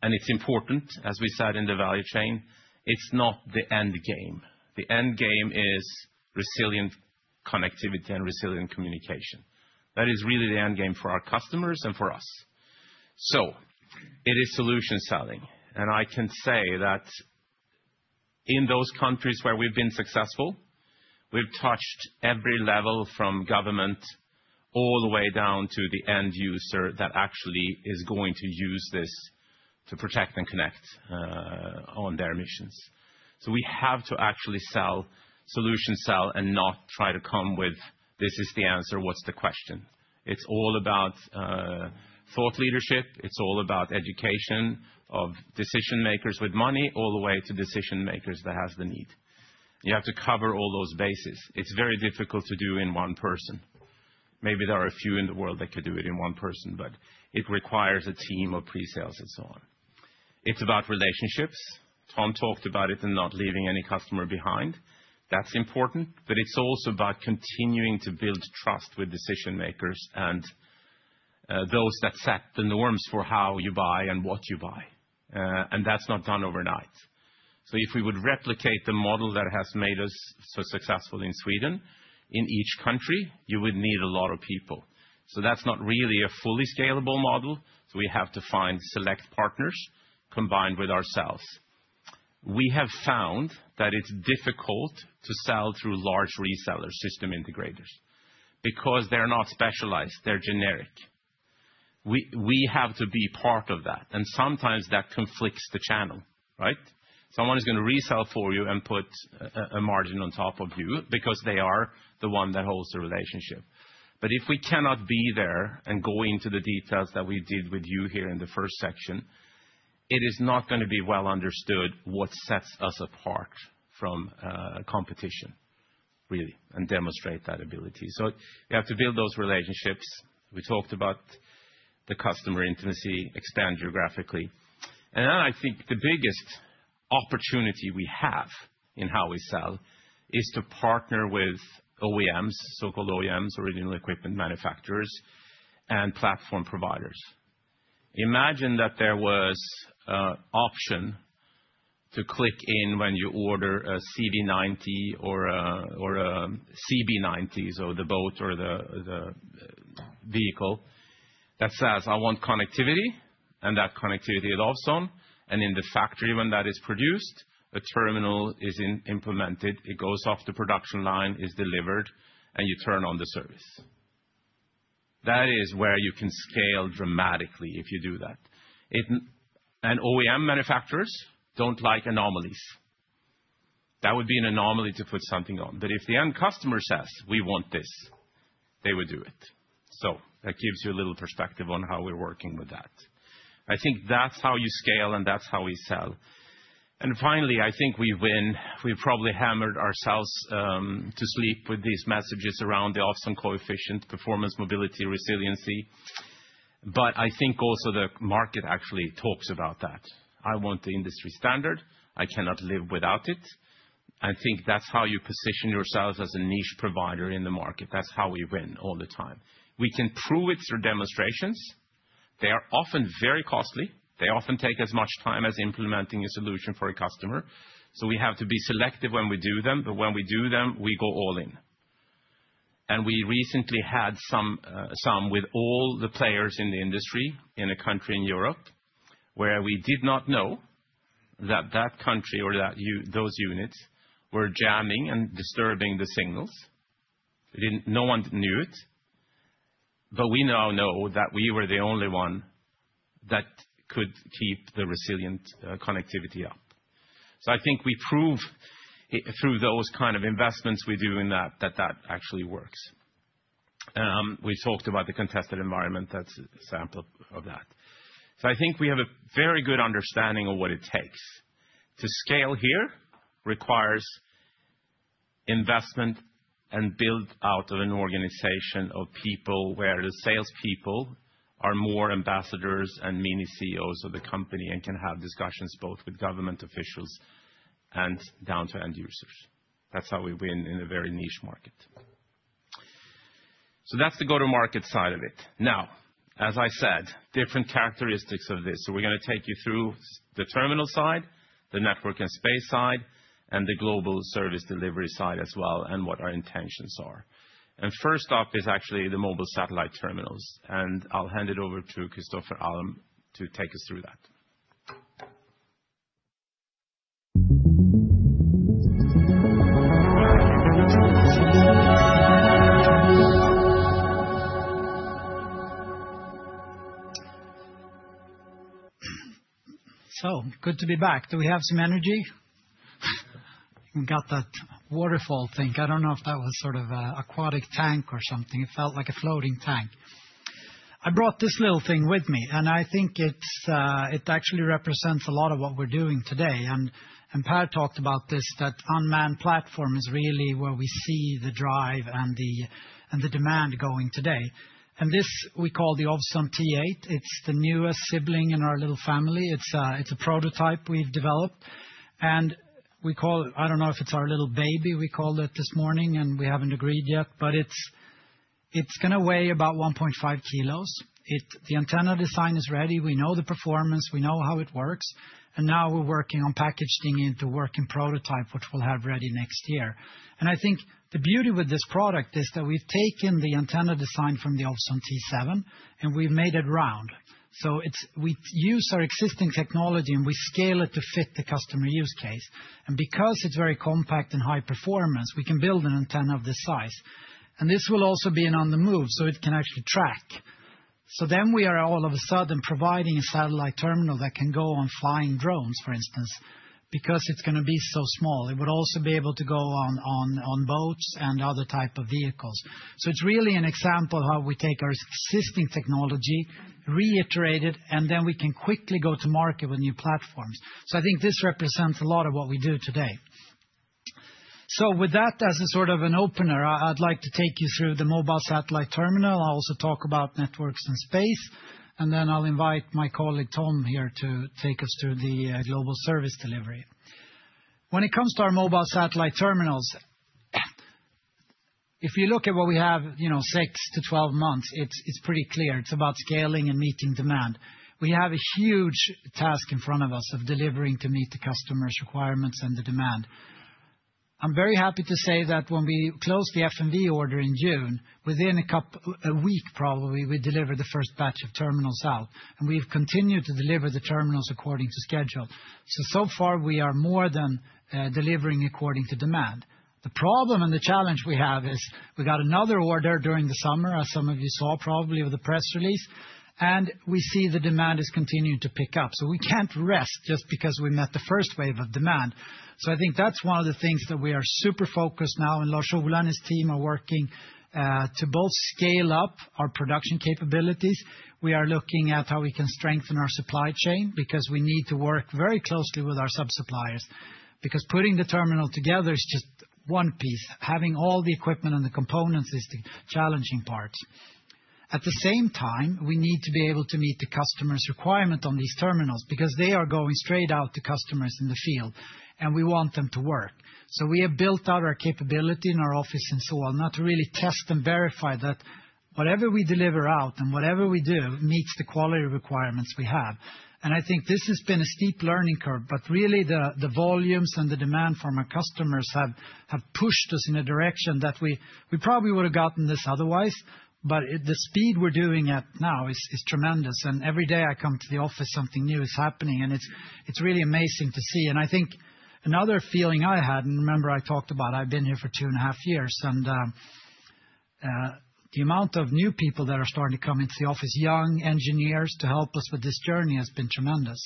and it's important, as we said, in the value chain, it's not the end game. The end game is resilient connectivity and resilient communication. That is really the end game for our customers and for us. So it is solution selling, and I can say that in those countries where we've been successful, we've touched every level from government all the way down to the end user that actually is going to use this to protect and connect on their missions. So we have to actually sell, solution sell, and not try to come with, "This is the answer. What's the question?" It's all about thought leadership. It's all about education of decision-makers with money, all the way to decision-makers that has the need. You have to cover all those bases. It's very difficult to do in one person. Maybe there are a few in the world that could do it in one person, but it requires a team of pre-sales and so on. It's about relationships. Tom talked about it and not leaving any customer behind. That's important, but it's also about continuing to build trust with decision-makers and those that set the norms for how you buy and what you buy. And that's not done overnight, so if we would replicate the model that has made us so successful in Sweden in each country, you would need a lot of people, so that's not really a fully scalable model, so we have to find select partners combined with ourselves. We have found that it's difficult to sell through large resellers, system integrators, because they're not specialized, they're generic. We have to be part of that, and sometimes that conflicts the channel, right? Someone is gonna resell for you and put a margin on top of you because they are the one that holds the relationship. But if we cannot be there and go into the details that we did with you here in the first section, it is not gonna be well understood what sets us apart from competition, really, and demonstrate that ability. So you have to build those relationships. We talked about the customer intimacy, expand geographically. And then I think the biggest opportunity we have in how we sell is to partner with OEMs, so-called OEMs, original equipment manufacturers and platform providers. Imagine that there was an option to click in when you order a CV90 or a CB90, so the boat or the vehicle, that says, "I want connectivity," and that connectivity is Ovzon, and in the factory, when that is produced, a terminal is implemented, it goes off the production line, is delivered, and you turn on the service. That is where you can scale dramatically if you do that. OEM manufacturers don't like anomalies. That would be an anomaly to put something on, but if the end customer says, "We want this," they would do it. So that gives you a little perspective on how we're working with that. I think that's how you scale, and that's how we sell. Finally, I think we win. We've probably hammered ourselves to sleep with these messages around the Ovzon Coefficient, performance, mobility, resiliency. But I think also the market actually talks about that. I want the industry standard. I cannot live without it. I think that's how you position yourselves as a niche provider in the market. That's how we win all the time. We can prove it through demonstrations. They are often very costly. They often take as much time as implementing a solution for a customer, so we have to be selective when we do them, but when we do them, we go all in. And we recently had some with all the players in the industry, in a country in Europe, where we did not know that that country or those units were jamming and disturbing the signals. They didn't. No one knew it, but we now know that we were the only one that could keep the resilient connectivity up. So I think we prove, through those kind of investments we do in that, that that actually works. We talked about the contested environment. That's an example of that. So I think we have a very good understanding of what it takes. To scale here requires investment and build out of an organization of people, where the salespeople are more ambassadors and mini CEOs of the company, and can have discussions both with government officials and down to end users. That's how we win in a very niche market. So that's the go-to-market side of it. Now, as I said, different characteristics of this. So we're gonna take you through the terminal side, the network and space side, and the global service delivery side as well, and what our intentions are. First up is actually the mobile satellite terminals, and I'll hand it over to Kristofer Alm to take us through that. So good to be back. Do we have some energy? We got that waterfall thing. I don't know if that was sort of a aquatic tank or something. It felt like a floating tank. I brought this little thing with me, and I think it's it actually represents a lot of what we're doing today. And Per talked about this, that unmanned platform is really where we see the drive and the demand going today. And this, we call the Ovzon T8. It's the newest sibling in our little family. It's a prototype we've developed, and we call it. I don't know if it's our little baby, we called it this morning, and we haven't agreed yet, but it's gonna weigh about 1.5 Kg. The antenna design is ready. We know the performance, we know how it works, and now we're working on packaging into working prototype, which we'll have ready next year. And I think the beauty with this product is that we've taken the antenna design from the Ovzon T7, and we've made it round. So it's, we use our existing technology, and we scale it to fit the customer use case. And because it's very compact and high performance, we can build an antenna of this size. And this will also be an On-the-Move, so it can actually track. So then we are all of a sudden providing a satellite terminal that can go on flying drones, for instance, because it's gonna be so small. It would also be able to go on boats and other type of vehicles. So it's really an example of how we take our existing technology, reiterate it, and then we can quickly go to market with new platforms. So I think this represents a lot of what we do today. So with that, as a sort of an opener, I'd like to take you through the mobile satellite terminal. I'll also talk about networks and space, and then I'll invite my colleague, Tom, here to take us through the global service delivery. When it comes to our mobile satellite terminals, if you look at what we have, you know, 6-12 months, it's pretty clear it's about scaling and meeting demand. We have a huge task in front of us of delivering to meet the customers' requirements and the demand. I'm very happy to say that when we closed the FMV order in June, within a couple of weeks, probably, we delivered the first batch of terminals out, and we've continued to deliver the terminals according to schedule. So far, we are more than delivering according to demand. The problem and the challenge we have is, we got another order during the summer, as some of you saw probably with the press release, and we see the demand is continuing to pick up, so we can't rest just because we met the first wave of demand. I think that's one of the things that we are super focused on now, and Lars Sjöblom and his team are working to both scale up our production capabilities. We are looking at how we can strengthen our supply chain, because we need to work very closely with our sub-suppliers. Because putting the terminal together is just one piece, having all the equipment and the components is the challenging part. At the same time, we need to be able to meet the customer's requirement on these terminals, because they are going straight out to customers in the field, and we want them to work. So we have built out our capability in our office and so on, now to really test and verify that whatever we deliver out and whatever we do, meets the quality requirements we have, and I think this has been a steep learning curve, but really, the volumes and the demand from our customers have pushed us in a direction that we probably would have gotten this otherwise, but it, the speed we're doing it now is tremendous. Every day I come to the office, something new is happening, and it's really amazing to see. I think another feeling I had, and remember I talked about. I've been here for two and a half years, and the amount of new people that are starting to come into the office, young engineers, to help us with this journey has been tremendous.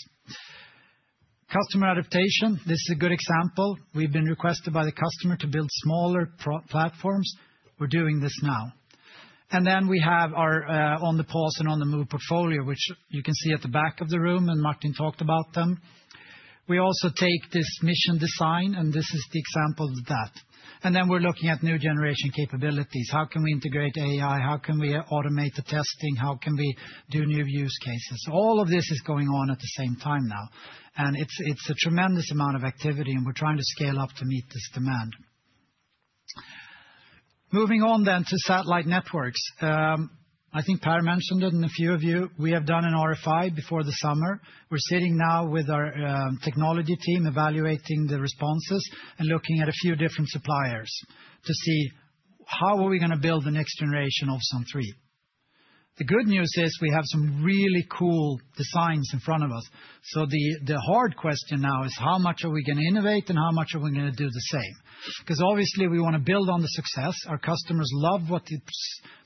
Customer adaptation, this is a good example. We've been requested by the customer to build smaller platforms. We're doing this now. Then we have our On-the-Pause and On-the-Move portfolio, which you can see at the back of the room, and Martin talked about them. We also take this mission design, and this is the example of that. Then we're looking at new generation capabilities. How can we integrate AI? How can we automate the testing? How can we do new use cases? All of this is going on at the same time now, and it's, it's a tremendous amount of activity, and we're trying to scale up to meet this demand. Moving on then to satellite networks. I think Per mentioned it, and a few of you, we have done an RFI before the summer. We're sitting now with our technology team, evaluating the responses and looking at a few different suppliers to see how are we gonna build the next generation of Ovzon 3. The good news is we have some really cool designs in front of us. So the hard question now is: how much are we gonna innovate, and how much are we gonna do the same? 'Cause obviously, we want to build on the success. Our customers love what the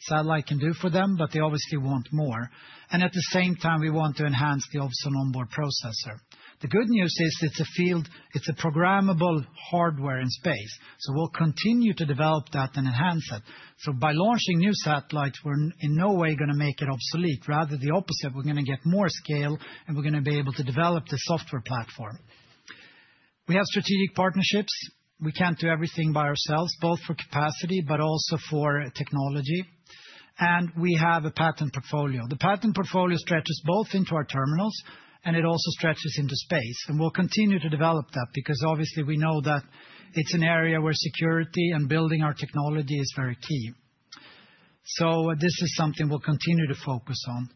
satellite can do for them, but they obviously want more, and at the same time, we want to enhance the Ovzon On-Board Processor. The good news is, it's field-programmable hardware in space, so we'll continue to develop that and enhance it. So by launching new satellites, we're in no way gonna make it obsolete, rather the opposite. We're gonna get more scale, and we're gonna be able to develop the software platform. We have strategic partnerships. We can't do everything by ourselves, both for capacity, but also for technology. And we have a patent portfolio. The patent portfolio stretches both into our terminals, and it also stretches into space. And we'll continue to develop that, because obviously we know that it's an area where security and building our technology is very key. So this is something we'll continue to focus on.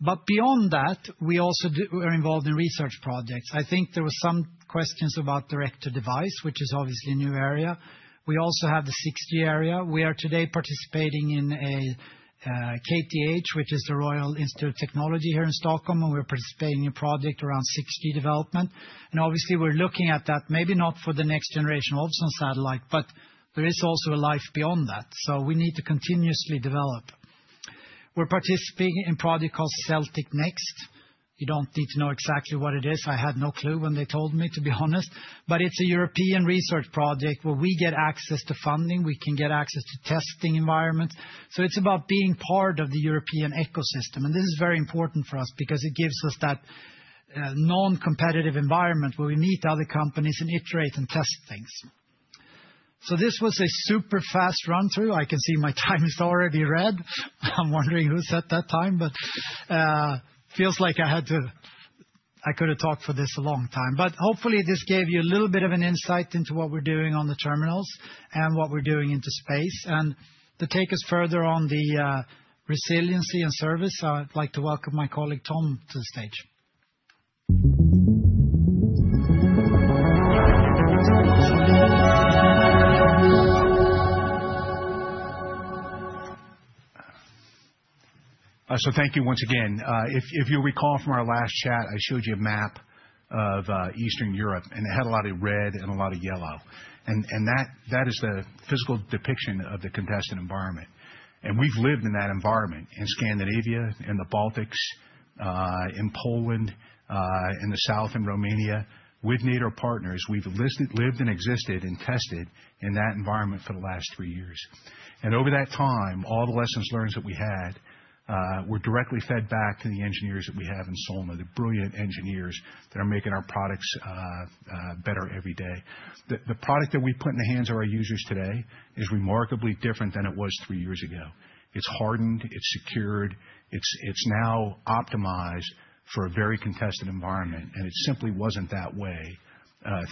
But beyond that, we also do. We're involved in research projects. I think there were some questions about Direct-to-Device, which is obviously a new area. We also have the 6G area. We are today participating in a KTH, which is the Royal Institute of Technology here in Stockholm, and we're participating in a project around 6G development. And obviously, we're looking at that, maybe not for the next generation of satellite, but there is also a life beyond that, so we need to continuously develop. We're participating in a project called CELTIC-NEXT. You don't need to know exactly what it is. I had no clue when they told me, to be honest, but it's a European research project where we get access to funding, we can get access to testing environments. So it's about being part of the European ecosystem, and this is very important for us because it gives us that non-competitive environment where we meet other companies and iterate and test things, so this was a super fast run-through. I can see my time is already red. I'm wondering who set that time, but feels like I had to... I could have talked for this a long time, but hopefully, this gave you a little bit of an insight into what we're doing on the terminals and what we're doing into space, and to take us further on the resiliency and service, I'd like to welcome my colleague, Tom, to the stage. So thank you once again. If you recall from our last chat, I showed you a map of Eastern Europe, and it had a lot of red and a lot of yellow. And that is the physical depiction of the contested environment. And we've lived in that environment, in Scandinavia, in the Baltics, in Poland, in the south, in Romania. With NATO partners, we've lived and existed and tested in that environment for the last three years. And over that time, all the lessons learned that we had were directly fed back to the engineers that we have in Söderhamn, the brilliant engineers that are making our products better every day. The product that we put in the hands of our users today is remarkably different than it was three years ago. It's hardened, it's secured, it's now optimized for a very contested environment, and it simply wasn't that way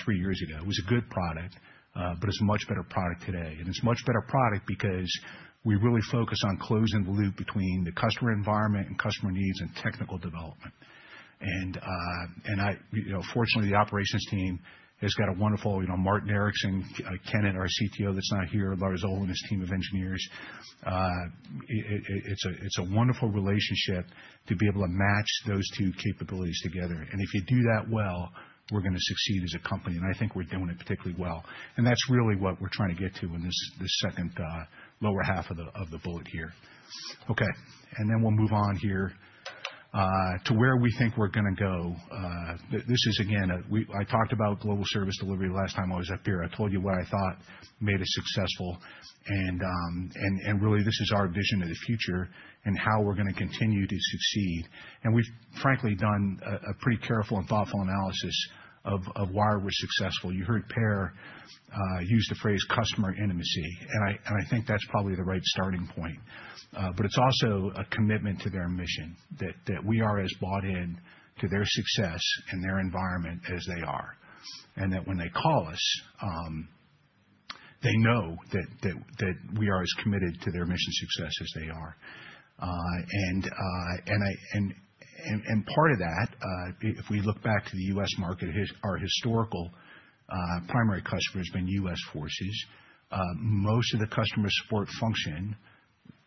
three years ago. It was a good product, but it's a much better product today. It's a much better product because we really focus on closing the loop between the customer environment and customer needs and technical development. And I, you know, fortunately, the operations team has got a wonderful, you know, Martin Eriksson, Kenneth, our CTO, that's not here, Lars-Ola, his team of engineers. It's a wonderful relationship to be able to match those two capabilities together. If you do that well, we're gonna succeed as a company, and I think we're doing it particularly well. And that's really what we're trying to get to in this second lower half of the bullet here. Okay, and then we'll move on here to where we think we're gonna go. This is again. I talked about global service delivery last time I was up here. I told you what I thought made us successful, and really, this is our vision of the future and how we're gonna continue to succeed. And we've frankly done a pretty careful and thoughtful analysis of why we're successful. You heard Per use the phrase customer intimacy, and I think that's probably the right starting point. But it's also a commitment to their mission, that we are as bought in to their success and their environment as they are, and that when they call us, they know that we are as committed to their mission success as they are. And part of that, if we look back to the U.S. market, our historical primary customer has been U.S. forces. Most of the customer support function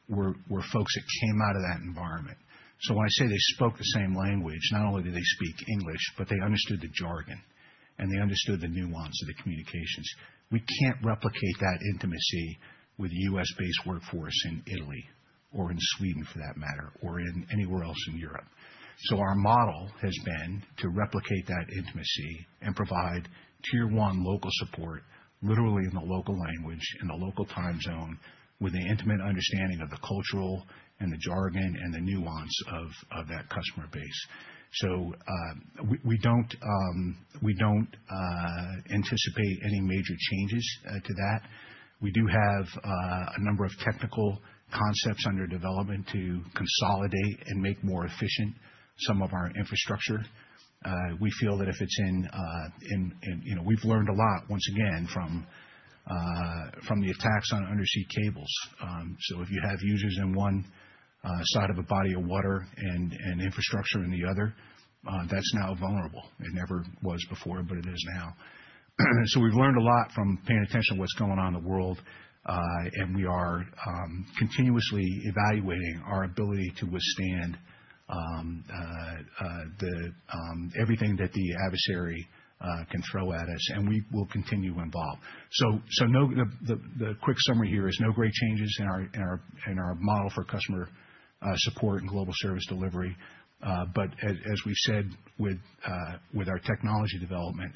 were folks that came out of that environment. So when I say they spoke the same language, not only did they speak English, but they understood the jargon and they understood the nuance of the communications. We can't replicate that intimacy with a U.S.-based workforce in Italy or in Sweden, for that matter, or anywhere else in Europe. So our model has been to replicate that intimacy and provide tier one local support, literally in the local language, in the local time zone, with an intimate understanding of the cultural and the jargon and the nuance of that customer base. So we don't anticipate any major changes to that. We do have a number of technical concepts under development to consolidate and make more efficient some of our infrastructure. We feel that if it's in, in, in. You know, we've learned a lot, once again, from the attacks on undersea cables. So if you have users in one side of a body of water and infrastructure in the other, that's now vulnerable. It never was before, but it is now. So we've learned a lot from paying attention to what's going on in the world, and we are continuously evaluating our ability to withstand everything that the adversary can throw at us, and we will continue to evolve. So no, the quick summary here is no great changes in our model for customer support and global service delivery. But as we've said, with our technology development,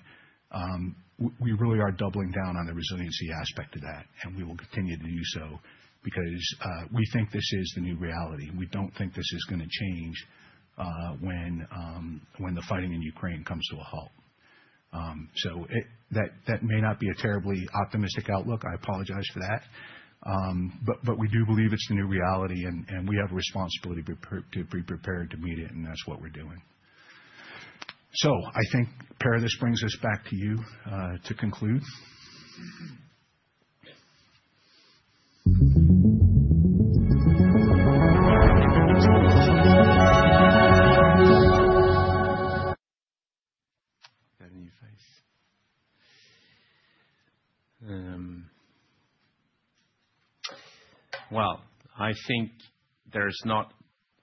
we really are doubling down on the resiliency aspect of that, and we will continue to do so because we think this is the new reality. We don't think this is gonna change when the fighting in Ukraine comes to a halt. So it may not be a terribly optimistic outlook, I apologize for that. We do believe it's the new reality, and we have a responsibility to be prepared to meet it, and that's what we're doing. I think, Per, this brings us back to you, to conclude. That new face. Well, I think there's not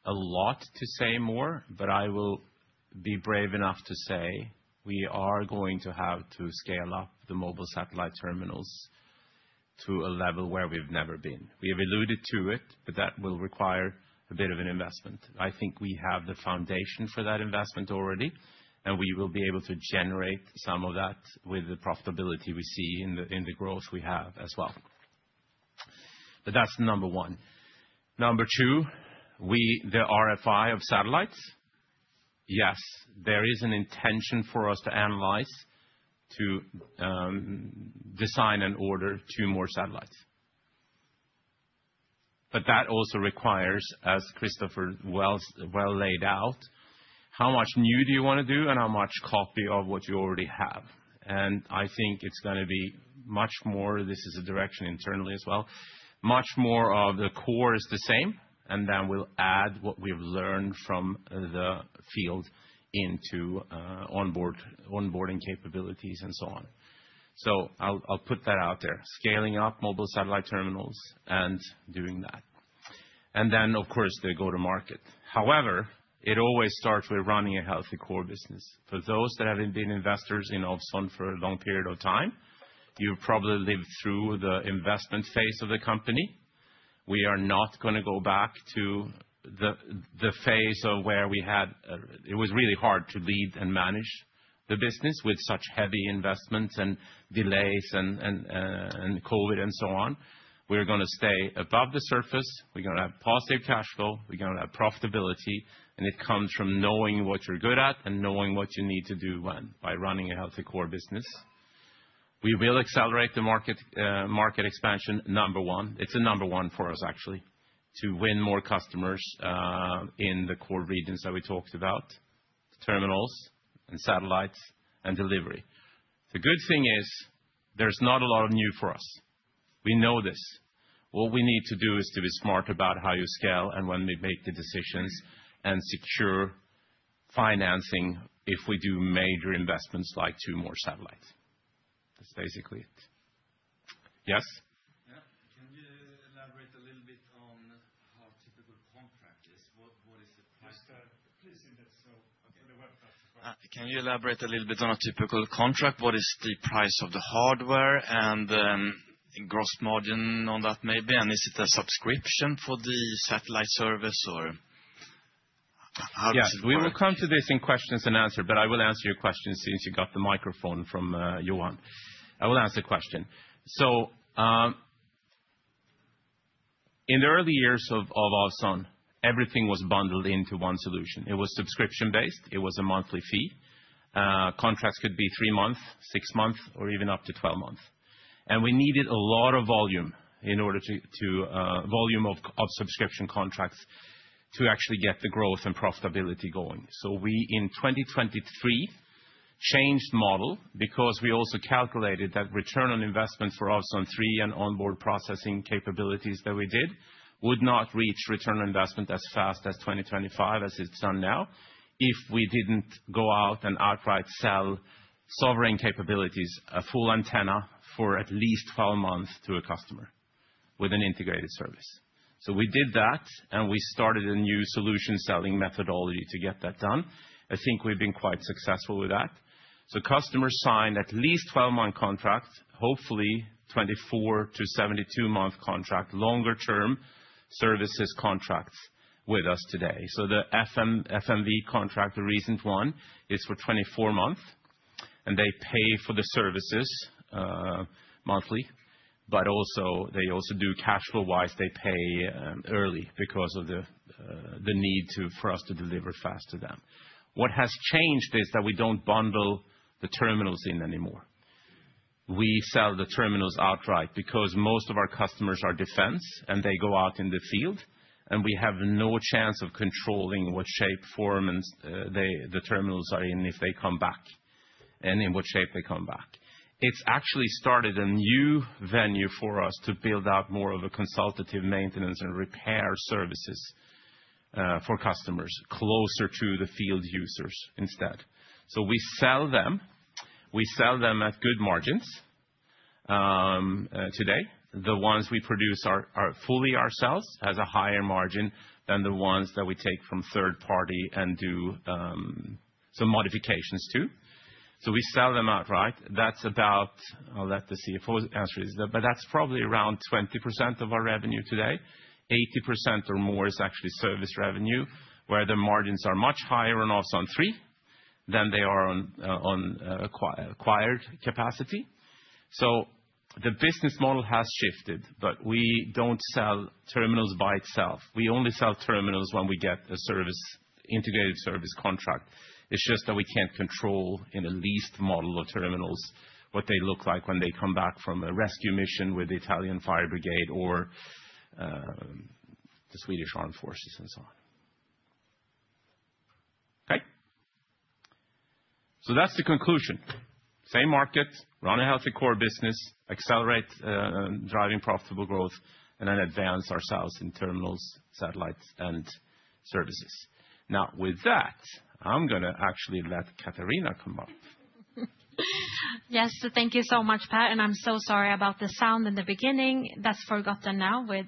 a lot to say more, but I will be brave enough to say: we are going to have to scale up the mobile satellite terminals to a level where we've never been. We have alluded to it, but that will require a bit of an investment. I think we have the foundation for that investment already, and we will be able to generate some of that with the profitability we see in the growth we have as well. But that's number one. Number two, we, the RFI of satellites. Yes, there is an intention for us to analyze, to, design and order two more satellites. But that also requires, as Kristofer Alm well laid out, how much new do you want to do, and how much copy of what you already have? And I think it's gonna be much more, this is a direction internally as well, much more of the core is the same, and then we'll add what we've learned from the field into onboard onboarding capabilities and so on. So I'll put that out there, scaling up mobile satellite terminals and doing that. And then, of course, the go-to-market. However, it always starts with running a healthy core business. For those that have been investors in Ovzon for a long period of time, you've probably lived through the investment phase of the company. We are not gonna go back to the phase of where we had. It was really hard to lead and manage the business with such heavy investments and delays and Covid and so on. We're gonna stay above the surface, we're gonna have positive cash flow, we're gonna have profitability, and it comes from knowing what you're good at and knowing what you need to do when, by running a healthy core business. We will accelerate the market, market expansion, number one. It's a number one for us, actually, to win more customers, in the core regions that we talked about, terminals and satellites and delivery. The good thing is, there's not a lot of new for us. We know this. What we need to do is to be smart about how you scale and when we make the decisions, and secure financing if we do major investments like two more satellites. That's basically it. Yes? Yeah. Can you elaborate a little bit on how typical contract is? What, what is the price- Please stand up, please in this, so I think the first question. Can you elaborate a little bit on a typical contract? What is the price of the hardware and, gross margin on that, maybe, and is it a subscription for the satellite service, or how does it work? Yes, we will come to this in questions and answer, but I will answer your question since you got the microphone from Johan. I will answer the question, so in the early years of Ovzon, everything was bundled into one solution. It was subscription-based, it was a monthly fee. Contracts could be three months, six months, or even up to twelve months, and we needed a lot of volume in order to volume of subscription contracts to actually get the growth and profitability going. We, in 2023, changed model because we also calculated that return on investment for Ovzon 3 and onboard processing capabilities that we did, would not reach return on investment as fast as 2025 as it's done now, if we didn't go out and outright sell sovereign capabilities, a full antenna, for at least 12 months to a customer with an integrated service. We did that, and we started a new solution-selling methodology to get that done. I think we've been quite successful with that. Customers sign at least 12-month contracts, hopefully 24-72 month contract, longer-term services contracts with us today. So the FMV contract, the recent one, is for 24 months, and they pay for the services monthly, but also, they also do cash flow-wise, they pay early because of the need for us to deliver fast to them. What has changed is that we don't bundle the terminals in anymore. We sell the terminals outright because most of our customers are defense, and they go out in the field, and we have no chance of controlling what shape, form, and the terminals are in if they come back, and in what shape they come back. It's actually started a new avenue for us to build out more of a consultative maintenance and repair services for customers closer to the field users instead. So we sell them, we sell them at good margins. Today, the ones we produce are fully ourselves, has a higher margin than the ones that we take from third party and do some modifications to. So we sell them outright. That's about... I'll let the CFO answer this, but that's probably around 20% of our revenue today. 80% or more is actually service revenue, where the margins are much higher and also on three than they are on acquired capacity. So the business model has shifted, but we don't sell terminals by itself. We only sell terminals when we get a service, integrated service contract. It's just that we can't control in a leased model of terminals, what they look like when they come back from a rescue mission with the Italian fire brigade or the Swedish Armed Forces and so on. Okay. So that's the conclusion. Same market, run a healthy core business, accelerate driving profitable growth, and then advance ourselves in terminals, satellites, and services. Now, with that, I'm gonna actually let Katarina come up. Yes, so thank you so much, Per, and I'm so sorry about the sound in the beginning. That's forgotten now with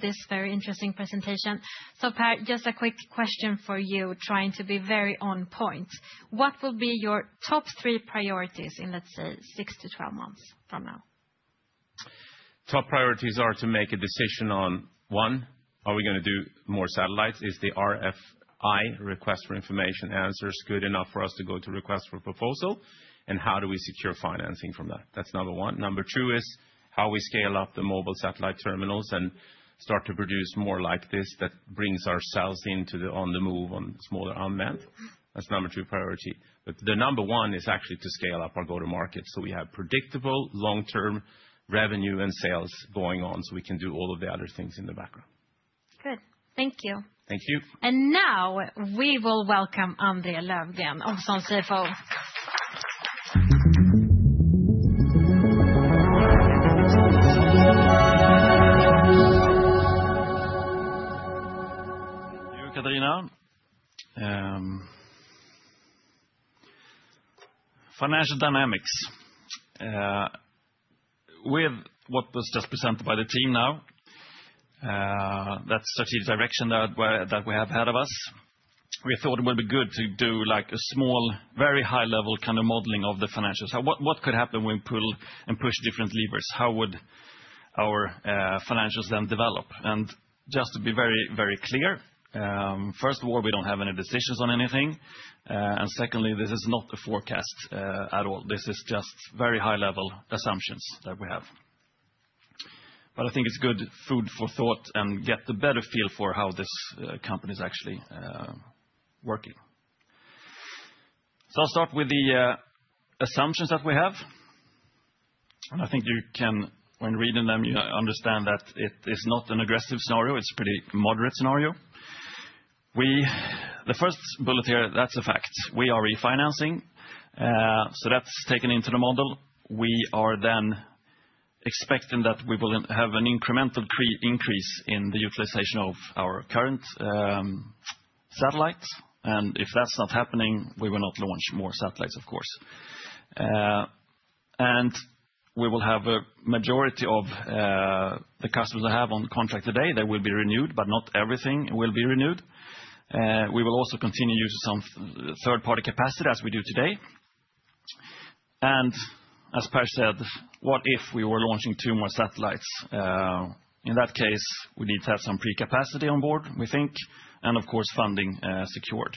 this very interesting presentation so Per, just a quick question for you, trying to be very on point. What will be your top three priorities in, let's say, six to 12 months from now? Top priorities are to make a decision on, one, are we gonna do more satellites? Is the RFI, request for information, answers good enough for us to go to request for proposal, and how do we secure financing from that? That's number one. Number two is how we scale up the mobile satellite terminals and start to produce more like this that brings ourselves into the On-the-Move on smaller unmanned. That's number two priority. But the number one is actually to scale up our go-to-market, so we have predictable long-term revenue and sales going on, so we can do all of the other things in the background. Good. Thank you. Thank you. Now, we will welcome Andreas Löfgren, our CFO. Thank you, Katarina. Financial dynamics. With what was just presented by the team now, that strategic direction that we have ahead of us, we thought it would be good to do, like, a small, very high-level kind of modeling of the financials. So what could happen when we pull and push different levers? How would our financials then develop? And just to be very, very clear, first of all, we don't have any decisions on anything, and secondly, this is not a forecast at all. This is just very high-level assumptions that we have. But I think it's good food for thought and get a better feel for how this company is actually working. So I'll start with the assumptions that we have, and I think you can, when reading them, you understand that it is not an aggressive scenario. It's a pretty moderate scenario. The first bullet here, that's a fact. We are refinancing, so that's taken into the model. We are then expecting that we will have an incremental pre-increase in the utilization of our current satellites, and if that's not happening, we will not launch more satellites, of course. And we will have a majority of the customers I have on contract today, they will be renewed, but not everything will be renewed. We will also continue to use some third-party capacity as we do today. And as Per said, what if we were launching two more satellites? In that case, we need to have some pre-capacity on board, we think, and of course, funding secured.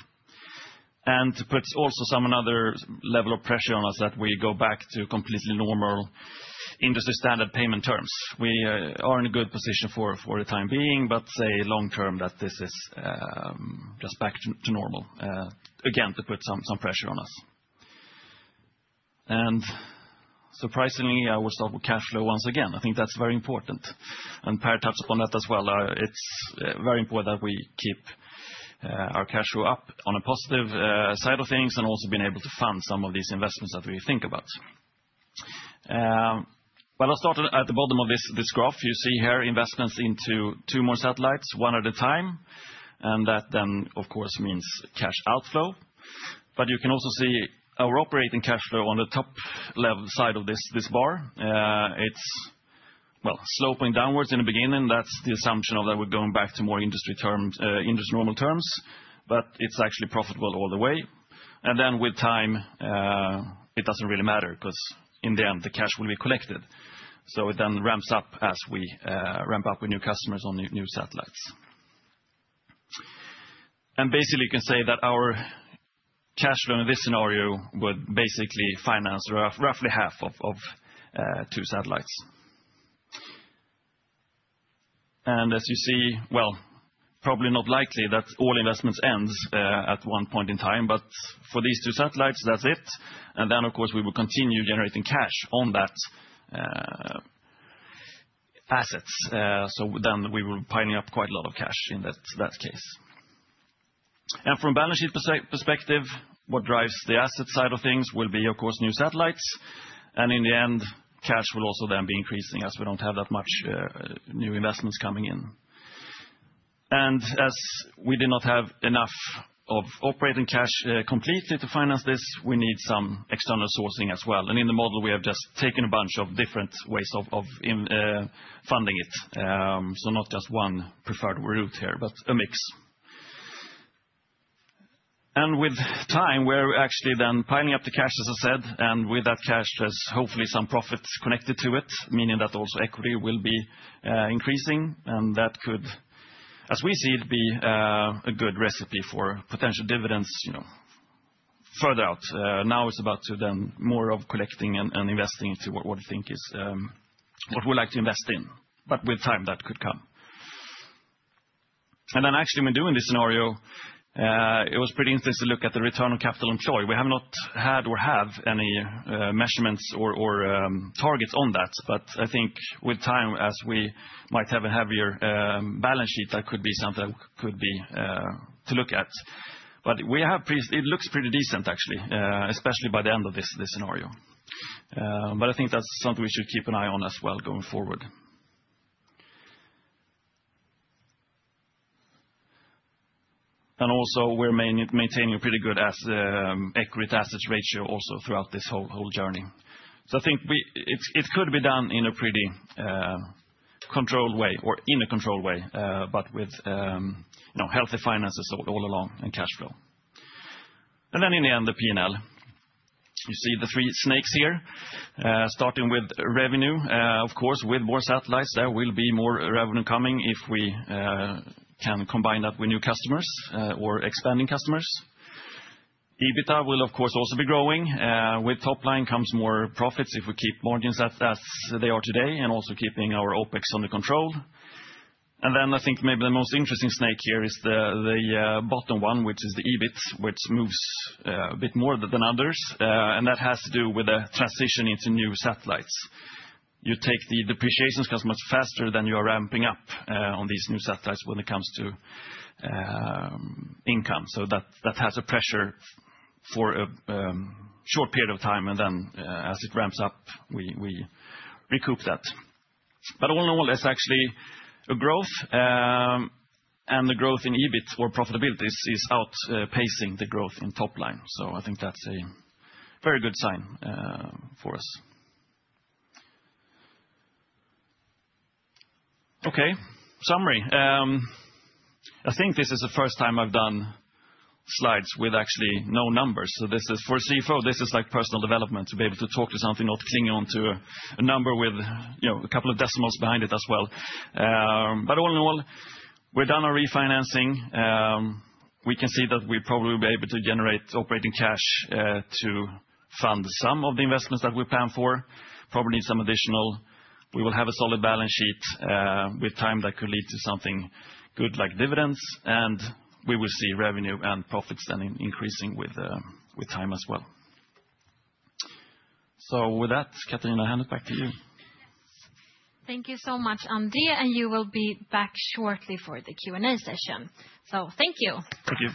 And to put also some another level of pressure on us, that we go back to completely normal industry-standard payment terms. We are in a good position for the time being, but say long-term, that this is just back to normal again, to put some pressure on us. And surprisingly, I will start with cash flow once again. I think that's very important. And Per touched upon that as well. It's very important that we keep our cash flow up on a positive side of things and also being able to fund some of these investments that we think about. But I'll start at the bottom of this graph. You see here investments into two more satellites, one at a time, and that then, of course, means cash outflow, but you can also see our operating cash flow on the top left side of this bar. Well, it's sloping downwards in the beginning, that's the assumption of that we're going back to more industry terms, industry normal terms, but it's actually profitable all the way, and then with time, it doesn't really matter, 'cause in the end, the cash will be collected, so it then ramps up as we ramp up with new customers on the new satellites, and basically, you can say that our cash flow in this scenario would basically finance roughly half of two satellites. As you see, well, probably not likely that all investments ends at one point in time, but for these two satellites, that's it. Then, of course, we will continue generating cash on that assets. So then we were piling up quite a lot of cash in that case. From a balance sheet perspective, what drives the asset side of things will be, of course, new satellites, and in the end, cash will also then be increasing as we don't have that much new investments coming in. As we did not have enough of operating cash completely to finance this, we need some external sourcing as well. In the model, we have just taken a bunch of different ways of funding it. So not just one preferred route here, but a mix. And with time, we're actually then piling up the cash, as I said, and with that cash, there's hopefully some profits connected to it, meaning that also equity will be increasing, and that could, as we see it, be a good recipe for potential dividends, you know, further out. Now it's about to then more of collecting and investing into what we think is what we like to invest in, but with time, that could come. And then actually, when doing this scenario, it was pretty interesting to look at the return on capital employed. We have not had or have any measurements or targets on that, but I think with time, as we might have a heavier balance sheet, that could be something to look at. It looks pretty decent, actually, especially by the end of this scenario. But I think that's something we should keep an eye on as well going forward. And also, we're maintaining a pretty good asset equity-to-assets ratio also throughout this whole journey. So I think we... It could be done in a pretty controlled way or in a controlled way, but with you know, healthy finances all along in cash flow. And then in the end, the P&L. You see the three snakes here, starting with revenue. Of course, with more satellites, there will be more revenue coming if we can combine that with new customers or expanding customers. EBITDA will, of course, also be growing. With top line comes more profits if we keep margins as they are today, and also keeping our OPEX under control. And then I think maybe the most interesting snag here is the bottom one, which is the EBIT, which moves a bit more than others, and that has to do with the transition into new satellites. You take the depreciation costs much faster than you are ramping up on these new satellites when it comes to income, so that has a pressure for a short period of time, and then as it ramps up, we recoup that. But all in all, there's actually a growth, and the growth in EBIT or profitability is outpacing the growth in top line, so I think that's a very good sign for us. Okay, summary. I think this is the first time I've done slides with actually no numbers, so this is... For a CFO, this is like personal development, to be able to talk to something, not clinging on to a number with, you know, a couple of decimals behind it as well. But all in all, we're done our refinancing. We can see that we probably will be able to generate operating cash to fund some of the investments that we plan for. Probably need some additional. We will have a solid balance sheet. With time, that could lead to something good, like dividends, and we will see revenue and profits then increasing with time as well. So with that, Katarina, I hand it back to you. Thank you so much, Andi, and you will be back shortly for the Q&A session, so thank you. Thank you.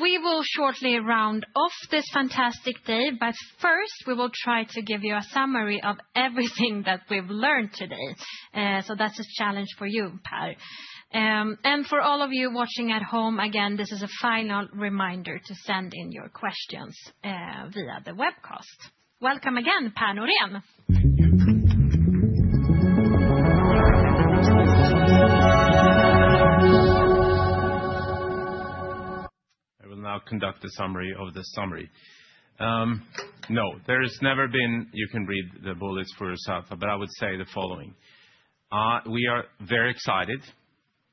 We will shortly round off this fantastic day, but first, we will try to give you a summary of everything that we've learned today. That's a challenge for you, Per. For all of you watching at home, again, this is a final reminder to send in your questions via the webcast. Welcome again, Per Norén. I will now conduct a summary of the summary. No, there has never been... You can read the bullets for yourself, but I would say the following: We are very excited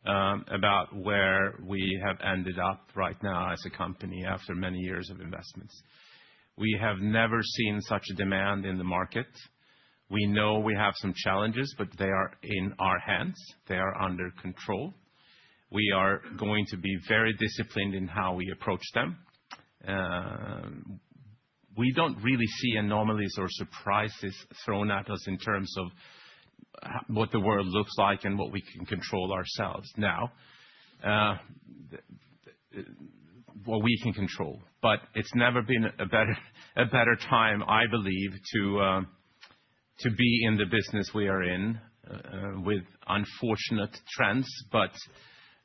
about where we have ended up right now as a company after many years of investments. We have never seen such a demand in the market. We know we have some challenges, but they are in our hands, they are under control. We are going to be very disciplined in how we approach them. We don't really see anomalies or surprises thrown at us in terms of what the world looks like and what we can control ourselves now. What we can control, but it's never been a better time, I believe, to... To be in the business we are in with unfortunate trends, but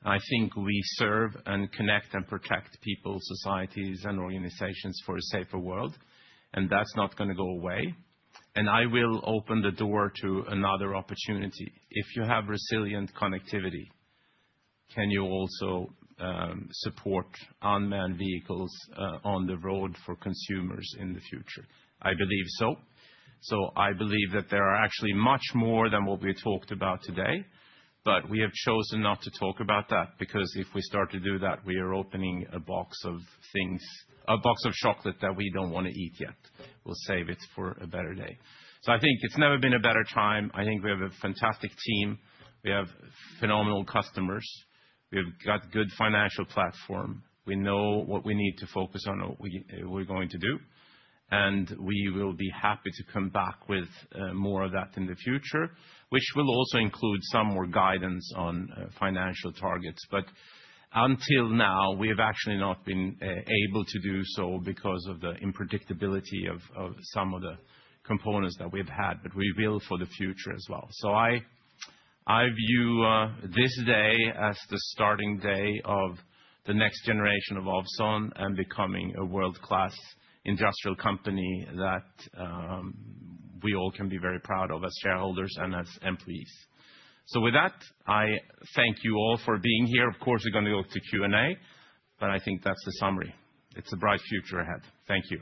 I think we serve, and connect, and protect people, societies, and organizations for a safer world, and that's not gonna go away. I will open the door to another opportunity. If you have resilient connectivity, can you also support unmanned vehicles on the road for consumers in the future? I believe so. I believe that there are actually much more than what we talked about today, but we have chosen not to talk about that, because if we start to do that, we are opening a box of things, a box of chocolate that we don't wanna eat yet. We'll save it for a better day. I think it's never been a better time. I think we have a fantastic team. We have phenomenal customers. We've got good financial platform. We know what we need to focus on, and what we're going to do, and we will be happy to come back with more of that in the future, which will also include some more guidance on financial targets. But until now, we have actually not been able to do so because of the unpredictability of some of the components that we've had, but we will for the future as well. So I view this day as the starting day of the next generation of Ovzon, and becoming a world-class industrial company that we all can be very proud of as shareholders and as employees. So with that, I thank you all for being here. Of course, we're gonna go to Q&A, but I think that's the summary. It's a bright future ahead. Thank you.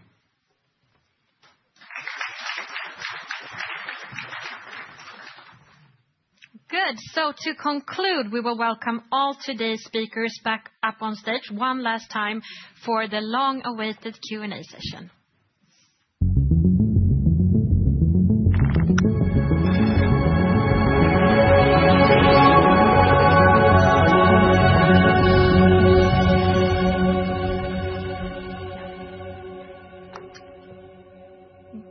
Good. So to conclude, we will welcome all today's speakers back up on stage one last time for the long-awaited Q&A session.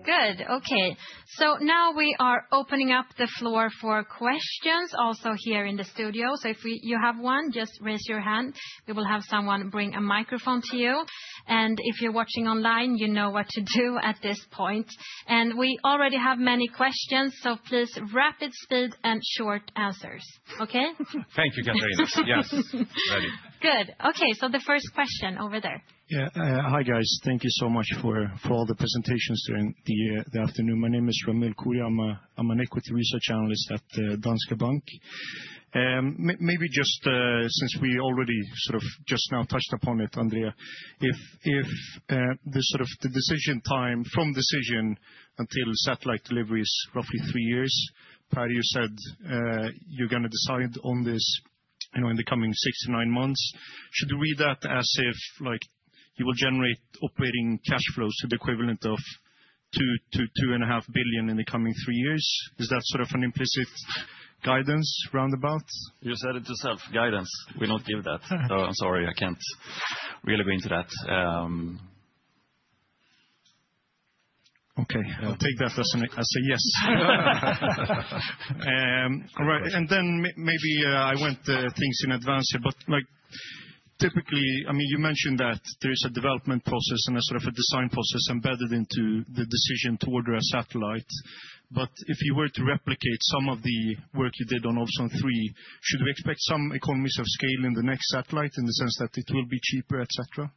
Good. Okay, so now we are opening up the floor for questions, also here in the studio. You have one, just raise your hand, we will have someone bring a microphone to you. And if you're watching online, you know what to do at this point. And we already have many questions, so please, rapid speed and short answers. Okay? Thank you, Katarina. Yes. Good. Okay, so the first question over there. Yeah, hi, guys. Thank you so much for all the presentations during the afternoon. My name is Ramil Koria. I'm an equity research analyst at Danske Bank. Maybe just since we already sort of just now touched upon it, Andreas, if the sort of the decision time from decision until satellite delivery is roughly three years, Per, you said you're gonna decide on this, you know, in the coming six to nine months. Should we read that as if, like, you will generate operating cash flows to the equivalent of 2 billion-2.5 billion in the coming three years? Is that sort of an implicit guidance round about? You said it yourself, guidance. We don't give that. I'm sorry, I can't really go into that. Okay. Yeah. I'll take that as an, as a yes. All right, and then maybe I'm getting ahead of things here, but like, typically... I mean, you mentioned that there is a development process and a sort of a design process embedded into the decision to order a satellite. But if you were to replicate some of the work you did on Ovzon 3, should we expect some economies of scale in the next satellite, in the sense that it will be cheaper, et cetera?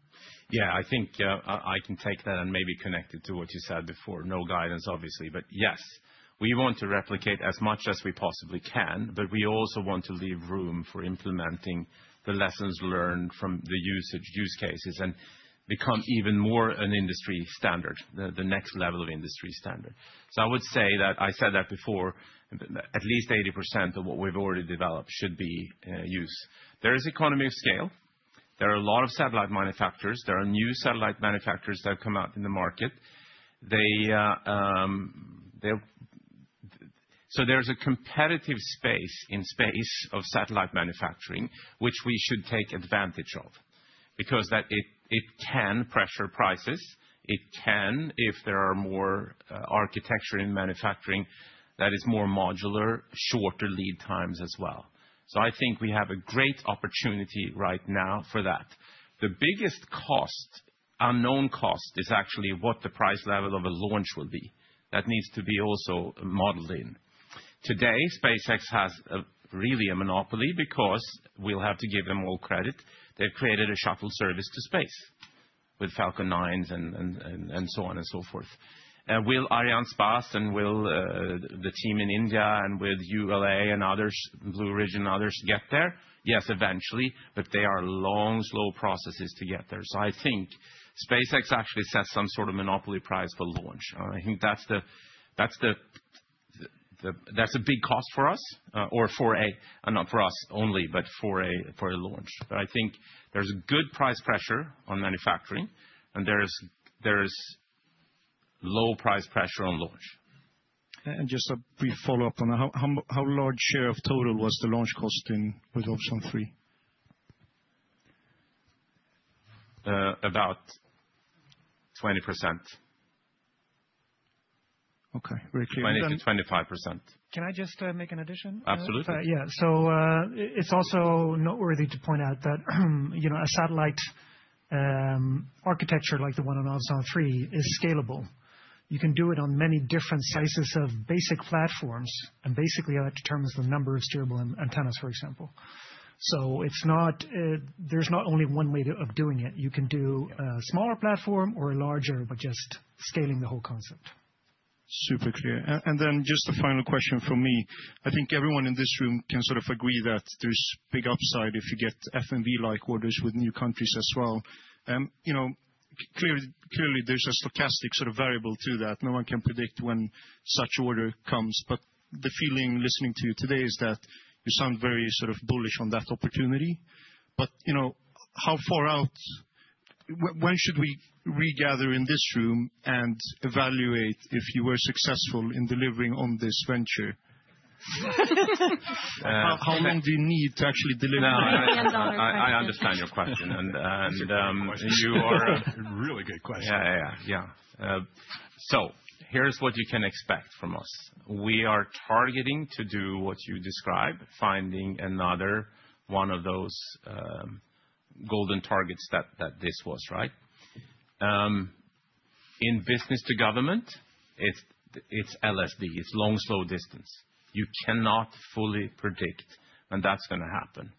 Yeah, I think, I, I can take that and maybe connect it to what you said before. No guidance, obviously. But yes, we want to replicate as much as we possibly can, but we also want to leave room for implementing the lessons learned from the usage, use cases, and become even more an industry standard, the next level of industry standard. So I would say that, I said that before, at least 80% of what we've already developed should be used. There is economy of scale. There are a lot of satellite manufacturers, there are new satellite manufacturers that come out in the market. So there's a competitive space in space of satellite manufacturing, which we should take advantage of, because that, it, it can pressure prices. It can, if there are more, architecture in manufacturing that is more modular, shorter lead times as well. So I think we have a great opportunity right now for that. The biggest cost, unknown cost, is actually what the price level of a launch will be. That needs to be also modeled in. Today, SpaceX has a really a monopoly, because we'll have to give them all credit. They've created a shuttle service to space with Falcon 9 and so on and so forth. Will Arianespace and the team in India, and with ULA and others, Blue Origin and others, get there? Yes, eventually, but they are long, slow processes to get there. So I think SpaceX actually sets some sort of monopoly price for launch. I think that's the... That's a big cost for us, or not for us only, but for a launch. But I think there's good price pressure on manufacturing, and there is low price pressure on launch. Just a brief follow-up on that. How large share of total was the launch cost in with Ovzon 3?... about 20%. Okay, very clear- 20%-25%. Can I just make an addition? Absolutely. Yeah, so, it's also noteworthy to point out that, you know, a satellite architecture, like the one on O3, is scalable. You can do it on many different sizes of basic platforms, and basically, how it determines the number of steerable antennas, for example. So it's not... There's not only one way of doing it. You can do a smaller platform or a larger, but just scaling the whole concept. Super clear. And then just a final question from me. I think everyone in this room can sort of agree that there's big upside if you get FMV-like orders with new countries as well. You know, clearly, there's a stochastic sort of variable to that. No one can predict when such order comes, but the feeling listening to you today is that you sound very sort of bullish on that opportunity. But you know, how far out? When should we regather in this room and evaluate if you were successful in delivering on this venture? How long do you need to actually deliver? I understand your question, and you are- A really good question. Yeah, yeah, yeah. So here's what you can expect from us. We are targeting to do what you described, finding another one of those golden targets that this was, right? In business to government, it's LSD, it's long, slow distance. You cannot fully predict when that's gonna happen.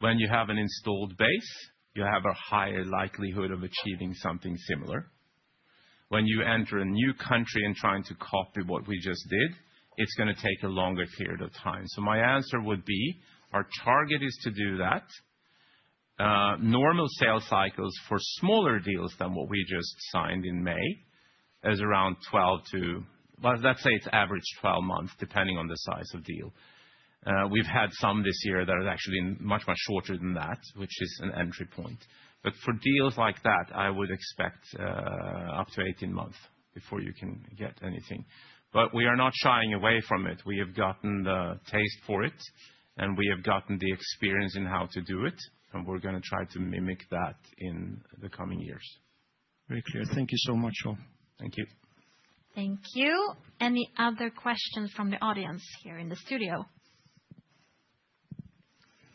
When you have an installed base, you have a higher likelihood of achieving something similar. When you enter a new country and trying to copy what we just did, it's gonna take a longer period of time. So my answer would be, our target is to do that. Normal sales cycles for smaller deals than what we just signed in May is around 12 to... Well, let's say it's average 12 months, depending on the size of deal. We've had some this year that are actually much, much shorter than that, which is an entry point. But for deals like that, I would expect up to eighteen months before you can get anything. But we are not shying away from it. We have gotten the taste for it, and we have gotten the experience in how to do it, and we're gonna try to mimic that in the coming years. Very clear. Thank you so much, all. Thank you. Thank you. Any other questions from the audience here in the studio?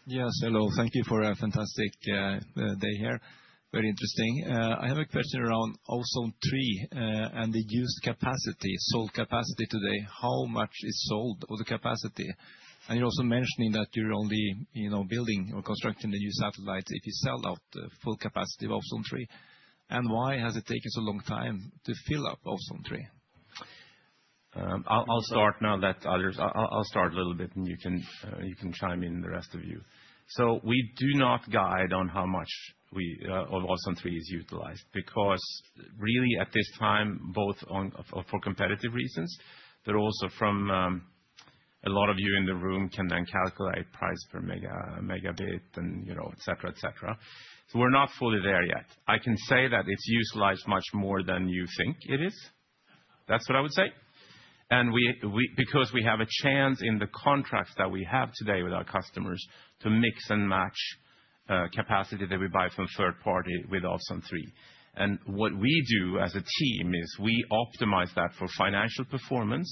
Yes, hello. Thank you for a fantastic day here. Very interesting. I have a question around O3 and the used capacity, sold capacity today. How much is sold of the capacity? And you're also mentioning that you're only, you know, building or constructing the new satellite, if you sell out the full capacity of O3. And why has it taken so long time to fill up O3? I'll start now that others... I'll start a little bit, and you can chime in, the rest of you. We do not guide on how much of O3 is utilized, because really, at this time, both for competitive reasons, but also from a lot of you in the room can then calculate price per megabit and, you know, et cetera. We're not fully there yet. I can say that it's utilized much more than you think it is. That's what I would say. And because we have a chance in the contracts that we have today with our customers to mix and match capacity that we buy from third party with O3. What we do as a team is we optimize that for financial performance,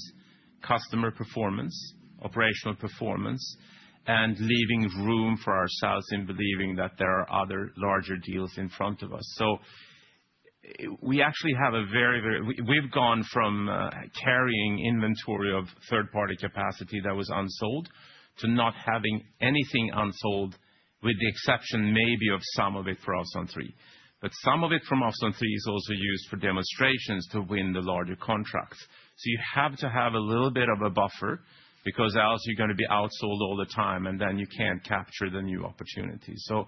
customer performance, operational performance, and leaving room for ourselves in believing that there are other larger deals in front of us. So we actually have a very, very. We've gone from carrying inventory of third-party capacity that was unsold, to not having anything unsold, with the exception maybe of some of it for O3. But some of it from O3 is also used for demonstrations to win the larger contracts. So you have to have a little bit of a buffer, because else you're gonna be outsold all the time, and then you can't capture the new opportunities. So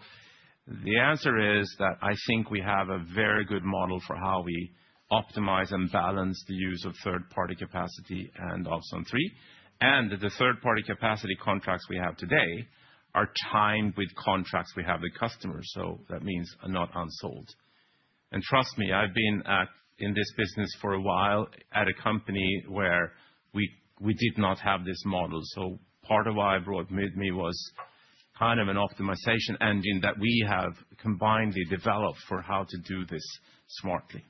the answer is that I think we have a very good model for how we optimize and balance the use of third-party capacity and O3. The third-party capacity contracts we have today are timed with contracts we have with customers, so that means they're not unsold. Trust me, I've been in this business for a while at a company where we did not have this model. Part of what I brought with me was kind of an optimization engine that we have combinedly developed for how to do this smartly.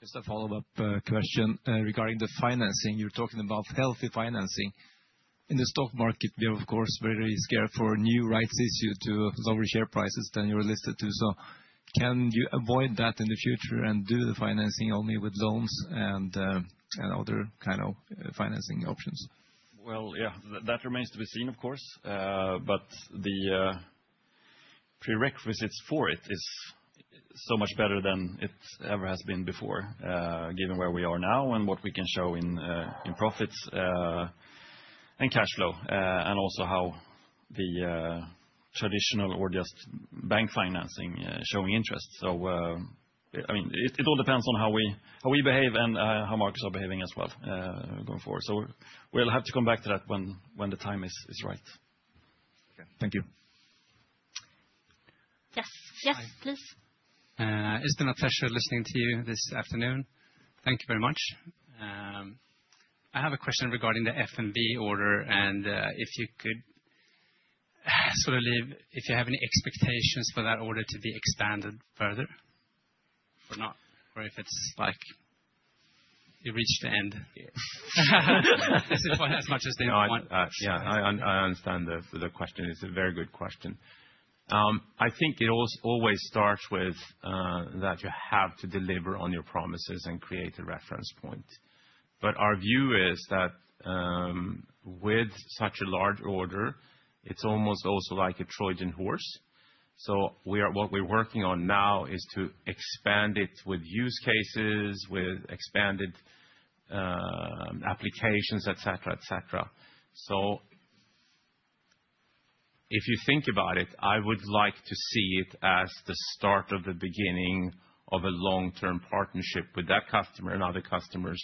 Just a follow-up question regarding the financing. You're talking about healthy financing. In the stock market, we are, of course, very scared for new rights issue to lower share prices than you are listed to. So can you avoid that in the future and do the financing only with loans and other kind of financing options? Well, yeah, that remains to be seen, of course. But the prerequisites for it is so much better than it ever has been before, given where we are now and what we can show in profits and cash flow, and also how the traditional or just bank financing showing interest. So, I mean, it all depends on how we behave and how markets are behaving as well, going forward. So we'll have to come back to that when the time is right. Okay. Thank you. Yes. Yes, please. It's been a pleasure listening to you this afternoon. Thank you very much. I have a question regarding the FMV order, and if you could sort of elaborate, if you have any expectations for that order to be expanded further or not, or if it's like you reached the end? Yes. As much as they want. Yeah, I understand the question. It's a very good question. I think it always starts with that you have to deliver on your promises and create a reference point. But our view is that with such a large order, it's almost also like a Trojan horse. So what we're working on now is to expand it with use cases, with expanded applications, et cetera, et cetera. So if you think about it, I would like to see it as the start of the beginning of a long-term partnership with that customer and other customers,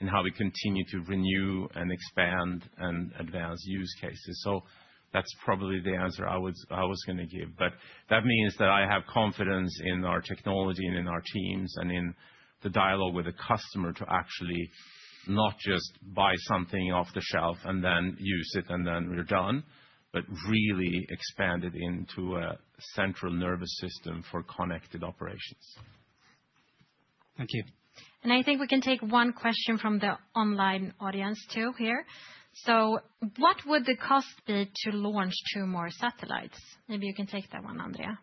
and how we continue to renew and expand and advance use cases. So that's probably the answer I was gonna give. But that means that I have confidence in our technology and in our teams, and in the dialogue with the customer to actually not just buy something off the shelf and then use it, and then we're done, but really expand it into a central nervous system for connected operations. Thank you. And I think we can take one question from the online audience, too, here. So what would the cost be to launch two more satellites? Maybe you can take that one, Andreas.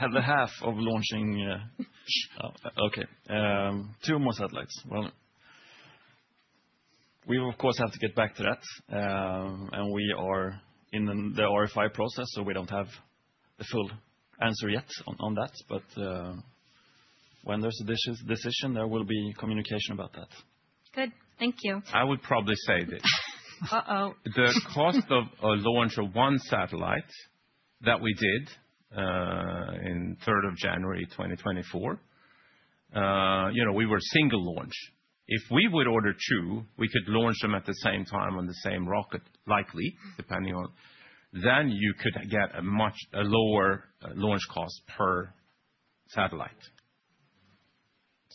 On behalf of launching, okay. Two more satellites. Well, we will, of course, have to get back to that. And we are in the RFI process, so we don't have the full answer yet on that. But when there's a decision, there will be communication about that. Good. Thank you. I would probably say this. Uh-oh. The cost of a launch of one satellite that we did in January 3, 2024, you know, we were single launch. If we would order two, we could launch them at the same time on the same rocket, likely, depending on... Then you could get a much lower launch cost per satellite.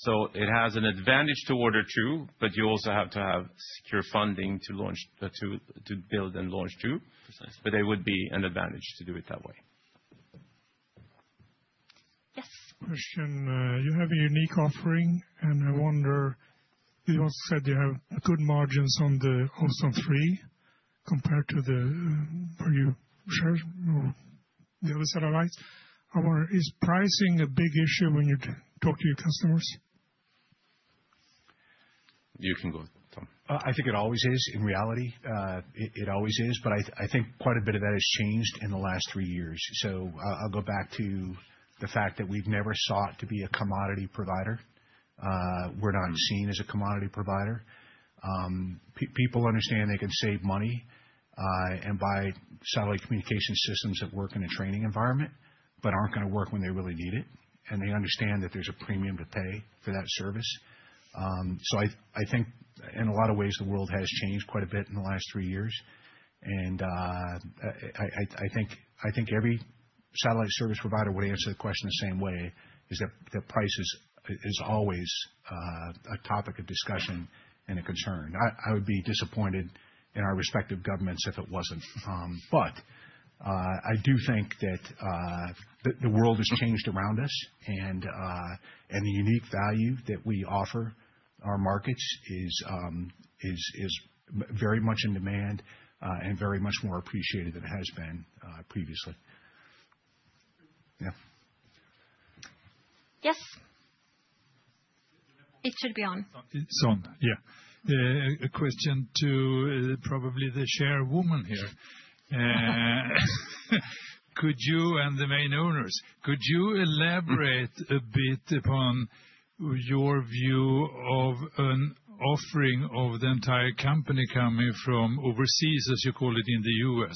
So it has an advantage to order two, but you also have to have secure funding to launch the two, to build and launch two. Precisely. But it would be an advantage to do it that way. Yes. Christian, you have a unique offering, and I wonder, you also said you have good margins on the Ovzon 3, compared to the previous sats or the other satellites. I wonder, is pricing a big issue when you talk to your customers? You can go, Tom. I think it always is. In reality, it always is, but I think quite a bit of that has changed in the last three years. So I'll go back to the fact that we've never sought to be a commodity provider. We're not seen as a commodity provider. People understand they can save money, and buy satellite communication systems that work in a training environment, but aren't gonna work when they really need it. And they understand that there's a premium to pay for that service. So I think in a lot of ways, the world has changed quite a bit in the last three years. I think every satellite service provider will answer the question the same way, is that the price is always a topic of discussion and a concern. I would be disappointed in our respective governments if it wasn't. But I do think that the world has changed around us, and the unique value that we offer our markets is very much in demand, and very much more appreciated than it has been previously. Yeah. Yes? It should be on. It's on, yeah. A question to probably the chairwoman here. Could you and the main owners elaborate a bit upon your view of an offering of the entire company coming from overseas, as you call it, in the US,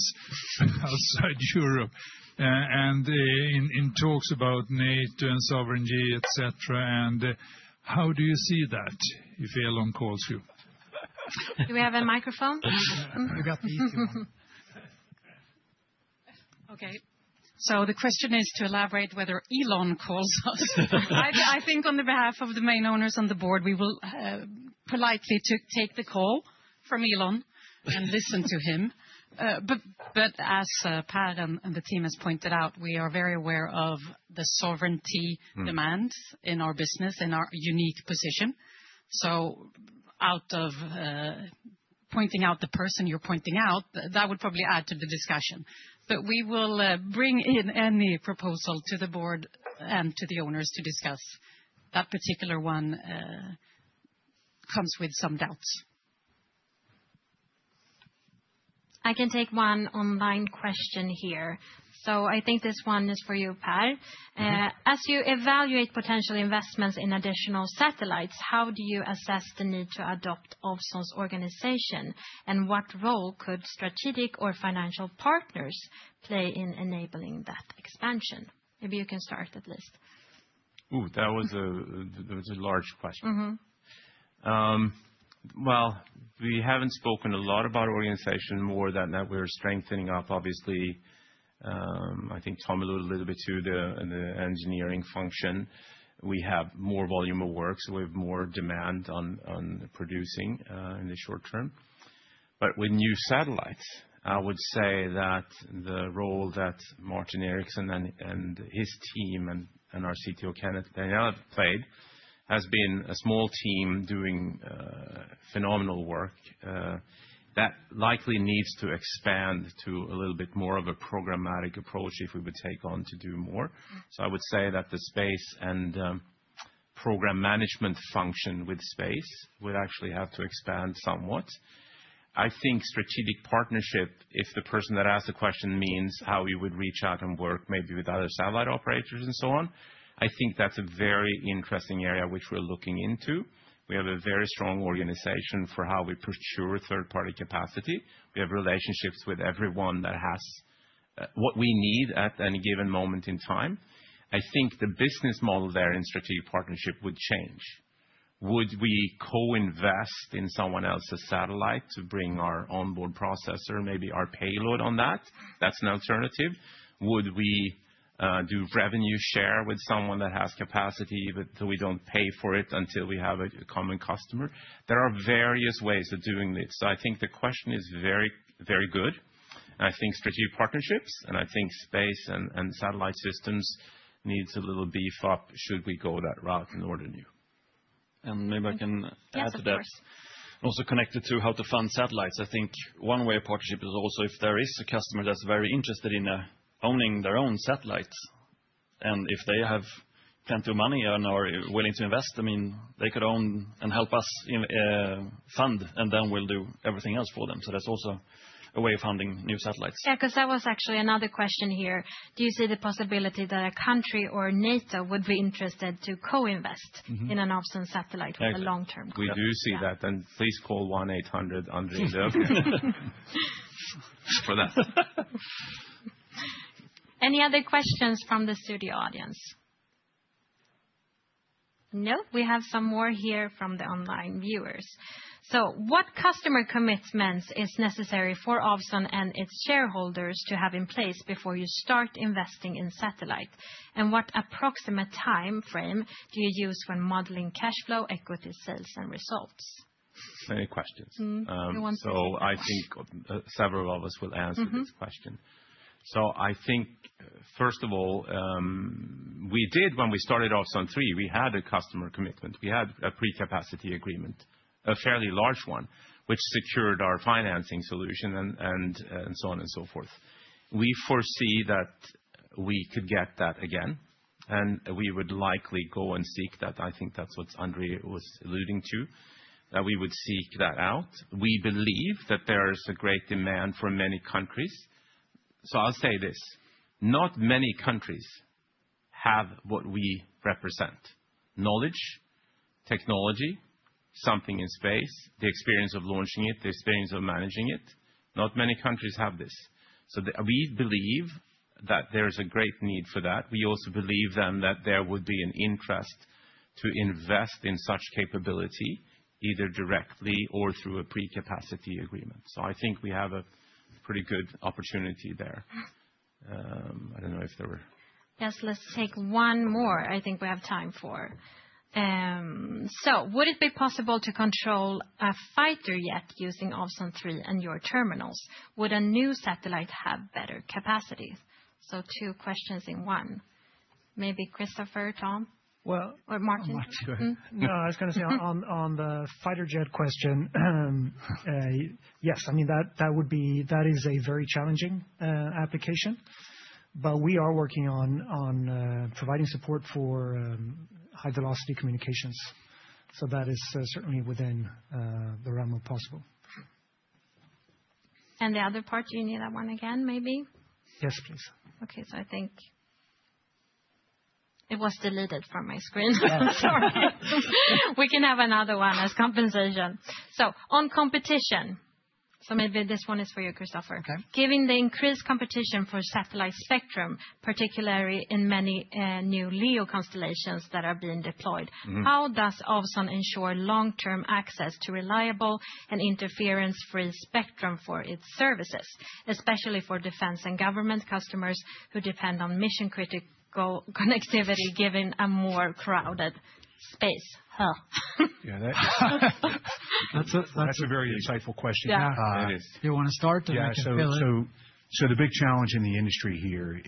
outside Europe, and in talks about NATO and sovereignty, et cetera, et cetera, and how do you see that if Elon calls you? Do we have a microphone? We got these. Okay, so the question is to elaborate whether Elon calls us? I think on behalf of the main owners on the board, we will politely take the call from Elon and listen to him. But as Per and the team has pointed out, we are very aware of the sovereignty demands in our business, in our unique position. So out of, pointing out the person you're pointing out, that would probably add to the discussion. But we will, bring in any proposal to the board and to the owners to discuss. That particular one, comes with some doubts. I can take one online question here. So I think this one is for you, Per. As you evaluate potential investments in additional satellites, how do you assess the need to adopt Ovzon's organization, and what role could strategic or financial partners play in enabling that expansion? Maybe you can start at least. Ooh, that was a large question. Mm-hmm. Well, we haven't spoken a lot about our organization more than that we're strengthening up, obviously. I think Tom alluded a little bit to the engineering function. We have more volume of work, so we have more demand on producing in the short term. But with new satellites, I would say that the role that Martin Eriksson and his team and our CTO, Kenneth Danielsson played, has been a small team doing phenomenal work. That likely needs to expand to a little bit more of a programmatic approach if we would take on to do more. So I would say that the space and program management function with space would actually have to expand somewhat. I think strategic partnership, if the person that asked the question means how we would reach out and work maybe with other satellite operators and so on, I think that's a very interesting area which we're looking into. We have a very strong organization for how we procure third-party capacity. We have relationships with everyone that has what we need at any given moment in time. I think the business model there in strategic partnership would change. Would we co-invest in someone else's satellite to bring our On-Board Processor, maybe our payload on that? That's an alternative. Would we do revenue share with someone that has capacity, but so we don't pay for it until we have a common customer? There are various ways of doing this. So, I think the question is very, very good, and I think strategic partnerships, and I think space and satellite systems needs a little beef up. Should we go that route in order new. And maybe I can add to that. Yes, of course. Also connected to how to fund satellites, I think one way of partnership is also if there is a customer that's very interested in owning their own satellites, and if they have plenty of money and are willing to invest, I mean, they could own and help us fund, and then we'll do everything else for them. So that's also a way of funding new satellites. Yeah, 'cause that was actually another question here. Do you see the possibility that a country or NATO would be interested to co-invest? Mm-hmm. in an Ovzon satellite with a long-term goal? We do see that, and please call 1-800-Andreas for that. Any other questions from the studio audience? No, we have some more here from the online viewers, so what customer commitments is necessary for Ovzon and its shareholders to have in place before you start investing in satellite? And what approximate timeframe do you use when modeling cash flow, equity, sales, and results? Many questions. Mm-hmm. You want to- So I think, several of us will answer- Mm-hmm... this question. So I think, first of all, we did when we started Ovzon 3, we had a customer commitment. We had a pre-capacity agreement, a fairly large one, which secured our financing solution and so on and so forth. We foresee that we could get that again, and we would likely go and seek that. I think that's what André was alluding to, that we would seek that out. We believe that there is a great demand from many countries. So I'll say this, not many countries have what we represent: knowledge, technology, something in space, the experience of launching it, the experience of managing it. Not many countries have this. We believe that there is a great need for that. We also believe then that there would be an interest to invest in such capability, either directly or through a pre-capacity agreement. I think we have a pretty good opportunity there. Mm. I don't know if there were... Yes, let's take one more, I think we have time for. So would it be possible to control a fighter jet using Ovzon 3 and your terminals? Would a new satellite have better capacity? So two questions in one. Maybe Kristofer, Tom? Or Martin? Martin, go ahead. No, I was gonna say on the fighter jet question, yes, I mean, that would be... That is a very challenging application, but we are working on providing support for high-velocity communications. So that is certainly within the realm of possible. And the other part, you need that one again, maybe? Yes, please. Okay, so I think it was deleted from my screen. I'm sorry. We can have another one as compensation. So on competition, so maybe this one is for you, Kristofer. Okay. Given the increased competition for satellite spectrum, particularly in many new LEO constellations that are being deployed- Mm. How does Ovzon ensure long-term access to reliable and interference-free spectrum for its services, especially for defense and government customers who depend on mission-critical connectivity, given a more crowded space? Oh. Yeah, that- That's That's a very insightful question. Yeah. It is. You wanna start, and I can fill in? Yeah, so the big challenge in the industry here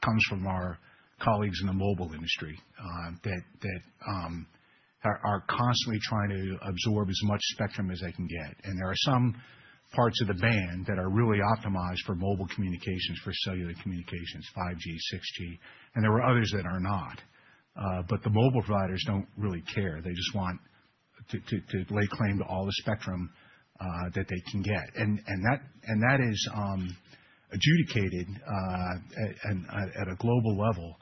comes from our colleagues in the mobile industry that are constantly trying to absorb as much spectrum as they can get. And there are some parts of the band that are really optimized for mobile communications, for cellular communications, 5G, 6G, and there are others that are not. But the mobile providers don't really care. They just want to lay claim to all the spectrum that they can get. And that is adjudicated at a global level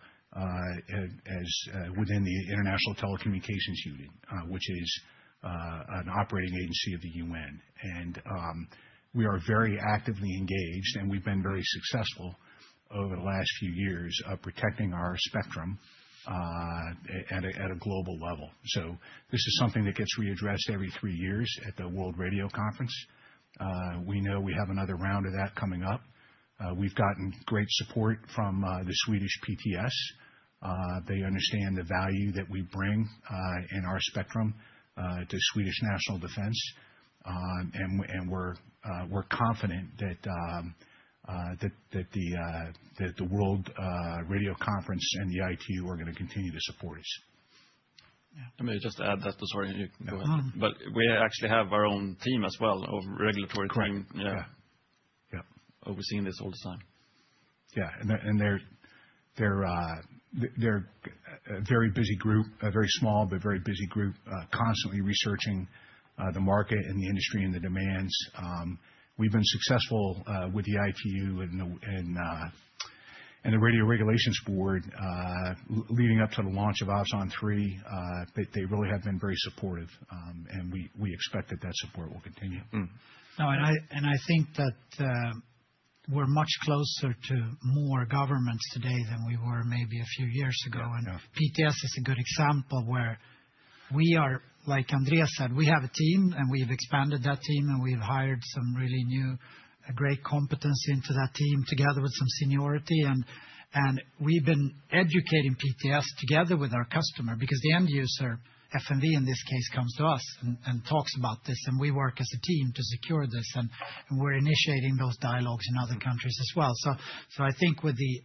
within the International Telecommunications Union, which is an operating agency of the UN. We are very actively engaged, and we've been very successful over the last few years of protecting our spectrum at a global level. So this is something that gets readdressed every three years at the World Radio Conference. We know we have another round of that coming up. We've gotten great support from the Swedish PTS. They understand the value that we bring in our spectrum to Swedish National Defense. And we're confident that the World Radio Conference and the ITU are gonna continue to support us. Yeah, let me just add that too, sorry. Go ahead. But we actually have our own team as well, of regulatory team. Correct. Yeah. Yeah. Yep. Overseeing this all the time. Yeah, and they're a very busy group, a very small, but very busy group, constantly researching the market and the industry and the demands. We've been successful with the ITU and the Radio Regulations Board, leading up to the launch of Ovzon 3. They really have been very supportive, and we expect that support will continue. Mm-hmm. No, and I think that we're much closer to more governments today than we were maybe a few years ago. Yeah, I know. PTS is a good example where we are. Like Andreas said, we have a team, and we've expanded that team, and we've hired some really new great competency into that team, together with some seniority. And we've been educating PTS together with our customer, because the end user, FMV, in this case, comes to us and talks about this, and we work as a team to secure this, and we're initiating those dialogues in other countries as well. So I think with the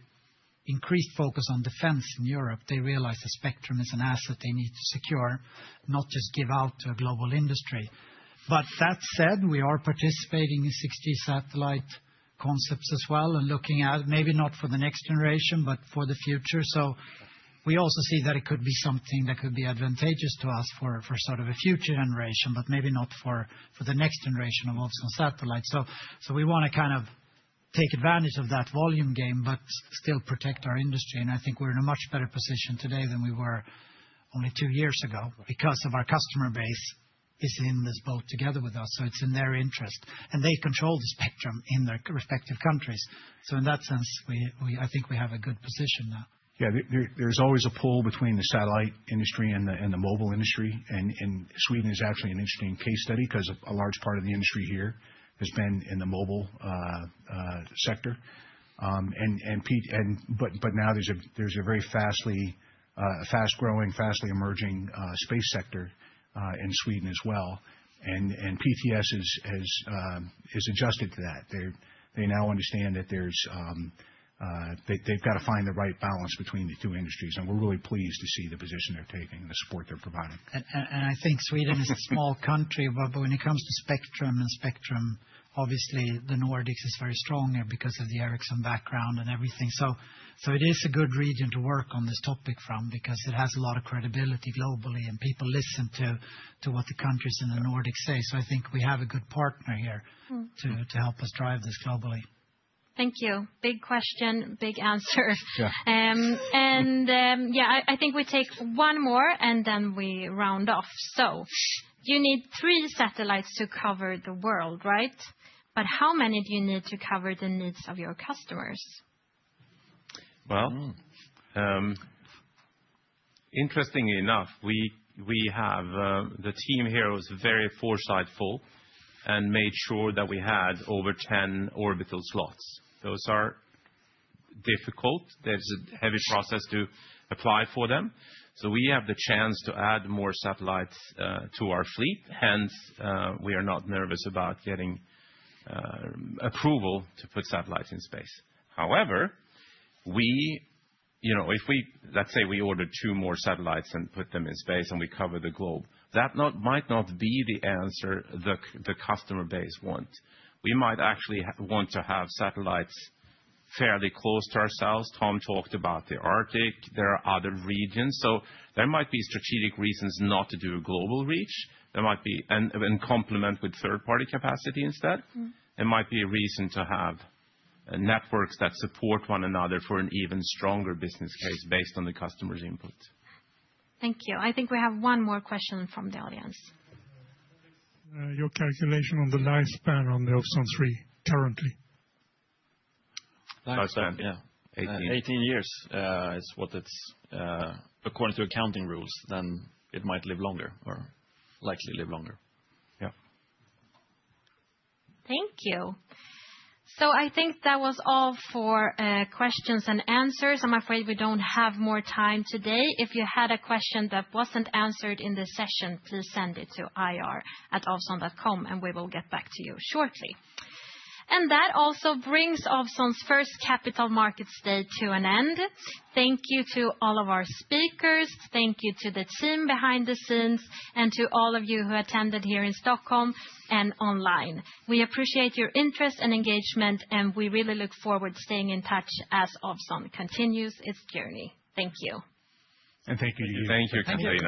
increased focus on defense in Europe, they realize that spectrum is an asset they need to secure, not just give out to a global industry. But that said, we are participating in sixty satellite concepts as well, and looking at maybe not for the next generation, but for the future. We also see that it could be something that could be advantageous to us for sort of a future generation, but maybe not for the next generation of Ovzon satellites. We wanna kind of take advantage of that volume game, but still protect our industry, and I think we're in a much better position today than we were only two years ago, because of our customer base is in this boat together with us, so it's in their interest. They control the spectrum in their respective countries. In that sense, I think we have a good position now. Yeah, there's always a pull between the satellite industry and the mobile industry. Sweden is actually an interesting case study, 'cause a large part of the industry here has been in the mobile sector. Now there's a very fast-growing, emerging space sector in Sweden as well. PTS has adjusted to that. They now understand that they've gotta find the right balance between the two industries, and we're really pleased to see the position they're taking and the support they're providing. And I think Sweden is a small country, but when it comes to spectrum, obviously the Nordics is very strong here because of the Ericsson background and everything. So it is a good region to work on this topic from, because it has a lot of credibility globally, and people listen to what the countries in the Nordics say. So I think we have a good partner here- Mm-hmm. -to, to help us drive this globally. Thank you. Big question, big answer. Sure. I think we take one more, and then we round off. So you need three satellites to cover the world, right? But how many do you need to cover the needs of your customers? Well- Mm. Interestingly enough, we have the team here was very foresightful and made sure that we had over 10 orbital slots. Those are difficult. There's a heavy process to apply for them. So we have the chance to add more satellites to our fleet. Hence, we are not nervous about getting approval to put satellites in space. However, you know, if we, let's say, we order two more satellites and put them in space, and we cover the globe, that might not be the answer the customer base want. We might actually want to have satellites fairly close to ourselves. Tom talked about the Arctic. There are other regions, so there might be strategic reasons not to do a global reach. There might be and complement with third-party capacity instead. Mm-hmm. There might be a reason to have networks that support one another for an even stronger business case based on the customer's input. Thank you. I think we have one more question from the audience. Your calculation on the lifespan on the Ovzon 3 currently? Lifespan? Lifespan. Yeah. Eighteen. 18 years is what it's according to accounting rules. Then it might live longer or likely live longer. Yeah. Thank you. So I think that was all for questions and answers. I'm afraid we don't have more time today. If you had a question that wasn't answered in this session, please send it to ir@ovzon.com, and we will get back to you shortly. And that also brings Ovzon's first Capital Markets Day to an end. Thank you to all of our speakers, thank you to the team behind the scenes, and to all of you who attended here in Stockholm and online. We appreciate your interest and engagement, and we really look forward to staying in touch as Ovzon continues its journey. Thank you. Thank you. Thank you, Katarina.